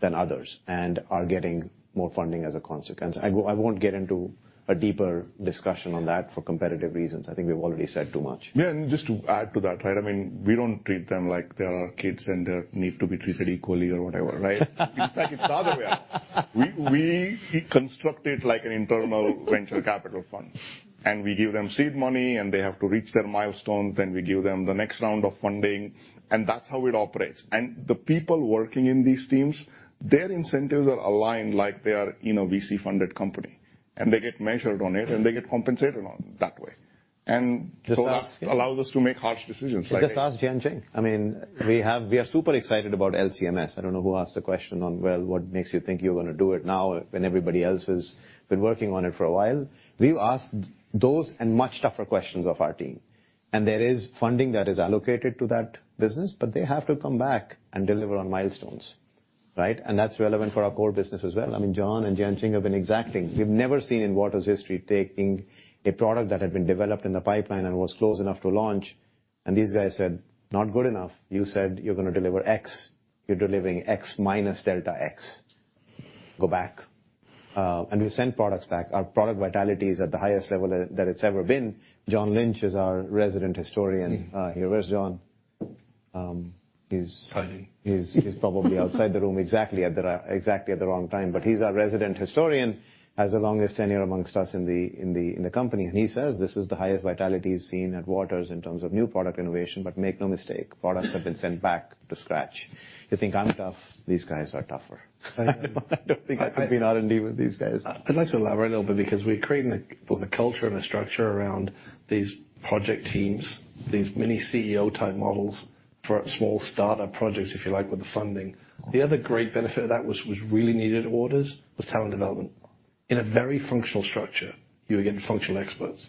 than others and are getting more funding as a consequence. I won't get into a deeper discussion on that for competitive reasons. I think we've already said too much.
Yeah, just to add to that, right? I mean, we don't treat them like they are our kids and they need to be treated equally or whatever, right? In fact, it's the other way around. We construct it like an internal venture capital fund. We give them seed money, and they have to reach their milestones. We give them the next round of funding, and that's how it operates. The people working in these teams, their incentives are aligned like they are in a VC-funded company. They get measured on it, and they get compensated on it that way.
Just ask-
That allows us to make harsh decisions like this.
Just ask Jianqing. I mean, we are super excited about LCMS. I don't know who asked the question on, well, what makes you think you're gonna do it now when everybody else has been working on it for a while? We've asked those and much tougher questions of our team. There is funding that is allocated to that business, but they have to come back and deliver on milestones, right? That's relevant for our core business as well. I mean, John and Jianqing have been exacting. We've never seen in Waters history taking a product that had been developed in the pipeline and was close enough to launch, and these guys said, "Not good enough. You said you're gonna deliver X. You're delivering X minus delta X. Go back." We send products back. Our product vitality is at the highest level that it's ever been. John Lynch is our resident historian here. Where's John?
Hiding.
He's probably outside the room exactly at the wrong time. He's our resident historian, has the longest tenure amongst us in the company. He says this is the highest vitality he's seen at Waters in terms of new product innovation. Make no mistake, products have been sent back to scratch. You think I'm tough? These guys are tougher.
I don't think I'd be out in dinner with these guys.
I'd like to elaborate a little bit, because we're creating both a culture and a structure around these project teams, these mini CEO-type models for small startup projects, if you like, with the funding. The other great benefit of that was really needed at Waters was talent development. In a very functional structure, you have functional experts.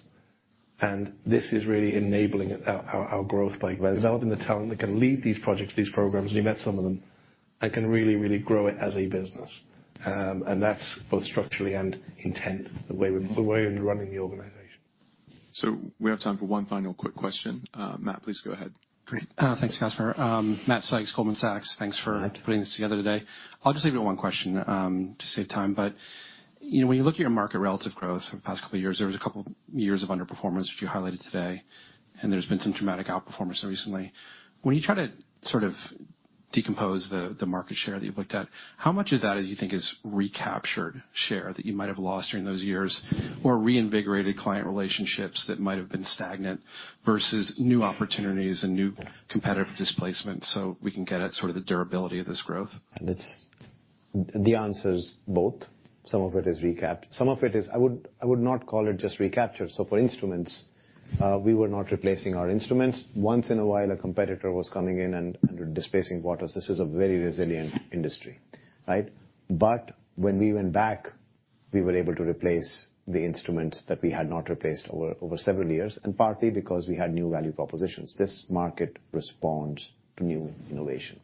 This is really enabling our growth by developing the talent that can lead these projects, these programs. We met some of them and can really grow it as a business. That's both structurally and intentionally the way we're running the organization.
We have time for one final quick question. Matt, please go ahead.
Great.
Thanks, Caspar. Matt Sykes, Goldman Sachs.
Matt.
Thanks for putting this together today. I'll just leave it at one question to save time. You know, when you look at your market relative growth for the past couple of years, there was a couple years of underperformance, which you highlighted today. There's been some dramatic outperformance recently. When you try to sort of decompose the market share that you've looked at, how much of that do you think is recaptured share that you might have lost during those years or reinvigorated client relationships that might have been stagnant versus new opportunities and new competitive displacement so we can get at sort of the durability of this growth?
The answer is both. Some of it is recapture. I would not call it just recapture. For instruments, we were not replacing our instruments. Once in a while, a competitor was coming in and displacing Waters. This is a very resilient industry, right? When we went back, we were able to replace the instruments that we had not replaced over several years, and partly because we had new value propositions. This market responds to new innovation.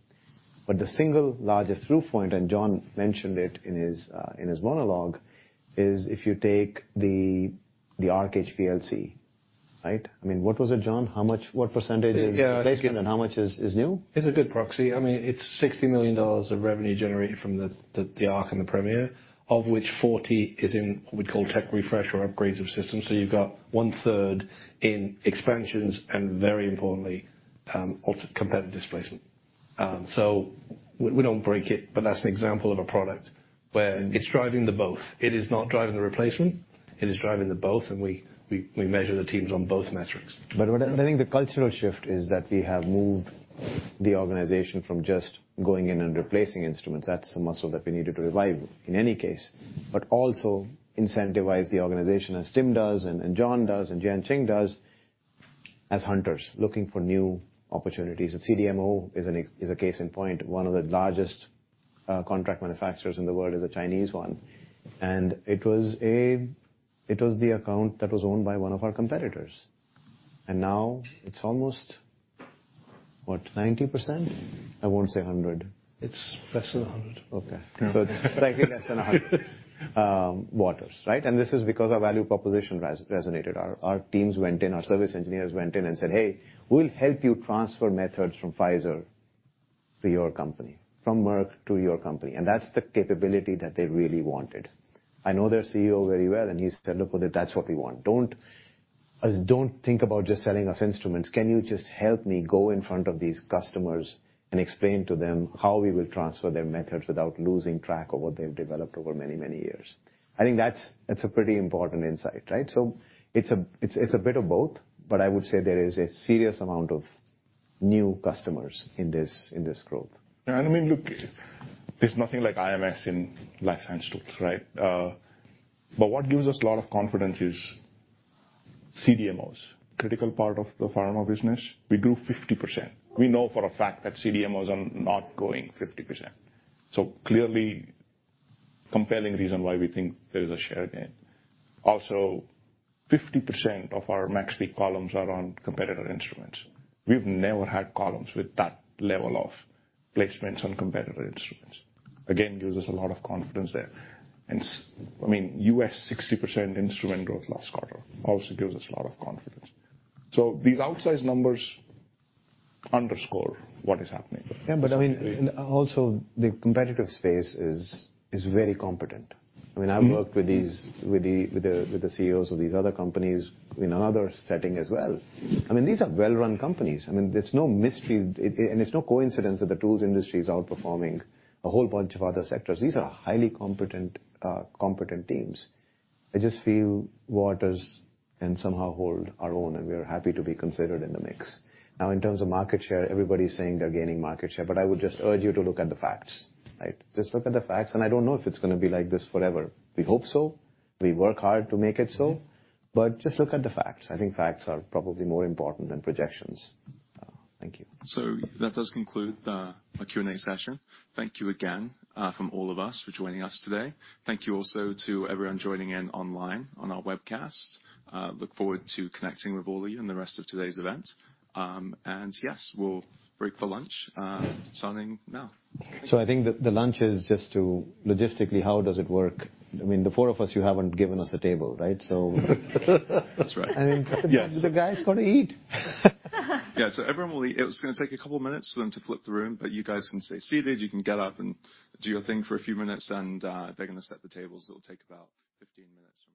The single largest through point, and John mentioned it in his monologue, is if you take the Arc HPLC, right? I mean, what was it, John? What percentage is replacement and how much is new?
It's a good proxy. I mean, it's $60 million of revenue generated from the Arc and the Premier, of which $40 million is in what we call tech refresh or upgrades of systems. You've got one-third in expansions and, very importantly, also competitive displacement. So we don't break it, but that's an example of a product where it's driving the both. It is not driving the replacement, it is driving the both, and we measure the teams on both metrics.
What I think the cultural shift is that we have moved the organization from just going in and replacing instruments. That's a muscle that we needed to revive in any case. Also incentivize the organization, as Tim does and John does and Jianqing does, as hunters looking for new opportunities. A CDMO is a case in point. One of the largest contract manufacturers in the world is a Chinese one. It was the account that was owned by one of our competitors. Now it's almost, what, 90%? I won't say a hundred.
It's less than 100.
Okay. It's slightly less than 100, Waters, right? This is because our value proposition resonated. Our teams went in, our service engineers went in and said, "Hey, we'll help you transfer methods from Pfizer to your company. From Merck to your company." That's the capability that they really wanted. I know their CEO very well, and he said, "Look, that's what we want. Don't think about just selling us instruments. Can you just help me go in front of these customers and explain to them how we will transfer their methods without losing track of what they've developed over many, many years?" I think that's a pretty important insight, right? It's a bit of both, but I would say there is a serious amount of new customers in this growth.
I mean, look, there's nothing like IMS in life science tools, right? But what gives us a lot of confidence is CDMOs, critical part of the pharma business. We grew 50%. We know for a fact that CDMOs are not growing 50%. Clearly, compelling reason why we think there is a share gain. Also, 50% of our MaxPeak columns are on competitor instruments. We've never had columns with that level of placements on competitor instruments. Again, gives us a lot of confidence there. I mean, U.S. 60% instrument growth last quarter also gives us a lot of confidence. These outsized numbers underscore what is happening.
Yeah, but I mean, the competitive space is also very competent. I mean, I've worked with the CEOs of these other companies in another setting as well. I mean, these are well-run companies. I mean, there's no mystery and it's no coincidence that the tools industry is outperforming a whole bunch of other sectors. These are highly competent teams. I just feel Waters can somehow hold our own, and we are happy to be considered in the mix. Now, in terms of market share, everybody's saying they're gaining market share, but I would just urge you to look at the facts, right? Just look at the facts, and I don't know if it's gonna be like this forever. We hope so. We work hard to make it so. Just look at the facts. I think facts are probably more important than projections. Thank you.
That does conclude our Q&A session. Thank you again from all of us for joining us today. Thank you also to everyone joining in online on our webcast. Look forward to connecting with all of you in the rest of today's event. Yes, we'll break for lunch starting now.
I think the lunch is just to logistically, how does it work? I mean, the four of us, you haven't given us a table, right? So
That's right. Yes.
I mean, the guys gotta eat.
Yeah. Everyone will eat. It's gonna take a couple of minutes for them to flip the room, but you guys can stay seated. You can get up and do your thing for a few minutes, and they're gonna set the tables. It'll take about 15 minutes from here.